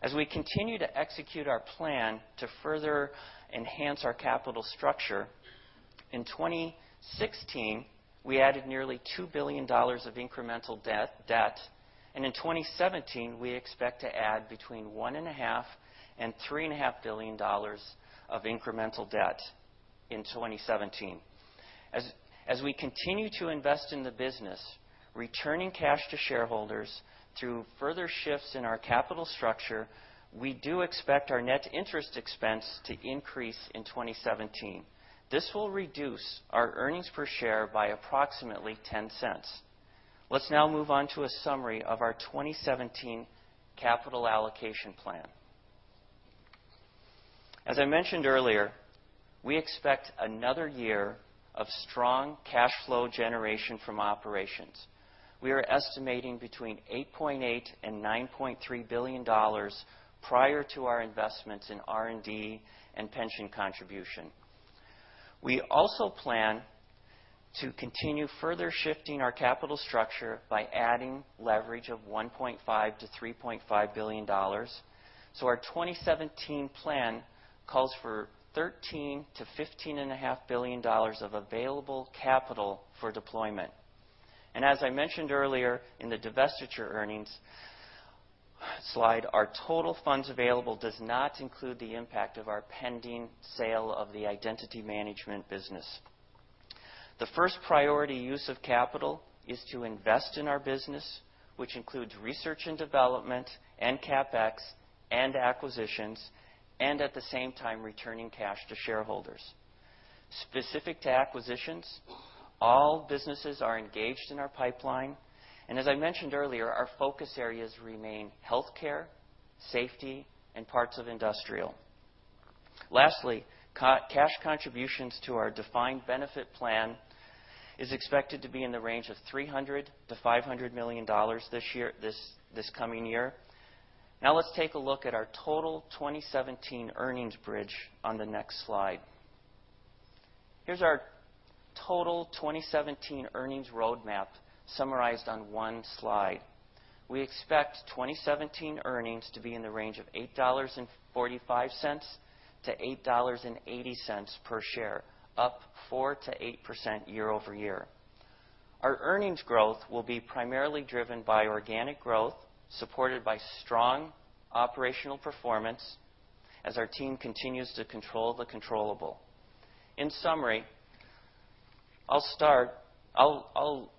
As we continue to execute our plan to further enhance our capital structure, in 2016, we added nearly $2 billion of incremental debt. In 2017, we expect to add between $1.5 billion and $3.5 billion of incremental debt in 2017. As we continue to invest in the business, returning cash to shareholders through further shifts in our capital structure, we do expect our net interest expense to increase in 2017. This will reduce our earnings per share by approximately $0.10. Let's now move on to a summary of our 2017 capital allocation plan. As I mentioned earlier, we expect another year of strong cash flow generation from operations. We are estimating between $8.8 billion and $9.3 billion prior to our investments in R&D and pension contribution. We also plan to continue further shifting our capital structure by adding leverage of $1.5 billion-$3.5 billion. Our 2017 plan calls for $13 billion-$15.5 billion of available capital for deployment. As I mentioned earlier in the divestiture earnings slide, our total funds available does not include the impact of our pending sale of the identity management business. The first priority use of capital is to invest in our business, which includes research and development, and CapEx, and acquisitions, and at the same time, returning cash to shareholders. Specific to acquisitions, all businesses are engaged in our pipeline. As I mentioned earlier, our focus areas remain healthcare, safety, and parts of industrial. Lastly, cash contributions to our defined benefit plan is expected to be in the range of $300 million-$500 million this coming year. Now let's take a look at our total 2017 earnings bridge on the next slide. Here's our total 2017 earnings roadmap summarized on one slide. We expect 2017 earnings to be in the range of $8.45-$8.80 per share, up 4%-8% year-over-year. Our earnings growth will be primarily driven by organic growth, supported by strong operational performance as our team continues to control the controllable. In summary, I'll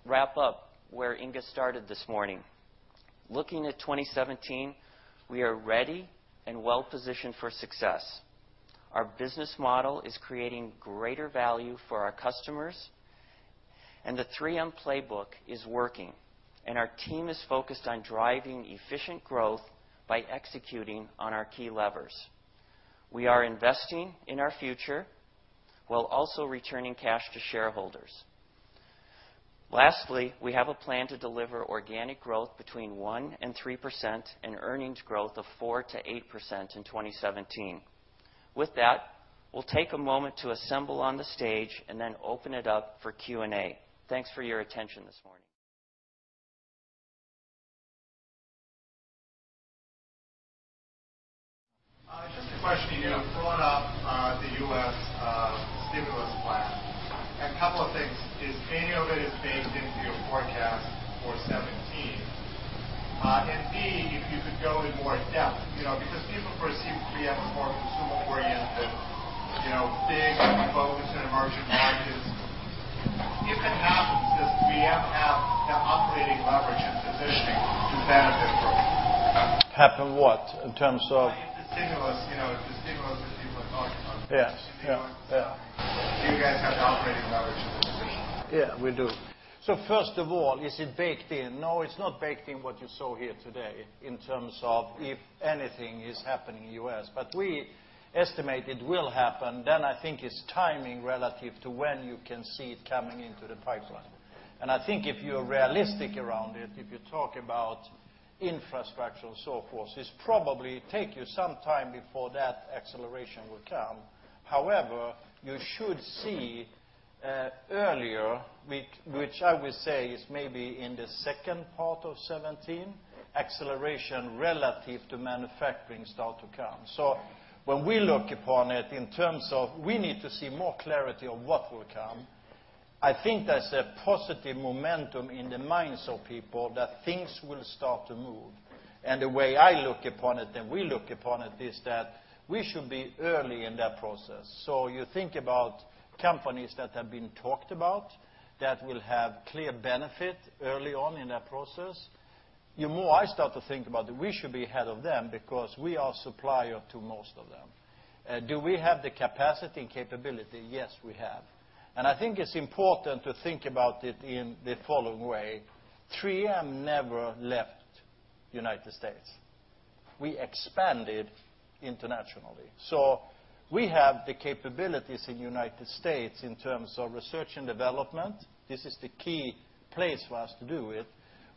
wrap up where Inge started this morning. Looking at 2017, we are ready and well-positioned for success. Our business model is creating greater value for our customers. The 3M playbook is working. Our team is focused on driving efficient growth by executing on our key levers. We are investing in our future while also returning cash to shareholders. Lastly, we have a plan to deliver organic growth between 1% and 3% and earnings growth of 4%-8% in 2017. With that, we'll take a moment to assemble on the stage and then open it up for Q&A. Thanks for your attention this morning. Just a question to you. Brought up the U.S. stimulus plan. A couple of things. Is any of it baked into your forecast for 2017? B, if you could go in more depth, because people perceive 3M as more consumer-oriented, big focus in emerging markets. If it happens, does 3M have the operating leverage and positioning to benefit from it? Happen what, in terms of- If the stimulus that people are talking about Yeah should be going through. Do you guys have the operating leverage and positioning? Yeah, we do. First of all, is it baked in? No, it's not baked in what you saw here today in terms of if anything is happening in the U.S., but we estimate it will happen. I think it's timing relative to when you can see it coming into the pipeline. I think if you are realistic around it, if you talk about infrastructure and so forth, is probably take you some time before that acceleration will come. However, you should see, earlier, which I would say is maybe in the second part of 2017, acceleration relative to manufacturing start to come. When we look upon it in terms of we need to see more clarity on what will come, I think there's a positive momentum in the minds of people that things will start to move. The way I look upon it, and we look upon it, is that we should be early in that process. You think about companies that have been talked about that will have clear benefit early on in that process. The more I start to think about it, we should be ahead of them because we are supplier to most of them. Do we have the capacity and capability? Yes, we have. I think it's important to think about it in the following way. 3M never left United States. We expanded internationally. We have the capabilities in United States in terms of research and development. This is the key place for us to do it.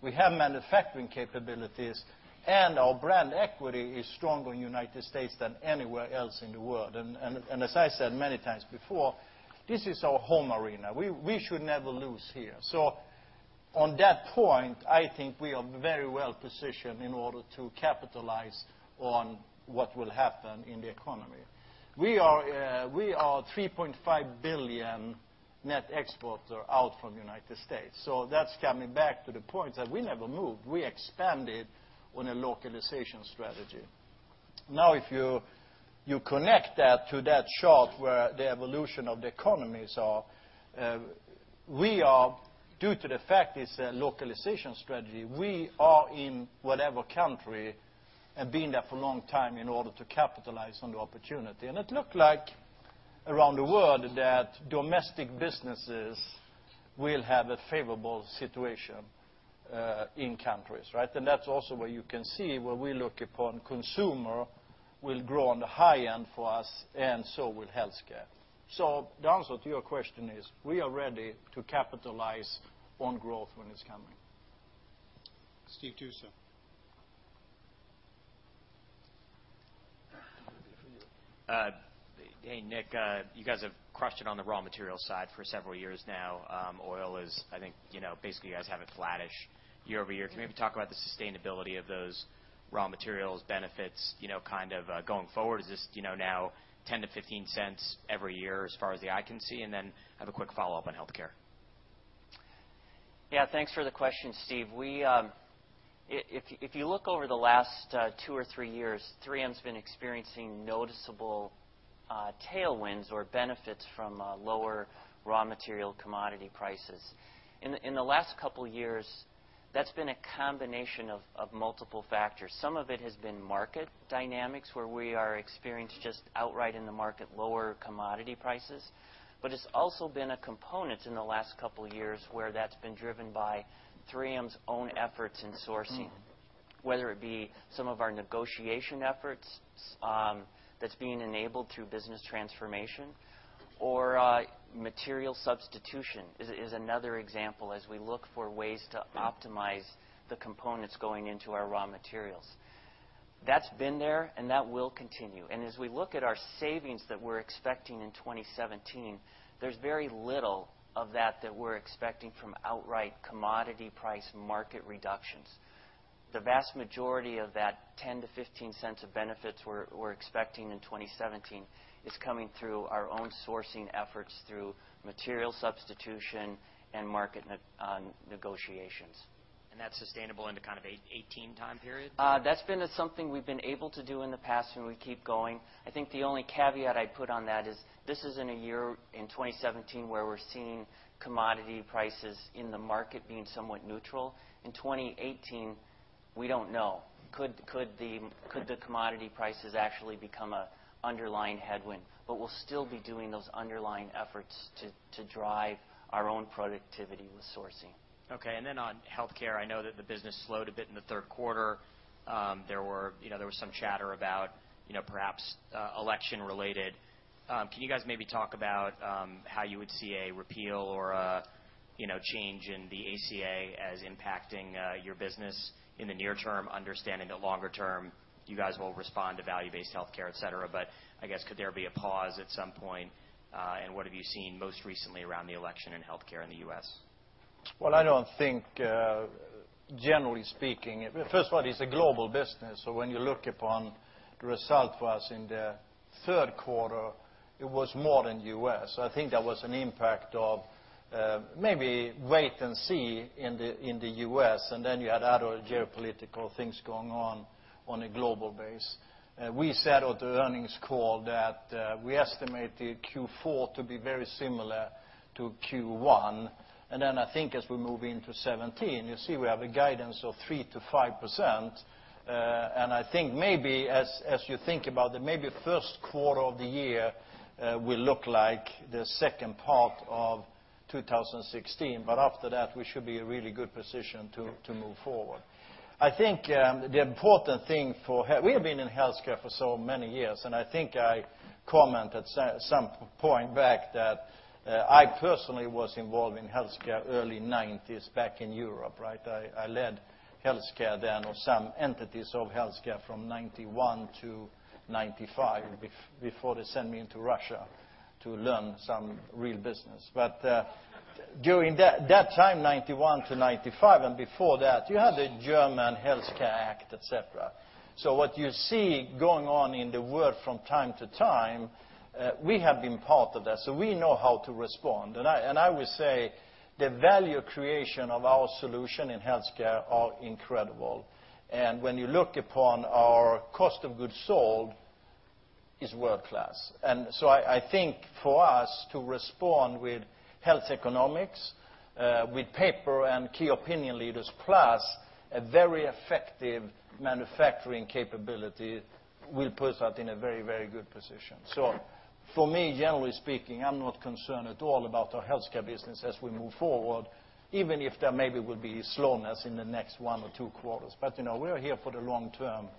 We have manufacturing capabilities, and our brand equity is stronger in United States than anywhere else in the world. As I said many times before, this is our home arena. We should never lose here. On that point, I think we are very well-positioned in order to capitalize on what will happen in the economy. We are $3.5 billion net exporter out from U.S. That's coming back to the point that we never moved. We expanded on a localization strategy. If you connect that to that chart where the evolution of the economies are, we are, due to the fact it's a localization strategy, we are in whatever country and been there for a long time in order to capitalize on the opportunity. It looked like around the world that domestic businesses will have a favorable situation, in countries, right? That's also where you can see where we look upon consumer will grow on the high end for us, and so will healthcare. The answer to your question is, we are ready to capitalize on growth when it's coming. Steve, to you, sir. Hey, Nick, you guys have crushed it on the raw material side for several years now. Oil is, I think, basically you guys have it flattish year-over-year. Yeah. Can you maybe talk about the sustainability of those raw materials benefits, kind of going forward? Is this now $0.10-$0.15 every year as far as the eye can see? I have a quick follow-up on healthcare. Thanks for the question, Steve. If you look over the last two or three years, 3M's been experiencing noticeable tailwinds or benefits from lower raw material commodity prices. In the last couple of years, that's been a combination of multiple factors. Some of it has been market dynamics, where we are experienced just outright in the market lower commodity prices. It's also been a component in the last couple of years where that's been driven by 3M's own efforts in sourcing, whether it be some of our negotiation efforts, that's being enabled through business transformation, or material substitution is another example, as we look for ways to optimize the components going into our raw materials. That's been there, and that will continue. As we look at our savings that we're expecting in 2017, there's very little of that that we're expecting from outright commodity price market reductions. The vast majority of that $0.10-$0.15 of benefits we're expecting in 2017 is coming through our own sourcing efforts through material substitution and market negotiations. That's sustainable into kind of a 2018 time period? That's been something we've been able to do in the past, and we keep going. I think the only caveat I'd put on that is this is in a year, in 2017, where we're seeing commodity prices in the market being somewhat neutral. In 2018, we don't know. Could the commodity prices actually become an underlying headwind? We'll still be doing those underlying efforts to drive our own productivity with sourcing. Okay. Then on healthcare, I know that the business slowed a bit in the third quarter. There was some chatter about perhaps election related. Can you guys maybe talk about how you would see a repeal or a change in the ACA as impacting your business in the near term, understanding that longer term you guys will respond to value-based healthcare, et cetera. I guess could there be a pause at some point? What have you seen most recently around the election in healthcare in the U.S.? Well, I don't think, generally speaking, first of all, it's a global business, so when you look upon the result for us in the third quarter, it was more than U.S. I think there was an impact of maybe wait and see in the U.S., you had other geopolitical things going on a global base. We said on the earnings call that we estimated Q4 to be very similar to Q1. I think as we move into 2017, you'll see we have a guidance of 3%-5%. I think maybe as you think about it, maybe first quarter of the year will look like the second part of 2016. After that, we should be in a really good position to move forward. We have been in healthcare for so many years. I think I commented at some point back that I personally was involved in healthcare early 1990s back in Europe, right? I led healthcare then, or some entities of healthcare from 1991 to 1995 before they send me into Russia to learn some real business. During that time, 1991 to 1995 and before that, you had the German Healthcare Act, et cetera. What you see going on in the world from time to time, we have been part of that, so we know how to respond. I would say the value creation of our solution in healthcare are incredible. When you look upon our cost of goods sold, is world-class. I think for us to respond with health economics, with paper and key opinion leaders, plus a very effective manufacturing capability, will put us in a very good position. For me, generally speaking, I'm not concerned at all about our healthcare business as we move forward, even if there maybe will be slowness in the next one or two quarters. We're here for the long term,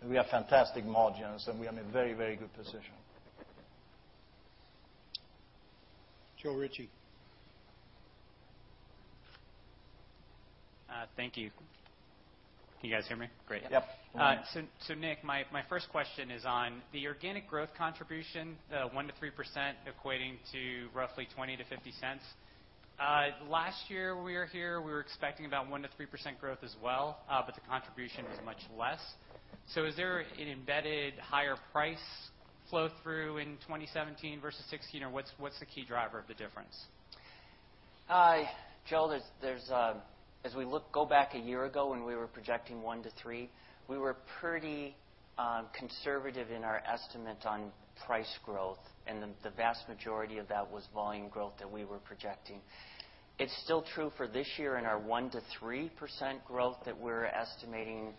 and we have fantastic margins, and we are in a very good position. Joe Ritchie. Thank you. Can you guys hear me? Great. Yep. Yeah. Nick, my first question is on the organic growth contribution, the 1%-3% equating to roughly $0.20-$0.50. Last year we were here, we were expecting about 1%-3% growth as well, the contribution was much less. Is there an embedded higher price flow-through in 2017 versus 2016, or what's the key driver of the difference? Joe, as we go back a year ago when we were projecting 1%-3%, we were pretty conservative in our estimate on price growth, and the vast majority of that was volume growth that we were projecting. It's still true for this year in our 1%-3% growth that we're estimating,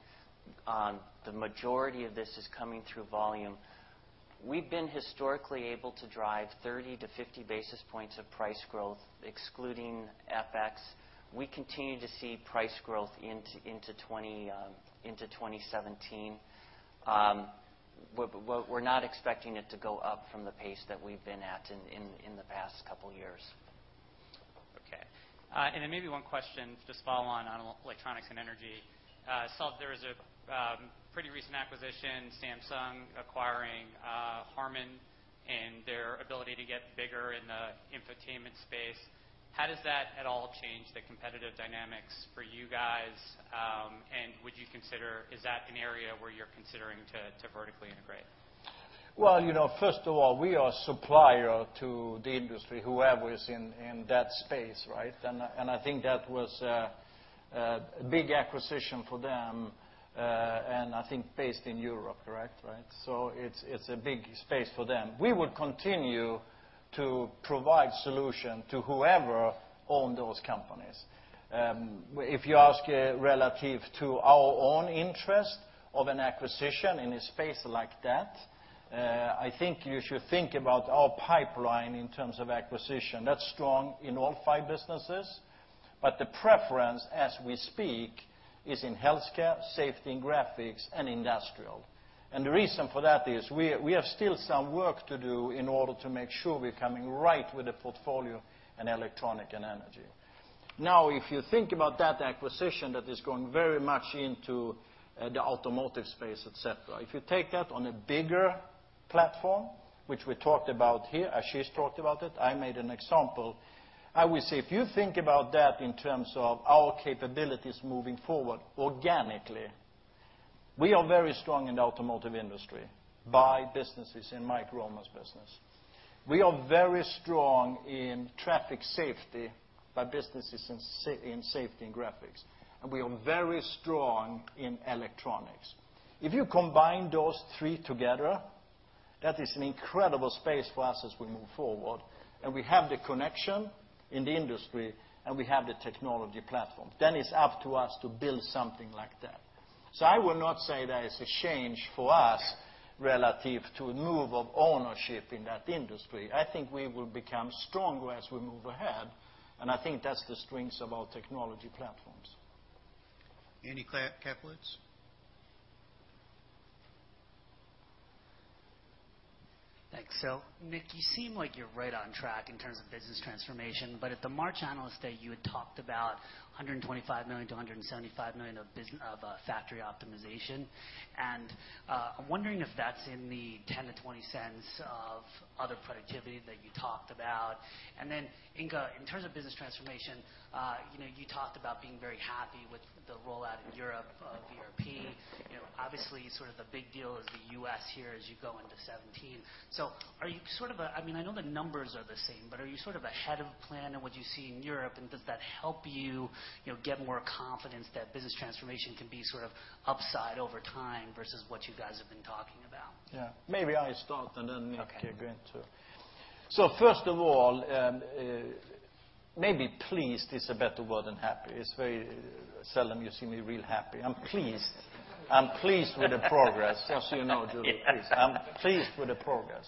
the majority of this is coming through volume. We've been historically able to drive 30-50 basis points of price growth, excluding FX. We continue to see price growth into 2017. We're not expecting it to go up from the pace that we've been at in the past couple years. Okay. Then maybe one question to just follow on Electronics and Energy. Saw there was a pretty recent acquisition, Samsung acquiring HARMAN and their ability to get bigger in the infotainment space. How does that at all change the competitive dynamics for you guys? Is that an area where you're considering to vertically integrate? Well, first of all, we are supplier to the industry, whoever is in that space, right? I think that was a big acquisition for them, and I think based in Europe, correct? It's a big space for them. We would continue to provide solution to whoever own those companies. If you ask relative to our own interest of an acquisition in a space like that, I think you should think about our pipeline in terms of acquisition. That's strong in all five businesses, but the preference as we speak is in Health Care, Safety and Graphics, and Industrial. The reason for that is we have still some work to do in order to make sure we're coming right with the portfolio in Electronics and Energy. If you think about that acquisition that is going very much into the automotive space, et cetera. If you take that on a bigger platform, which we talked about here, Ashish talked about it, I made an example. I would say, if you think about that in terms of our capabilities moving forward organically, we are very strong in the automotive industry by businesses in Mike Roman's business. We are very strong in traffic safety by businesses in Safety and Graphics, and we are very strong in Electronics. If you combine those three together, that is an incredible space for us as we move forward, and we have the connection in the industry, and we have the technology platform. It's up to us to build something like that. I would not say that it's a change for us relative to move of ownership in that industry. I think we will become stronger as we move ahead, I think that's the strengths of our technology platforms. Andy Kaplowitz? Thanks. Nick, you seem like you're right on track in terms of business transformation, at the March analyst day, you had talked about $125 million-$175 million of factory optimization. I'm wondering if that's in the $0.10-$0.20 of other productivity that you talked about. Then Inge, in terms of business transformation, you talked about being very happy with the rollout in Europe of ERP. Obviously, sort of the big deal is the U.S. here as you go into 2017. I know the numbers are the same, but are you sort of ahead of plan in what you see in Europe, does that help you get more confidence that business transformation can be sort of upside over time versus what you guys have been talking about? Yeah. Maybe I start, then Nick can go into it. Okay. First of all, maybe pleased is a better word than happy. It is very seldom you see me real happy. I am pleased. I am pleased with the progress. Just so you know, Julie, please, I am pleased with the progress.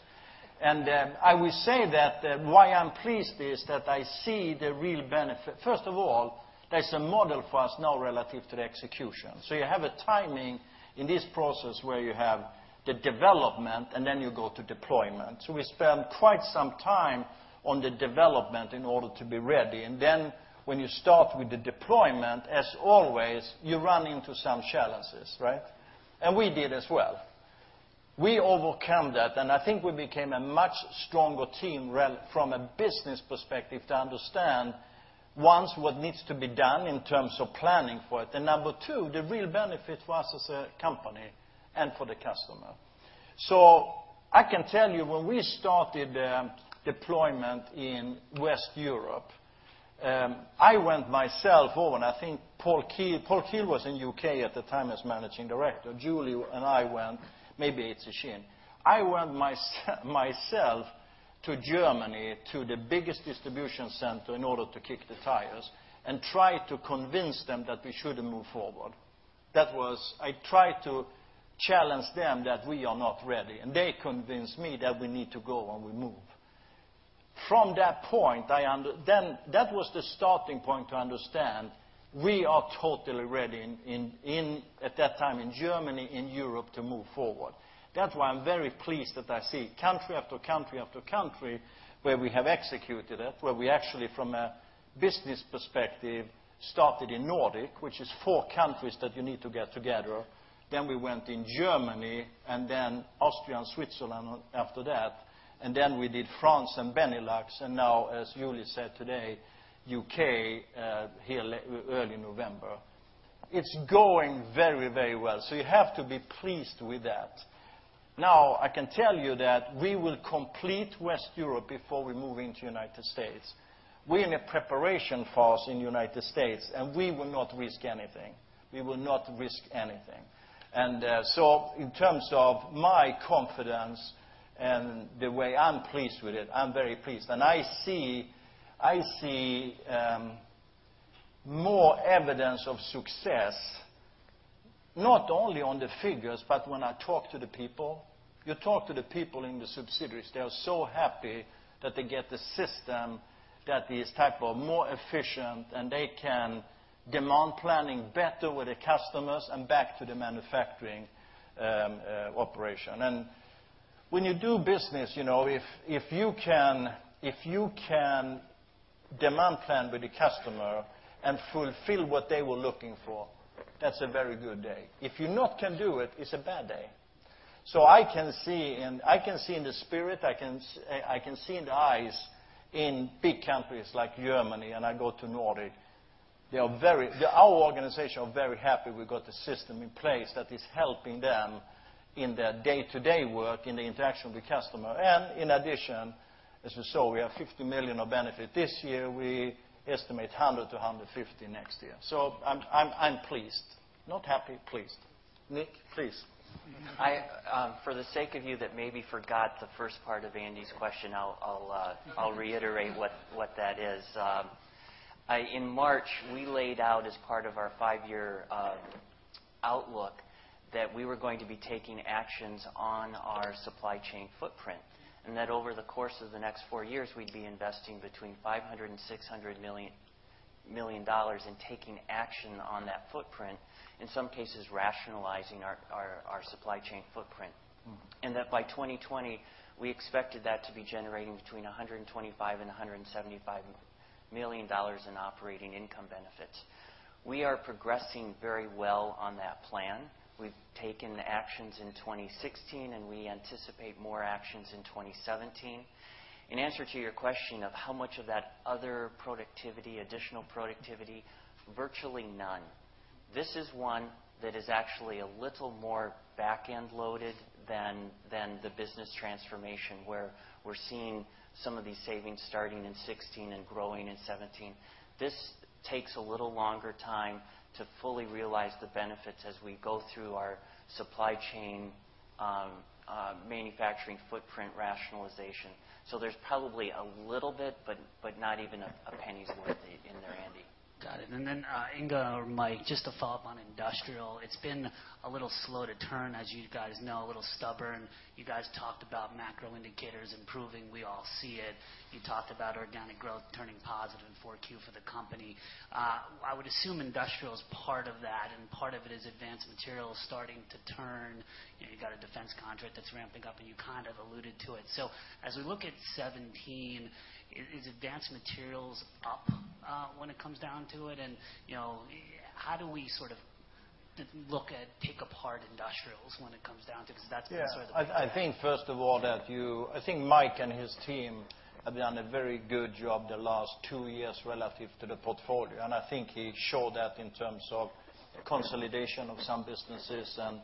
I will say that why I am pleased is that I see the real benefit. First of all, there is a model for us now relative to the execution. You have a timing in this process where you have the development, and then you go to deployment. We spend quite some time on the development in order to be ready. When you start with the deployment, as always, you run into some challenges, right? We did as well. We overcome that, and I think we became a much stronger team from a business perspective to understand, one, what needs to be done in terms of planning for it, and number two, the real benefit for us as a company and for the customer. I can tell you, when we started deployment in West Europe, I went myself over, and I think Paul Keel was in U.K. at the time as managing director. Julie and I went, maybe it is Ashish. I went myself to Germany to the biggest distribution center in order to kick the tires and try to convince them that we should move forward. I tried to challenge them that we are not ready, and they convinced me that we need to go, and we move. From that point, that was the starting point to understand we are totally ready, at that time in Germany, in Europe, to move forward. That is why I am very pleased that I see country after country after country where we have executed it, where we actually, from a business perspective, started in Nordic, which is four countries that you need to get together. We went in Germany, and then Austria and Switzerland after that. We did France and Benelux, and now, as Julie said today, U.K. here early November. It is going very, very well. You have to be pleased with that. Now, I can tell you that we will complete West Europe before we move into United States. We are in a preparation phase in United States, and we will not risk anything. We will not risk anything. In terms of my confidence and the way I am pleased with it, I am very pleased. I see more evidence of success, not only on the figures, but when I talk to the people. You talk to the people in the subsidiaries, they are so happy that they get the system, that is type of more efficient, and they can demand planning better with the customers and back to the manufacturing operation. When you do business, if you can demand plan with the customer and fulfill what they were looking for, that is a very good day. If you not can do it is a bad day. I can see in the spirit, I can see in the eyes in big countries like Germany, and I go to Nordic. Our organization are very happy we got the system in place that is helping them in their day-to-day work, in the interaction with the customer. In addition, as we saw, we have $50 million of benefit this year. We estimate $100 million to $150 million next year. I'm pleased. Not happy, pleased. Nick, please. For the sake of you that maybe forgot the first part of Andy's question, I'll reiterate what that is. In March, we laid out as part of our five-year outlook that we were going to be taking actions on our supply chain footprint, and that over the course of the next four years, we'd be investing between $500 million and $600 million in taking action on that footprint, in some cases, rationalizing our supply chain footprint. That by 2020, we expected that to be generating between $125 million and $175 million in operating income benefits. We are progressing very well on that plan. We've taken actions in 2016, and we anticipate more actions in 2017. In answer to your question of how much of that other productivity, additional productivity, virtually none. This is one that is actually a little more back-end loaded than the Business Transformation, where we're seeing some of these savings starting in 2016 and growing in 2017. This takes a little longer time to fully realize the benefits as we go through our supply chain manufacturing footprint rationalization. There's probably a little bit, but not even a $0.01 worth in there, Andy. Got it. Then, Inge or Mike, just to follow up on industrial, it's been a little slow to turn, as you guys know, a little stubborn. You guys talked about macro indicators improving. We all see it. You talked about organic growth turning positive in Q4 for the company. I would assume industrial's part of that, and part of it is advanced materials starting to turn. You've got a defense contract that's ramping up, and you kind of alluded to it. As we look at 2017, is advanced materials up when it comes down to it? How do we sort of look at pick-apart industrials when it comes down to it? That's sort of. Yeah. I think, first of all, I think Mike and his team have done a very good job the last two years relative to the portfolio, and I think he showed that in terms of consolidation of some businesses and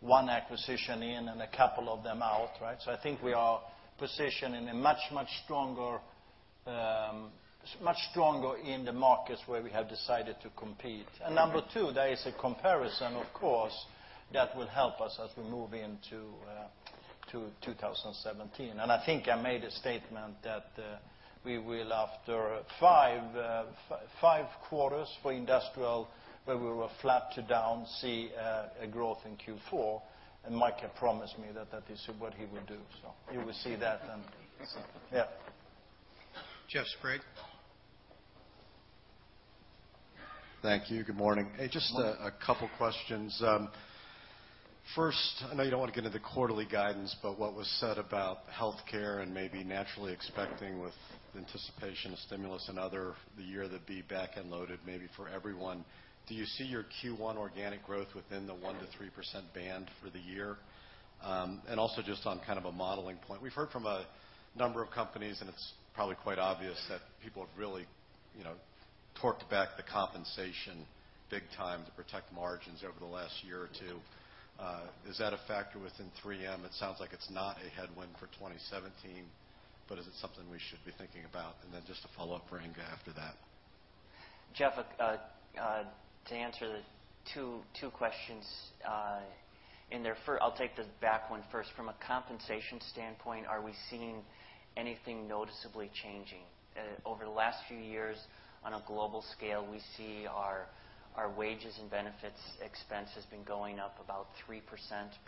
one acquisition in and a couple of them out, right? I think we are positioned in a much stronger in the markets where we have decided to compete. Number two, there is a comparison, of course, that will help us as we move into 2017. I think I made a statement that we will, after five quarters for industrial, where we were flat to down, see a growth in Q4, and Mike had promised me that is what he would do. You will see that then. Yeah. Jeff Sprague. Thank you. Good morning. Morning. Hey, just a couple of questions. First, I know you don't want to get into the quarterly guidance, but what was said about healthcare and maybe naturally expecting with anticipation of stimulus and other the year that be back-end loaded, maybe for everyone, do you see your Q1 organic growth within the 1%-3% band for the year? Also just on kind of a modeling point. We've heard from a number of companies, and it's probably quite obvious that people have really torqued back the compensation big time to protect margins over the last year or two. Is that a factor within 3M? It sounds like it's not a headwind for 2017, but is it something we should be thinking about? Then just a follow-up for Inge after that. Jeff, to answer the two questions in there, I'll take the back one first. From a compensation standpoint, are we seeing anything noticeably changing? Over the last few years on a global scale, we see our wages and benefits expense has been going up about 3%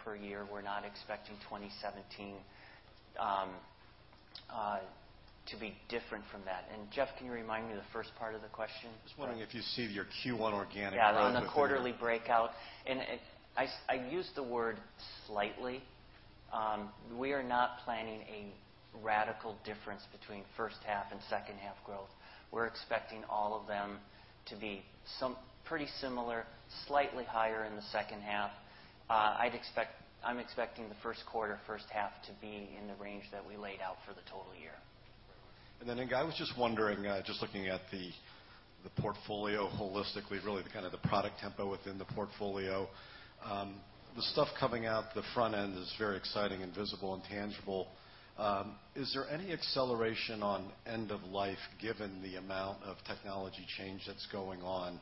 per year. We're not expecting 2017 to be different from that. Jeff, can you remind me of the first part of the question? I was wondering if you see your Q1 organic growth within the- Yeah, on the quarterly breakout. I use the word slightly. We are not planning a radical difference between first half and second half growth. We're expecting all of them to be pretty similar, slightly higher in the second half. I'm expecting the first quarter, first half to be in the range that we laid out for the total year. Inge, I was just wondering, just looking at the portfolio holistically, really the kind of the product tempo within the portfolio. The stuff coming out the front end is very exciting and visible and tangible. Is there any acceleration on end of life given the amount of technology change that's going on?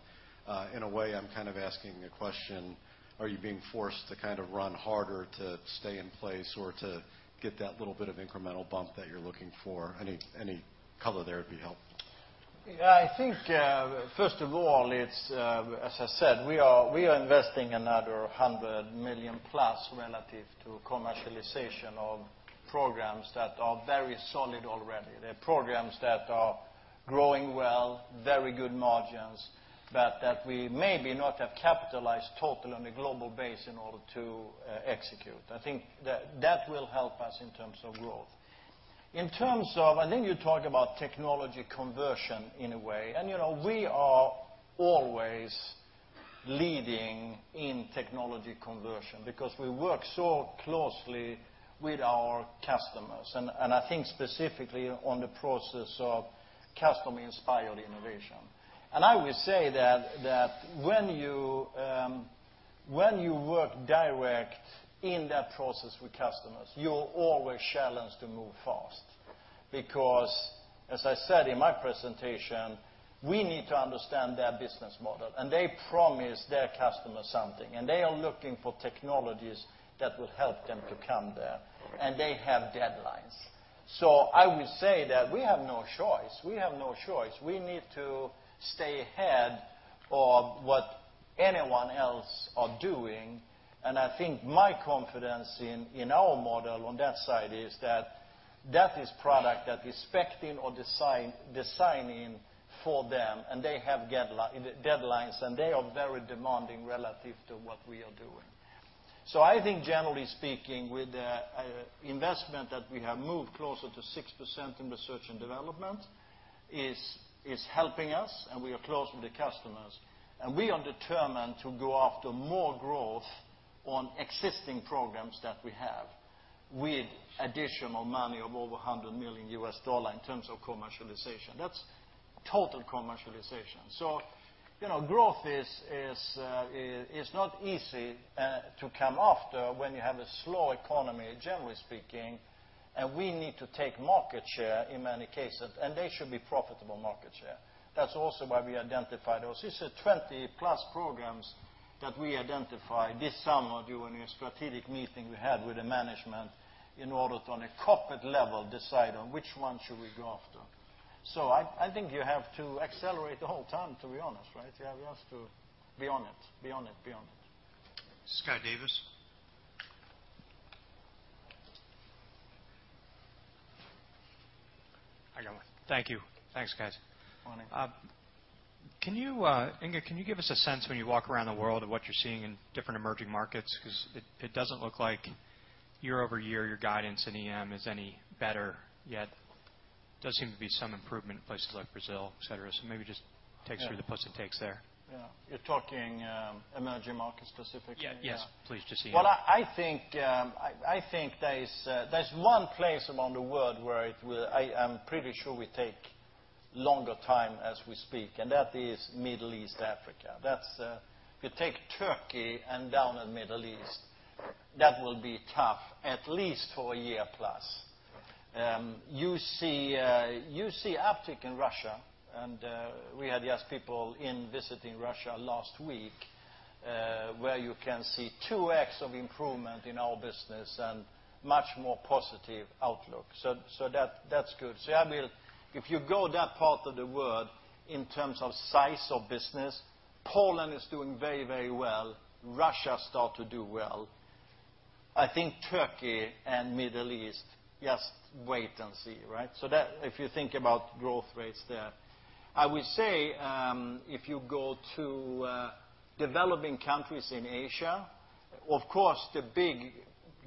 In a way, I'm kind of asking a question, are you being forced to kind of run harder to stay in place or to get that little bit of incremental bump that you're looking for? Any color there would be helpful. I think, first of all, as I said, we are investing another $100 million plus relative to commercialization of programs that are very solid already. They're programs that are growing well, very good margins, but that we maybe not have capitalized totally on a global base in order to execute. I think that will help us in terms of growth. In terms of, I think you talk about technology conversion in a way, we are always leading in technology conversion because we work so closely with our customers, I think specifically on the process of customer-inspired innovation. I will say that when you work direct in that process with customers, you're always challenged to move fast because, as I said in my presentation, we need to understand their business model. They promise their customer something, they are looking for technologies that will help them to come there, they have deadlines. I will say that we have no choice. We need to stay ahead of what anyone else are doing, I think my confidence in our model on that side is that that is product that we're expecting or designing for them, they have deadlines, they are very demanding relative to what we are doing. I think generally speaking, with the investment that we have moved closer to 6% in research and development is helping us, we are close with the customers. We are determined to go after more growth on existing programs that we have with additional money of over $100 million in terms of commercialization. That's total commercialization. Growth is not easy to come after when you have a slow economy, generally speaking, we need to take market share in many cases, they should be profitable market share. That's also why we identify those. This is 20-plus programs that we identified this summer during a strategic meeting we had with the management in order to, on a corporate level, decide on which one should we go after. I think you have to accelerate the whole time, to be honest, right? We have to be on it. Scott Davis. I got one. Thank you. Thanks, guys. Morning. Inge, can you give us a sense when you walk around the world of what you're seeing in different emerging markets? It doesn't look like year-over-year your guidance in EM is any better yet. There does seem to be some improvement in places like Brazil, et cetera. Maybe just take us through the pulse it takes there. Yeah. You're talking emerging markets specifically? Yes, please, just EM. I think there's one place around the world where I am pretty sure we take longer time as we speak, and that is Middle East, Africa. If you take Turkey and down in Middle East, that will be tough at least for a year plus. You see uptick in Russia, and we had yes people in visiting Russia last week, where you can see 2x of improvement in our business and much more positive outlook. That's good. If you go that part of the world in terms of size of business, Poland is doing very well. Russia start to do well. I think Turkey and Middle East, just wait and see. If you think about growth rates there. I will say, if you go to developing countries in Asia, of course, the big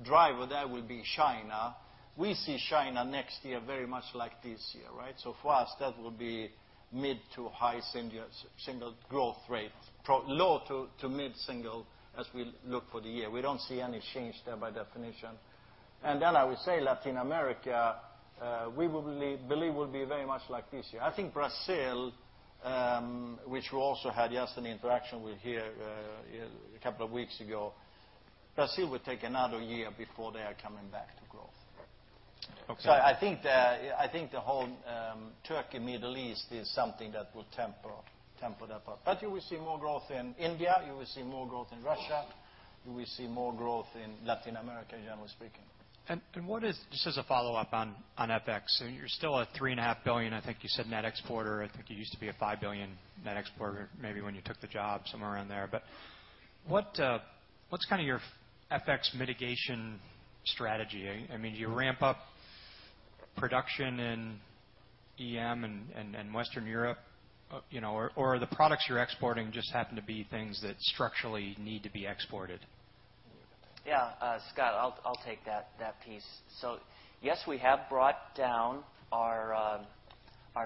driver there will be China. We see China next year very much like this year. For us, that will be mid to high single growth rate, low to mid single as we look for the year. We don't see any change there by definition. I will say Latin America, we believe will be very much like this year. I think Brazil, which we also had just an interaction with here a couple of weeks ago, Brazil will take another year before they are coming back to growth. Okay. I think the whole Turkey, Middle East is something that will temper that part. You will see more growth in India, you will see more growth in Russia, you will see more growth in Latin America, generally speaking. What is, just as a follow-up on FX, you're still a $3.5 billion, I think you said, net exporter. I think you used to be a $5 billion net exporter maybe when you took the job, somewhere around there. What's your FX mitigation strategy? Do you ramp up production in EM and Western Europe? Are the products you're exporting just happen to be things that structurally need to be exported? Yeah, Scott, I'll take that piece. Yes, we have brought down our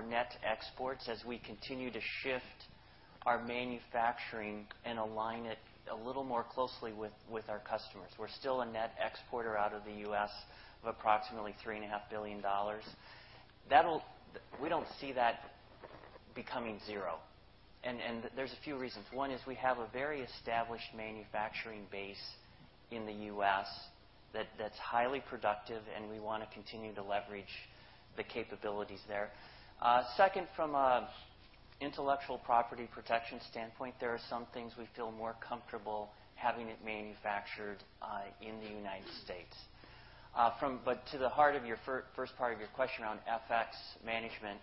net exports as we continue to shift our manufacturing and align it a little more closely with our customers. We're still a net exporter out of the U.S. of approximately $3.5 billion. We don't see that becoming zero. There's a few reasons. One is we have a very established manufacturing base in the U.S. that's highly productive, and we want to continue to leverage the capabilities there. Second, from an intellectual property protection standpoint, there are some things we feel more comfortable having it manufactured in the United States. To the heart of your first part of your question on FX management,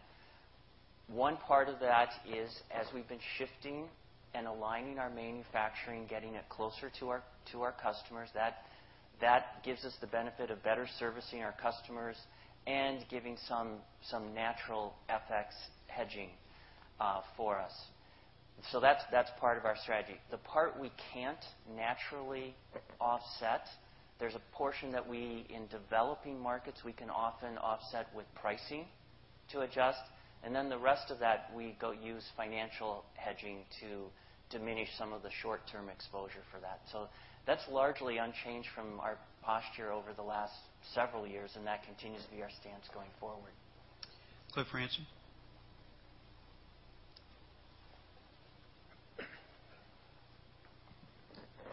one part of that is as we've been shifting and aligning our manufacturing, getting it closer to our customers, that gives us the benefit of better servicing our customers and giving some natural FX hedging for us. That's part of our strategy. The part we can't naturally offset, there's a portion that we, in developing markets, we can often offset with pricing to adjust. The rest of that, we go use financial hedging to diminish some of the short-term exposure for that. That's largely unchanged from our posture over the last several years, and that continues to be our stance going forward. Cliff Ransom.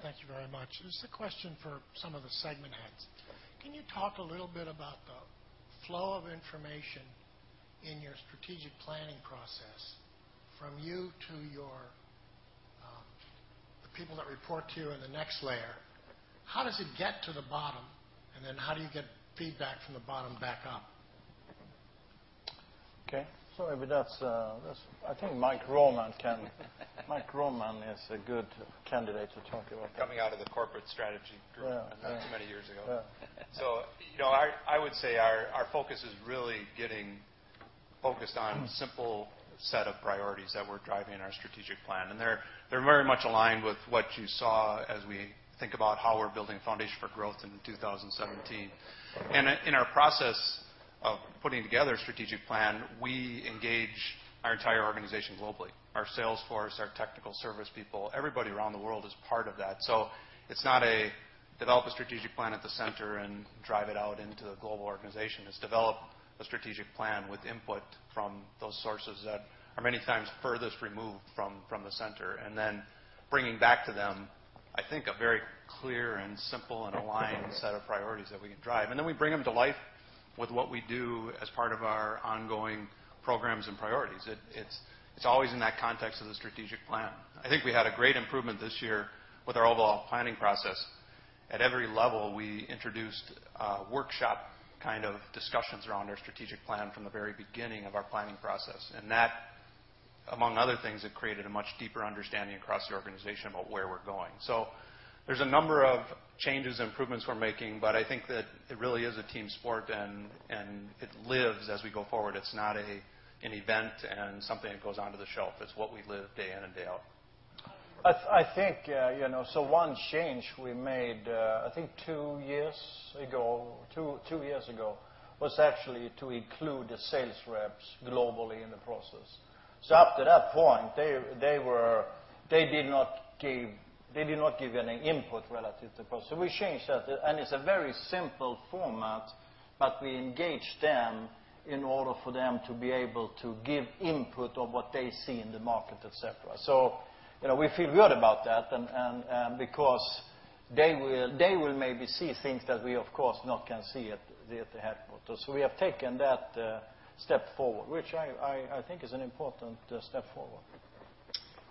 Thank you very much. This is a question for some of the segment heads. Can you talk a little bit about the flow of information in your strategic planning process from you to the people that report to you in the next layer? How does it get to the bottom? How do you get feedback from the bottom back up? Okay. That's, I think Mike Roman is a good candidate to talk about that. Coming out of the corporate strategy group. Yeah many years ago. Yeah. I would say our focus is really getting focused on a simple set of priorities that we're driving in our strategic plan. They're very much aligned with what you saw as we think about how we're building foundation for growth in 2017. In our process of putting together a strategic plan, we engage our entire organization globally, our sales force, our technical service people, everybody around the world is part of that. It's not a develop a strategic plan at the center and drive it out into the global organization. It's develop a strategic plan with input from those sources that are many times furthest removed from the center. Then bringing back to them, I think, a very clear and simple and aligned set of priorities that we can drive. We bring them to life with what we do as part of our ongoing programs and priorities. It's always in that context of the strategic plan. I think we had a great improvement this year with our overall planning process. At every level, we introduced workshop kind of discussions around our strategic plan from the very beginning of our planning process. That, among other things, it created a much deeper understanding across the organization about where we're going. There's a number of changes, improvements we're making, but I think that it really is a team sport, and it lives as we go forward. It's not an event and something that goes onto the shelf. It's what we live day in and day out. I think, one change we made, I think two years ago, was actually to include the sales reps globally in the process. Up to that point, they did not give any input relative to process. We changed that. It's a very simple format, but we engage them in order for them to be able to give input of what they see in the market, et cetera. We feel good about that, and because they will maybe see things that we, of course, not can see at the headquarters. We have taken that step forward, which I think is an important step forward.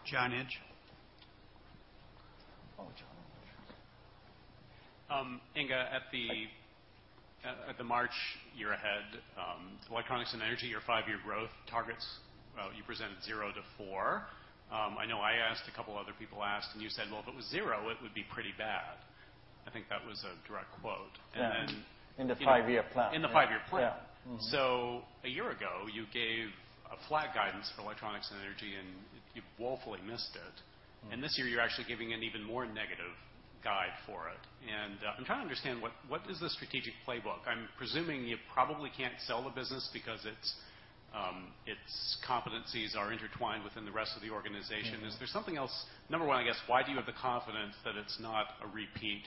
John Inch. John Inch. Inge, at the March year ahead, Electronics and Energy, your five-year growth targets, well, you presented 0-4. I know I asked, a couple other people asked, and you said, "Well, if it was zero, it would be pretty bad." I think that was a direct quote. Yeah. In the five-year plan. In the five-year plan. Yeah. Mm-hmm. A year ago, you gave a flat guidance for Electronics and Energy, and you woefully missed it. This year, you're actually giving an even more negative guide for it. I'm trying to understand what is the strategic playbook? I'm presuming you probably can't sell the business because its competencies are intertwined within the rest of the organization. Is there something else? Number one, I guess, why do you have the confidence that it's not a repeat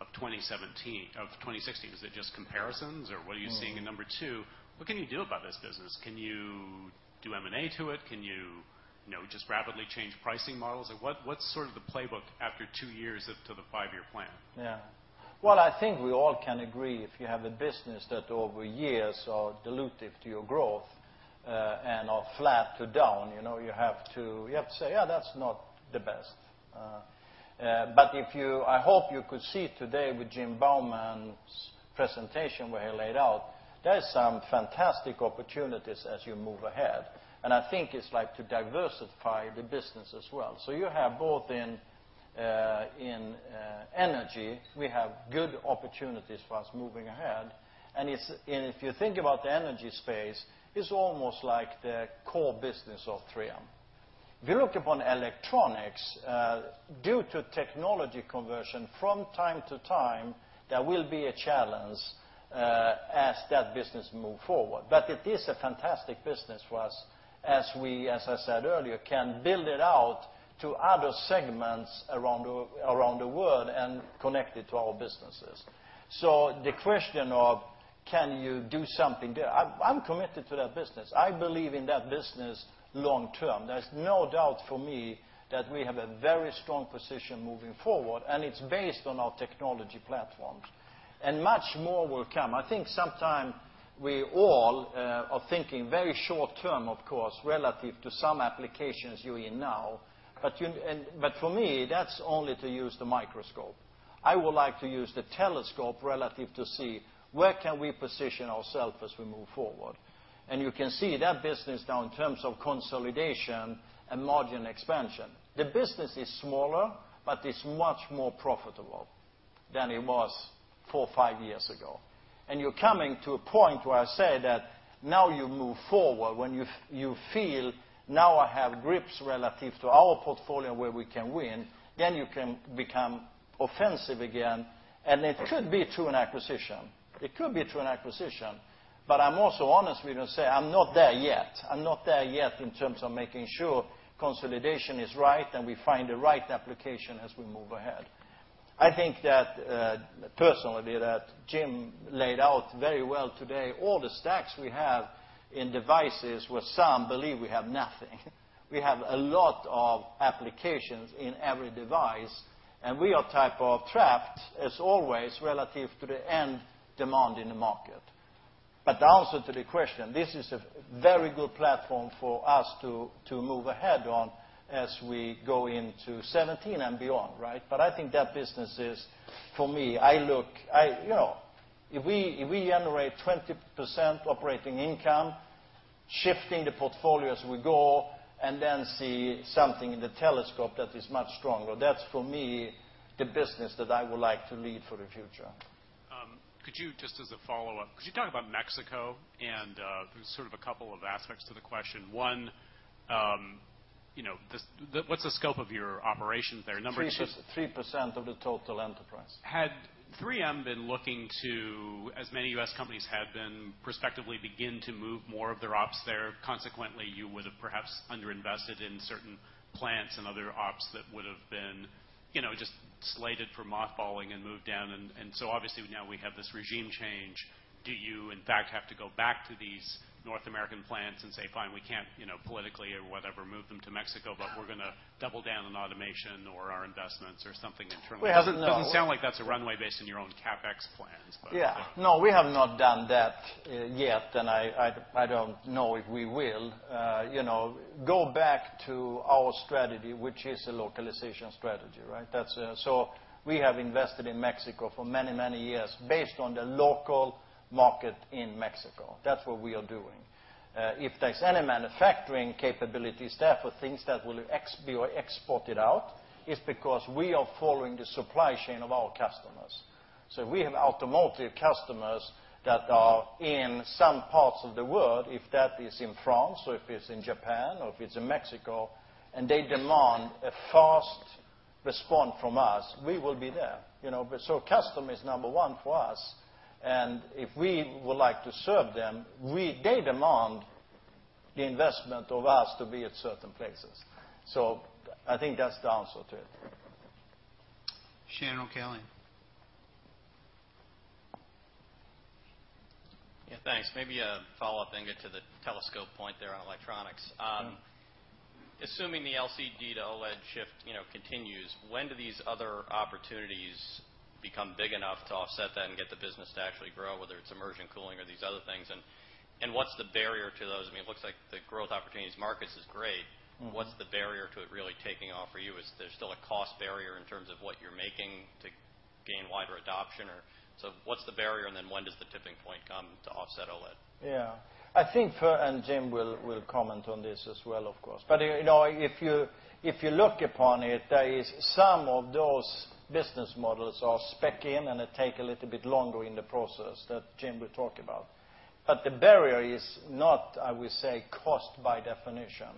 of 2016? Is it just comparisons, or what are you seeing? Number two, what can you do about this business? Can you do M&A to it? Can you just rapidly change pricing models? What's sort of the playbook after two years of to the five-year plan? Yeah. I think we all can agree if you have a business that over years are dilutive to your growth, and are flat to down, you have to say, "Yeah, that's not the best." I hope you could see today with Jim Bauman's presentation where he laid out, there are some fantastic opportunities as you move ahead. I think it's like to diversify the business as well. You have both in energy, we have good opportunities for us moving ahead. If you think about the energy space, it's almost like the core business of 3M. If you look upon electronics, due to technology conversion from time to time, there will be a challenge, as that business move forward. It is a fantastic business for us as I said earlier, can build it out to other segments around the world and connect it to our businesses. The question of can you do something? I'm committed to that business. I believe in that business long term. There's no doubt for me that we have a very strong position moving forward, and it's based on our technology platforms. Much more will come. I think sometime we all are thinking very short term, of course, relative to some applications you're in now. For me, that's only to use the microscope. I would like to use the telescope relative to see where can we position ourself as we move forward. You can see that business now in terms of consolidation and margin expansion. The business is smaller, but it's much more profitable. Than it was four or five years ago. You're coming to a point where I say that now you move forward when you feel, "Now I have grips relative to our portfolio where we can win," you can become offensive again, and it could be through an acquisition. It could be through an acquisition, I'm also honest with you and say, I'm not there yet. I'm not there yet in terms of making sure consolidation is right and we find the right application as we move ahead. I think that, personally, that Jim laid out very well today all the stacks we have in devices where some believe we have nothing. We have a lot of applications in every device, and we are type of trapped as always relative to the end demand in the market. The answer to the question, this is a very good platform for us to move ahead on as we go into 2017 and beyond, right? I think that business is, for me, if we generate 20% operating income, shifting the portfolio as we go, see something in the telescope that is much stronger. That's, for me, the business that I would like to lead for the future. Could you, just as a follow-up, could you talk about Mexico? There's sort of a couple of aspects to the question. One, what's the scope of your operations there? Number two. 3% of the total enterprise. Had 3M been looking to, as many U.S. companies had been, prospectively begin to move more of their ops there, consequently, you would have perhaps underinvested in certain plants and other ops that would've been just slated for mothballing and moved down. Obviously, now we have this regime change. Do you in fact have to go back to these North American plants and say, "Fine, we can't politically or whatever, move them to Mexico, but we're going to double down on automation or our investments or something internally? We haven't, no. It doesn't sound like that's a runway based on your own CapEx plans. Yeah. No, we have not done that yet, and I don't know if we will. Go back to our strategy, which is a localization strategy, right? We have invested in Mexico for many, many years based on the local market in Mexico. That's what we are doing. If there's any manufacturing capabilities there for things that will be exported out, it's because we are following the supply chain of our customers. We have automotive customers that are in some parts of the world, if that is in France or if it's in Japan or if it's in Mexico, and they demand a fast response from us, we will be there. Customer is number one for us, and if we would like to serve them, they demand the investment of us to be at certain places. I think that's the answer to it. Shannon O'Callaghan. Yeah, thanks. Maybe a follow-up, Inge, to the telescope point there on electronics. Sure. Assuming the LCD to OLED shift continues, when do these other opportunities become big enough to offset that and get the business to actually grow, whether it's immersion cooling or these other things? What's the barrier to those? It looks like the growth opportunities markets is great. What's the barrier to it really taking off for you? Is there still a cost barrier in terms of what you're making to gain wider adoption or what's the barrier, and then when does the tipping point come to offset OLED? Yeah. I think for, Jim will comment on this as well, of course, but if you look upon it, there is some of those business models are spec in and take a little bit longer in the process that Jim will talk about. The barrier is not, I would say, cost by definition.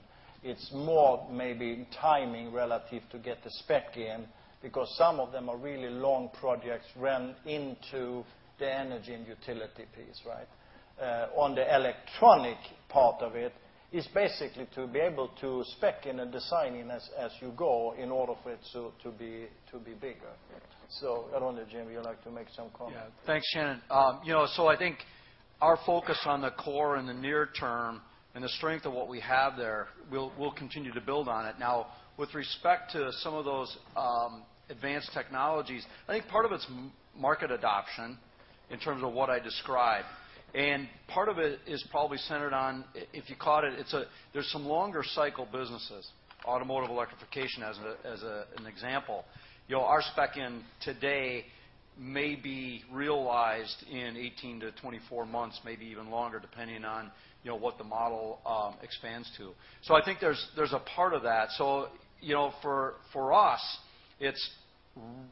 It's more maybe timing relative to get the spec in because some of them are really long projects run into the energy and utility piece, right? On the electronic part of it's basically to be able to spec in and design in as you go in order for it to be bigger. Yeah. I don't know, Jim, you'd like to make some comment? Thanks, Shannon. I think our focus on the core in the near term and the strength of what we have there, we'll continue to build on it. Now, with respect to some of those advanced technologies, I think part of it's market adoption in terms of what I described. Part of it is probably centered on, if you caught it, there's some longer cycle businesses, automotive electrification as an example. Our spec in today may be realized in 18-24 months, maybe even longer, depending on what the model expands to. I think there's a part of that. For us, it's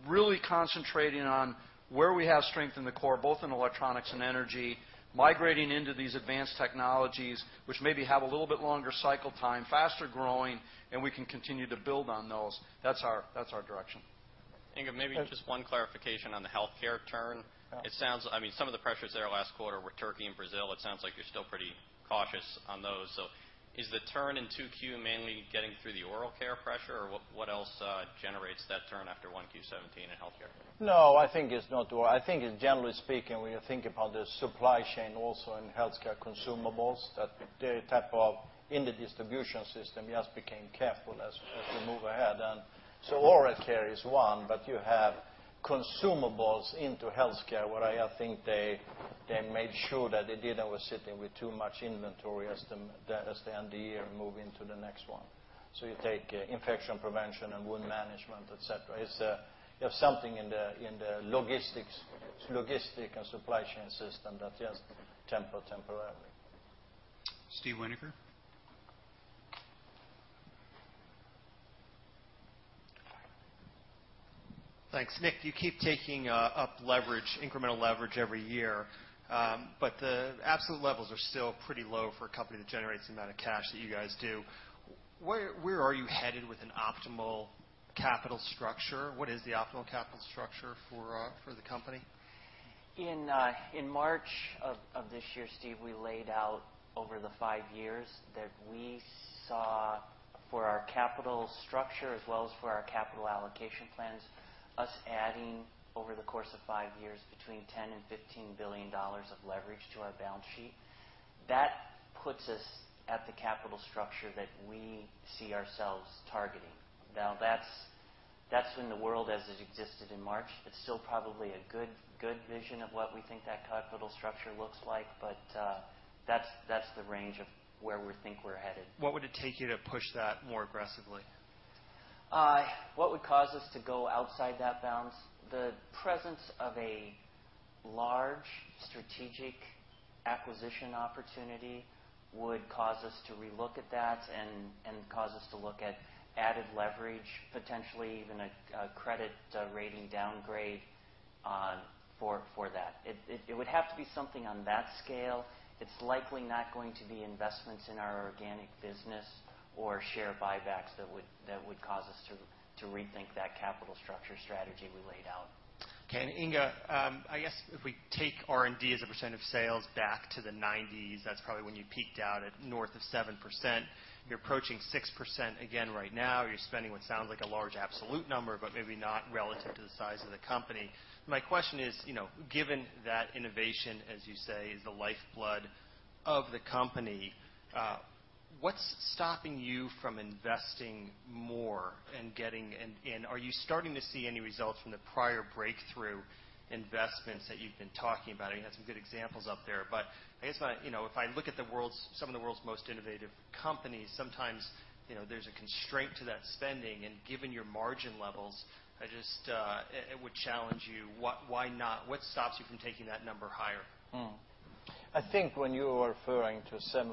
really concentrating on where we have strength in the core, both in Electronics and Energy, migrating into these advanced technologies, which maybe have a little bit longer cycle time, faster growing, and we can continue to build on those. That's our direction. Inge, maybe just one clarification on the healthcare turn. Yeah. It sounds, some of the pressures there last quarter were Turkey and Brazil. It sounds like you're still pretty cautious on those. Is the turn in 2Q mainly getting through the oral care pressure, or what else generates that turn after 1Q 2017 in healthcare? I think it's not oral. I think generally speaking, when you think about the supply chain also in healthcare consumables, that type of in the distribution system, we just became careful as we move ahead. Oral care is one, but you have consumables into healthcare where I think they made sure that they didn't sit with too much inventory as they end the year and move into the next one. You take infection prevention and wound management, et cetera. It's something in the logistics and supply chain system that's just temporarily. Steve Winoker. Thanks. Nick, you keep taking up leverage, incremental leverage every year. The absolute levels are still pretty low for a company that generates the amount of cash that you guys do. Where are you headed with an optimal capital structure? What is the optimal capital structure for the company? In March of this year, Steve, we laid out over the five years that we saw for our capital structure as well as for our capital allocation plans, us adding over the course of five years between $10 billion and $15 billion of leverage to our balance sheet. That puts us at the capital structure that we see ourselves targeting. Now, that's in the world as it existed in March. It's still probably a good vision of what we think that capital structure looks like, that's the range of where we think we're headed. What would it take you to push that more aggressively? What would cause us to go outside that balance? The presence of a large strategic acquisition opportunity would cause us to re-look at that and cause us to look at added leverage, potentially even a credit rating downgrade for that. It would have to be something on that scale. It's likely not going to be investments in our organic business or share buybacks that would cause us to rethink that capital structure strategy we laid out. Okay. Inge, I guess if we take R&D as a percent of sales back to the '90s, that's probably when you peaked out at north of 7%. You're approaching 6% again right now. You're spending what sounds like a large absolute number, but maybe not relative to the size of the company. My question is, given that innovation, as you say, is the lifeblood of the company, what's stopping you from investing more and getting in? Are you starting to see any results from the prior breakthrough investments that you've been talking about? I know you had some good examples up there. I guess if I look at some of the world's most innovative companies, sometimes there's a constraint to that spending, and given your margin levels, I just would challenge you, why not? What stops you from taking that number higher? I think when you are referring to 7%+,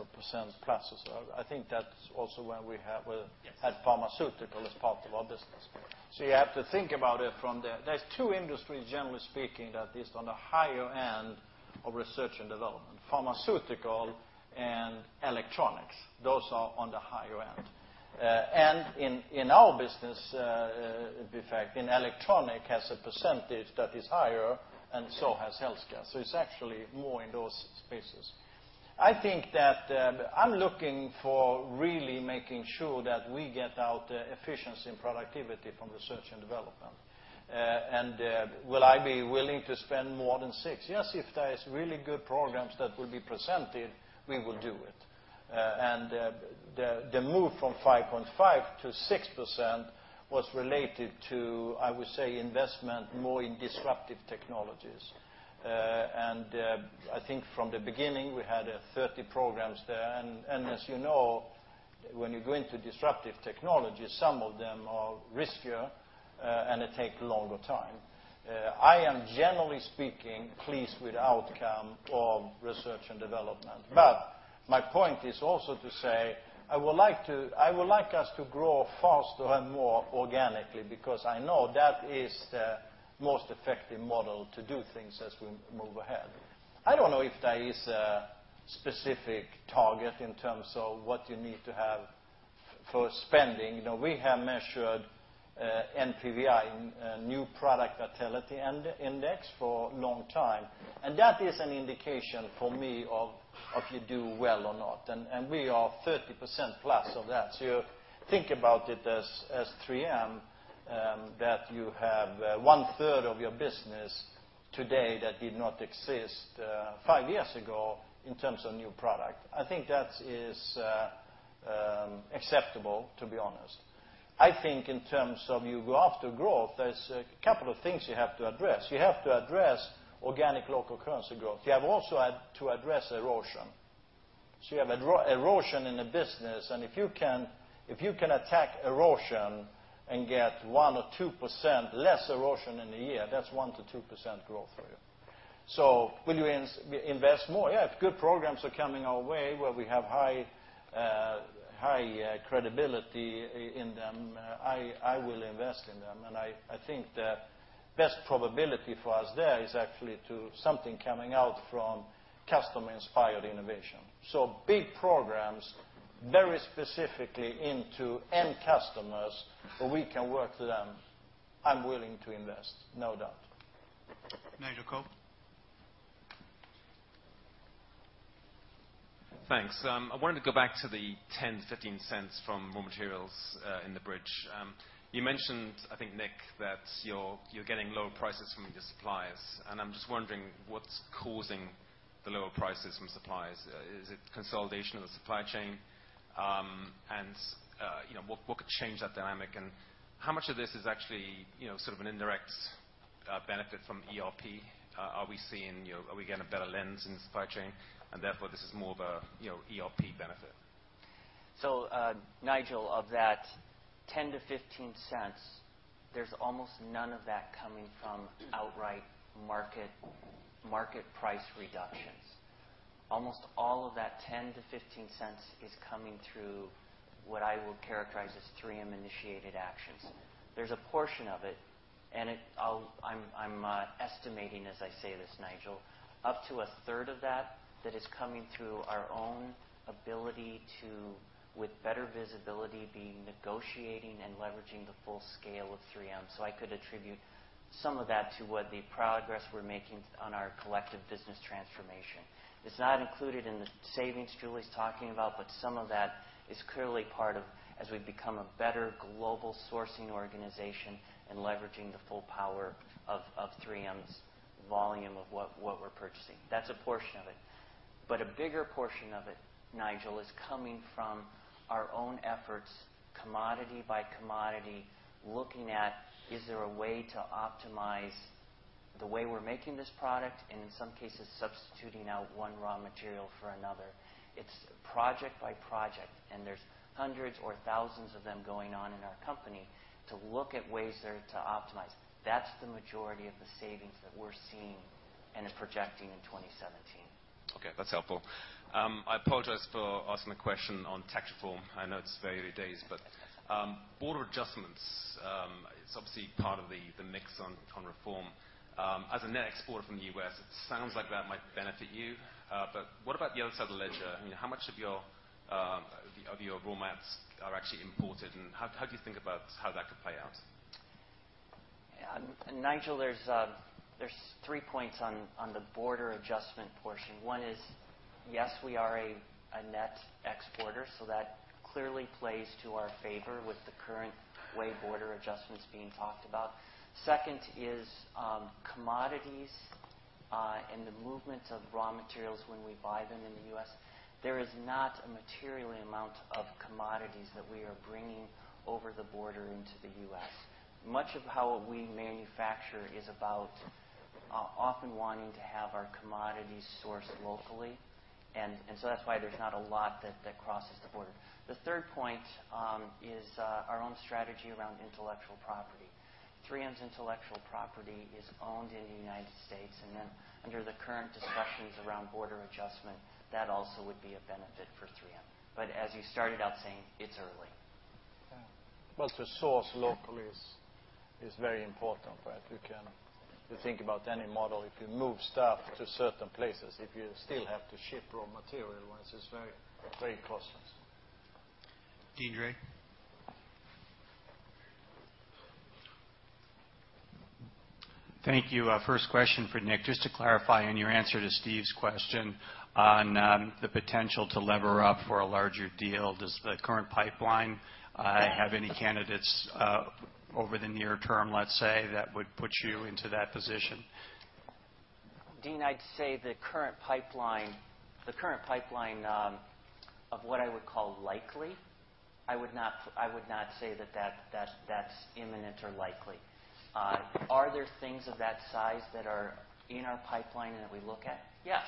I think that's also when we had- Yes pharmaceutical as part of our business. You have to think about it from there. There's two industries, generally speaking, that is on the higher end of research and development, pharmaceutical and electronics. Those are on the higher end. In our business, in fact, in electronics has a percentage that is higher, and so has healthcare. It's actually more in those spaces. I think that I'm looking for really making sure that we get out efficiency and productivity from research and development. Will I be willing to spend more than six? Yes, if there is really good programs that will be presented, we will do it. The move from 5.5% to 6% was related to, I would say, investment more in disruptive technologies. I think from the beginning, we had 30 programs there. As you know, when you go into disruptive technology, some of them are riskier, and they take a longer time. I am, generally speaking, pleased with the outcome of research and development. My point is also to say, I would like us to grow faster and more organically, because I know that is the most effective model to do things as we move ahead. I don't know if there is a specific target in terms of what you need to have for spending. We have measured NPVI, New Product Vitality Index, for a long time, and that is an indication for me of if you do well or not, and we are 30% plus of that. You think about it as 3M, that you have one-third of your business today that did not exist five years ago in terms of new product. I think that is acceptable, to be honest. I think in terms of you go after growth, there's a couple of things you have to address. You have to address organic local currency growth. You have also had to address erosion. You have erosion in the business, and if you can attack erosion and get 1% or 2% less erosion in a year, that's 1%-2% growth for you. Will you invest more? Yeah, if good programs are coming our way where we have high credibility in them, I will invest in them. I think the best probability for us there is actually to something coming out from customer-inspired innovation. Big programs very specifically into end customers where we can work with them, I'm willing to invest, no doubt. Nigel Coe? Thanks. I wanted to go back to the $0.10-$0.15 from raw materials in the bridge. You mentioned, I think, Nick, that you're getting lower prices from your suppliers, and I'm just wondering what's causing the lower prices from suppliers. Is it consolidation of the supply chain? What could change that dynamic, and how much of this is actually sort of an indirect benefit from ERP? Are we getting a better lens in supply chain, and therefore this is more of a ERP benefit? Nigel, of that $0.10-$0.15, there's almost none of that coming from outright market price reductions. Almost all of that $0.10-$0.15 is coming through what I will characterize as 3M-initiated actions. There's a portion of it, and I'm estimating as I say this, Nigel, up to a third of that is coming through our own ability to, with better visibility, be negotiating and leveraging the full scale of 3M. I could attribute some of that to what the progress we're making on our collective business transformation. It's not included in the savings Julie's talking about, but some of that is clearly part of as we've become a better global sourcing organization and leveraging the full power of 3M's volume of what we're purchasing. That's a portion of it. A bigger portion of it, Nigel, is coming from our own efforts, commodity by commodity, looking at is there a way to optimize the way we're making this product, and in some cases, substituting out one raw material for another. It's project by project, and there's hundreds or thousands of them going on in our company to look at ways there to optimize. That's the majority of the savings that we're seeing and is projecting in 2017. Okay, that's helpful. I apologize for asking a question on tax reform. I know it's very early days, border adjustments, it's obviously part of the mix on reform. As a net exporter from the U.S., it sounds like that might benefit you. What about the other side of the ledger? How much of your raw mats are actually imported, and how do you think about how that could play out? Nigel, there's three points on the border adjustment portion. One is, yes, we are a net exporter, that clearly plays to our favor with the current way border adjustments being talked about. Second is, commodities, and the movements of raw materials when we buy them in the U.S., there is not a material amount of commodities that we are bringing over the border into the U.S. Much of how we manufacture is about often wanting to have our commodities sourced locally. That's why there's not a lot that crosses the border. The third point is our own strategy around intellectual property. 3M's intellectual property is owned in the United States, under the current discussions around border adjustment, that also would be a benefit for 3M. As you started out saying, it's early. To source locally is very important, right? If you think about any model, if you move stuff to certain places, if you still have to ship raw material, it's very, very costly. Deane Dray. Thank you. First question for Nick, just to clarify on your answer to Steve's question on the potential to lever up for a larger deal. Does the current pipeline have any candidates over the near term, let's say, that would put you into that position? Deane, I'd say the current pipeline of what I would call likely, I would not say that that's imminent or likely. Are there things of that size that are in our pipeline that we look at? Yes,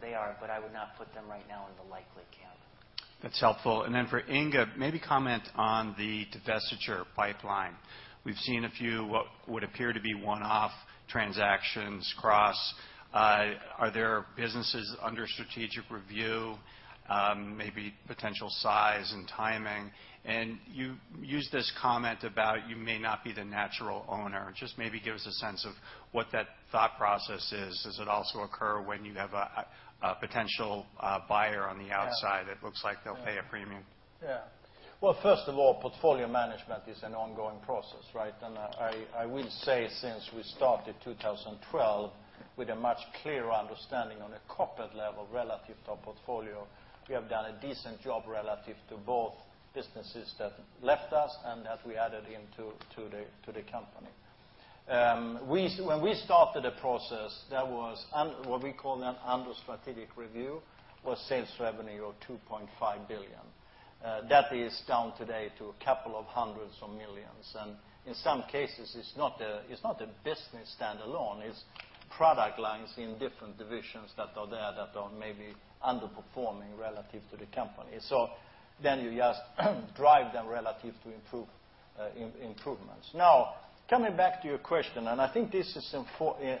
they are, but I would not put them right now in the likely camp. That's helpful. Then for Inge, maybe comment on the divestiture pipeline. We've seen a few, what would appear to be one-off transactions cross. Are there businesses under strategic review, maybe potential size and timing? You used this comment about you may not be the natural owner. Just maybe give us a sense of what that thought process is. Does it also occur when you have a potential buyer on the outside that looks like they'll pay a premium? Yeah. Well, first of all, portfolio management is an ongoing process, right? I will say since we started 2012 with a much clearer understanding on a corporate level relative to our portfolio, we have done a decent job relative to both businesses that left us and that we added into the company. When we started the process, there was, what we call an under-strategic review, was sales revenue of $2.5 billion. That is down today to a couple of hundreds of millions. In some cases, it's not a business standalone, it's product lines in different divisions that are there that are maybe underperforming relative to the company. You just drive them relative to improvements. Coming back to your question, I think this is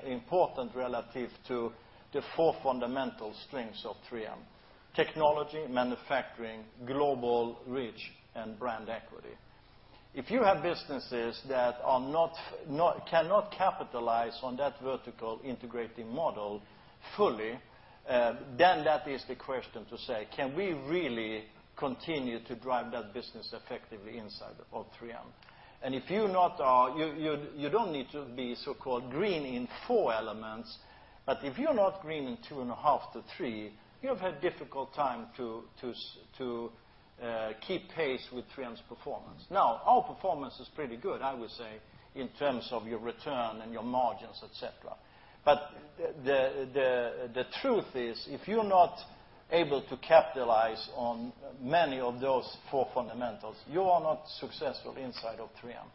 important relative to the four fundamental strengths of 3M, technology, manufacturing, global reach, and brand equity. If you have businesses that cannot capitalize on that vertical integrating model fully, that is the question to say, can we really continue to drive that business effectively inside of 3M? You don't need to be so-called green in four elements, but if you're not green in two and a half to three, you have had difficult time to keep pace with 3M's performance. Our performance is pretty good, I would say, in terms of your return and your margins, et cetera. The truth is, if you're not able to capitalize on many of those four fundamentals, you are not successful inside of 3M.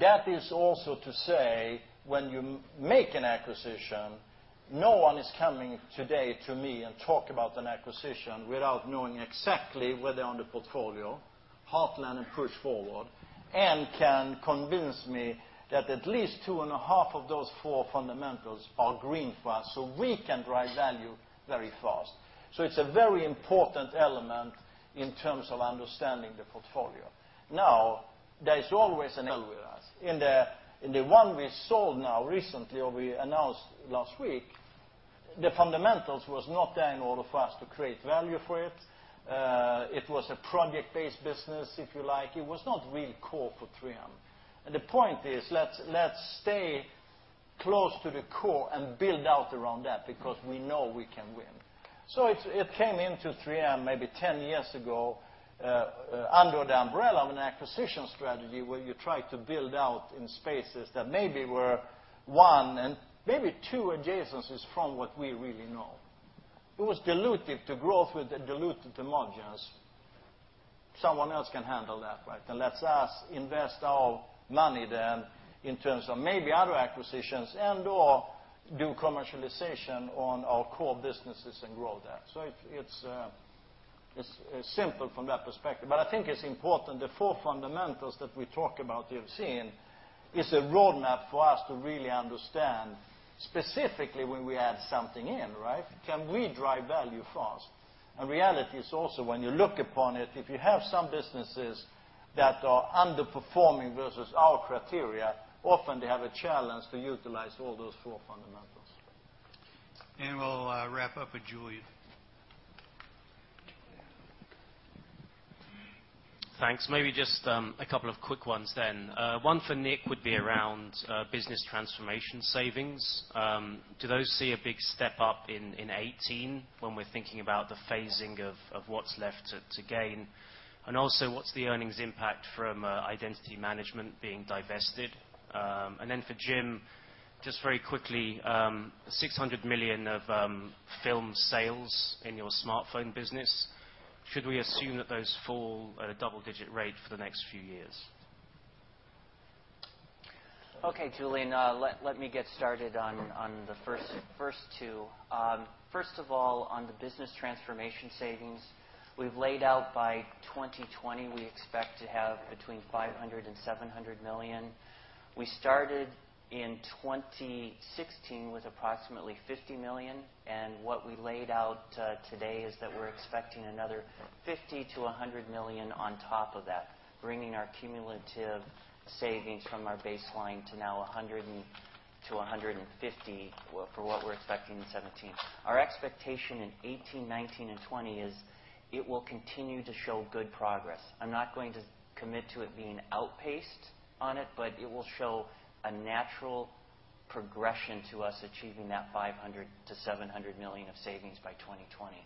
That is also to say, when you make an acquisition, no one is coming today to me and talk about an acquisition without knowing exactly where they are on the portfolio, Heartland and Push Forward, and can convince me that at least two and a half of those four fundamentals are green for us, we can drive value very fast. It's a very important element in terms of understanding the portfolio. There's always an L with us. In the one we sold now recently, or we announced last week. The fundamentals was not there in order for us to create value for it. It was a project-based business, if you like. It was not really core for 3M. The point is, let's stay close to the core and build out around that because we know we can win. It came into 3M maybe 10 years ago, under the umbrella of an acquisition strategy, where you try to build out in spaces that maybe were one and maybe two adjacencies from what we really know. It was dilutive to growth with the dilutive to margins. Someone else can handle that, right? Lets us invest our money then in terms of maybe other acquisitions and/or do commercialization on our core businesses and grow that. It's simple from that perspective. I think it's important, the four fundamentals that we talk about you've seen, is a roadmap for us to really understand specifically when we add something in, right? Can we drive value for us? And reality is also when you look upon it, if you have some businesses that are underperforming versus our criteria, often they have a challenge to utilize all those four fundamentals. We'll wrap up with Julian. Thanks. Maybe just a couple of quick ones then. One for Nick would be around business transformation savings. Do those see a big step up in 2018 when we're thinking about the phasing of what's left to gain? Also, what's the earnings impact from identity management being divested? Then for Jim, just very quickly, $600 million of film sales in your smartphone business. Should we assume that those fall at a double-digit rate for the next few years? Okay, Julian, let me get started on the first two. First of all, on the business transformation savings, we've laid out by 2020, we expect to have between $500 million and $700 million. We started in 2016 with approximately $50 million, what we laid out today is that we're expecting another $50 million-$100 million on top of that, bringing our cumulative savings from our baseline to now $100 million-$150 million, for what we're expecting in 2017. Our expectation in 2018, 2019, and 2020 is it will continue to show good progress. I'm not going to commit to it being outpaced on it, but it will show a natural progression to us achieving that $500 million-$700 million of savings by 2020.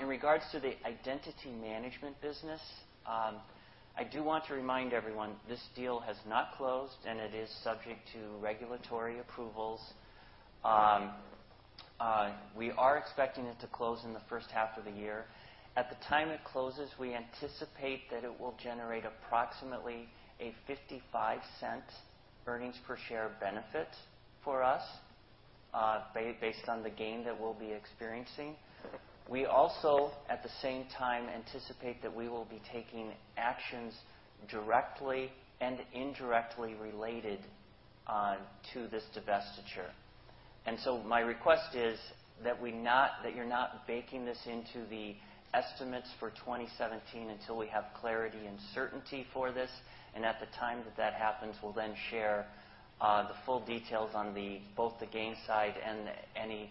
In regards to the identity management business, I do want to remind everyone this deal has not closed, it is subject to regulatory approvals. We are expecting it to close in the first half of the year. At the time it closes, we anticipate that it will generate approximately a $0.55 earnings per share benefit for us, based on the gain that we'll be experiencing. We also, at the same time, anticipate that we will be taking actions directly and indirectly related to this divestiture. My request is that you're not baking this into the estimates for 2017 until we have clarity and certainty for this. At the time that that happens, we'll then share the full details on both the gain side and any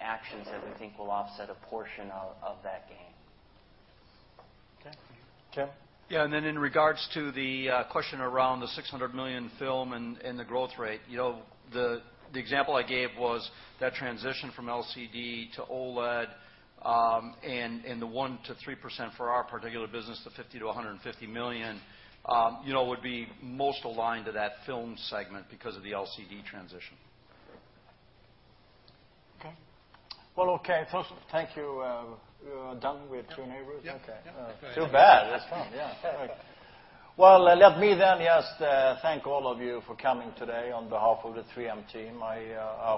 actions that we think will offset a portion of that gain. Okay. Jim? In regards to the question around the $600 million film and the growth rate, the example I gave was that transition from LCD to OLED, and the 1% to 3% for our particular business, the $50 million to $150 million, would be most aligned to that film segment because of the LCD transition. Okay. Well, okay. First, thank you. We are done with two neighbors? Yeah. Okay. Yeah. Too bad. That's fine, yeah. Let me then just thank all of you for coming today on behalf of the 3M team. I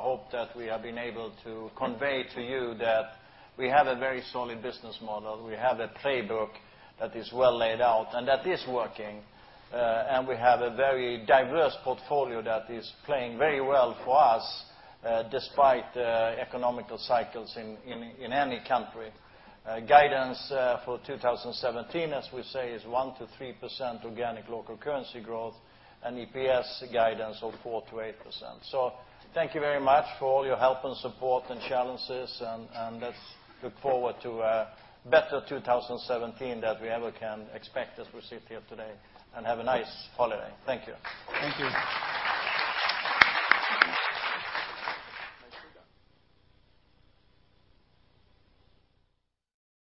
hope that we have been able to convey to you that we have a very solid business model. We have a playbook that is well laid out and that is working. We have a very diverse portfolio that is playing very well for us, despite economic cycles in any country. Guidance for 2017, as we say, is 1%-3% organic local currency growth and EPS guidance of 4%-8%. Thank you very much for all your help and support and challenges, and let's look forward to a better 2017 that we ever can expect as we sit here today. Have a nice holiday. Thank you. Thank you. Make sure you're done.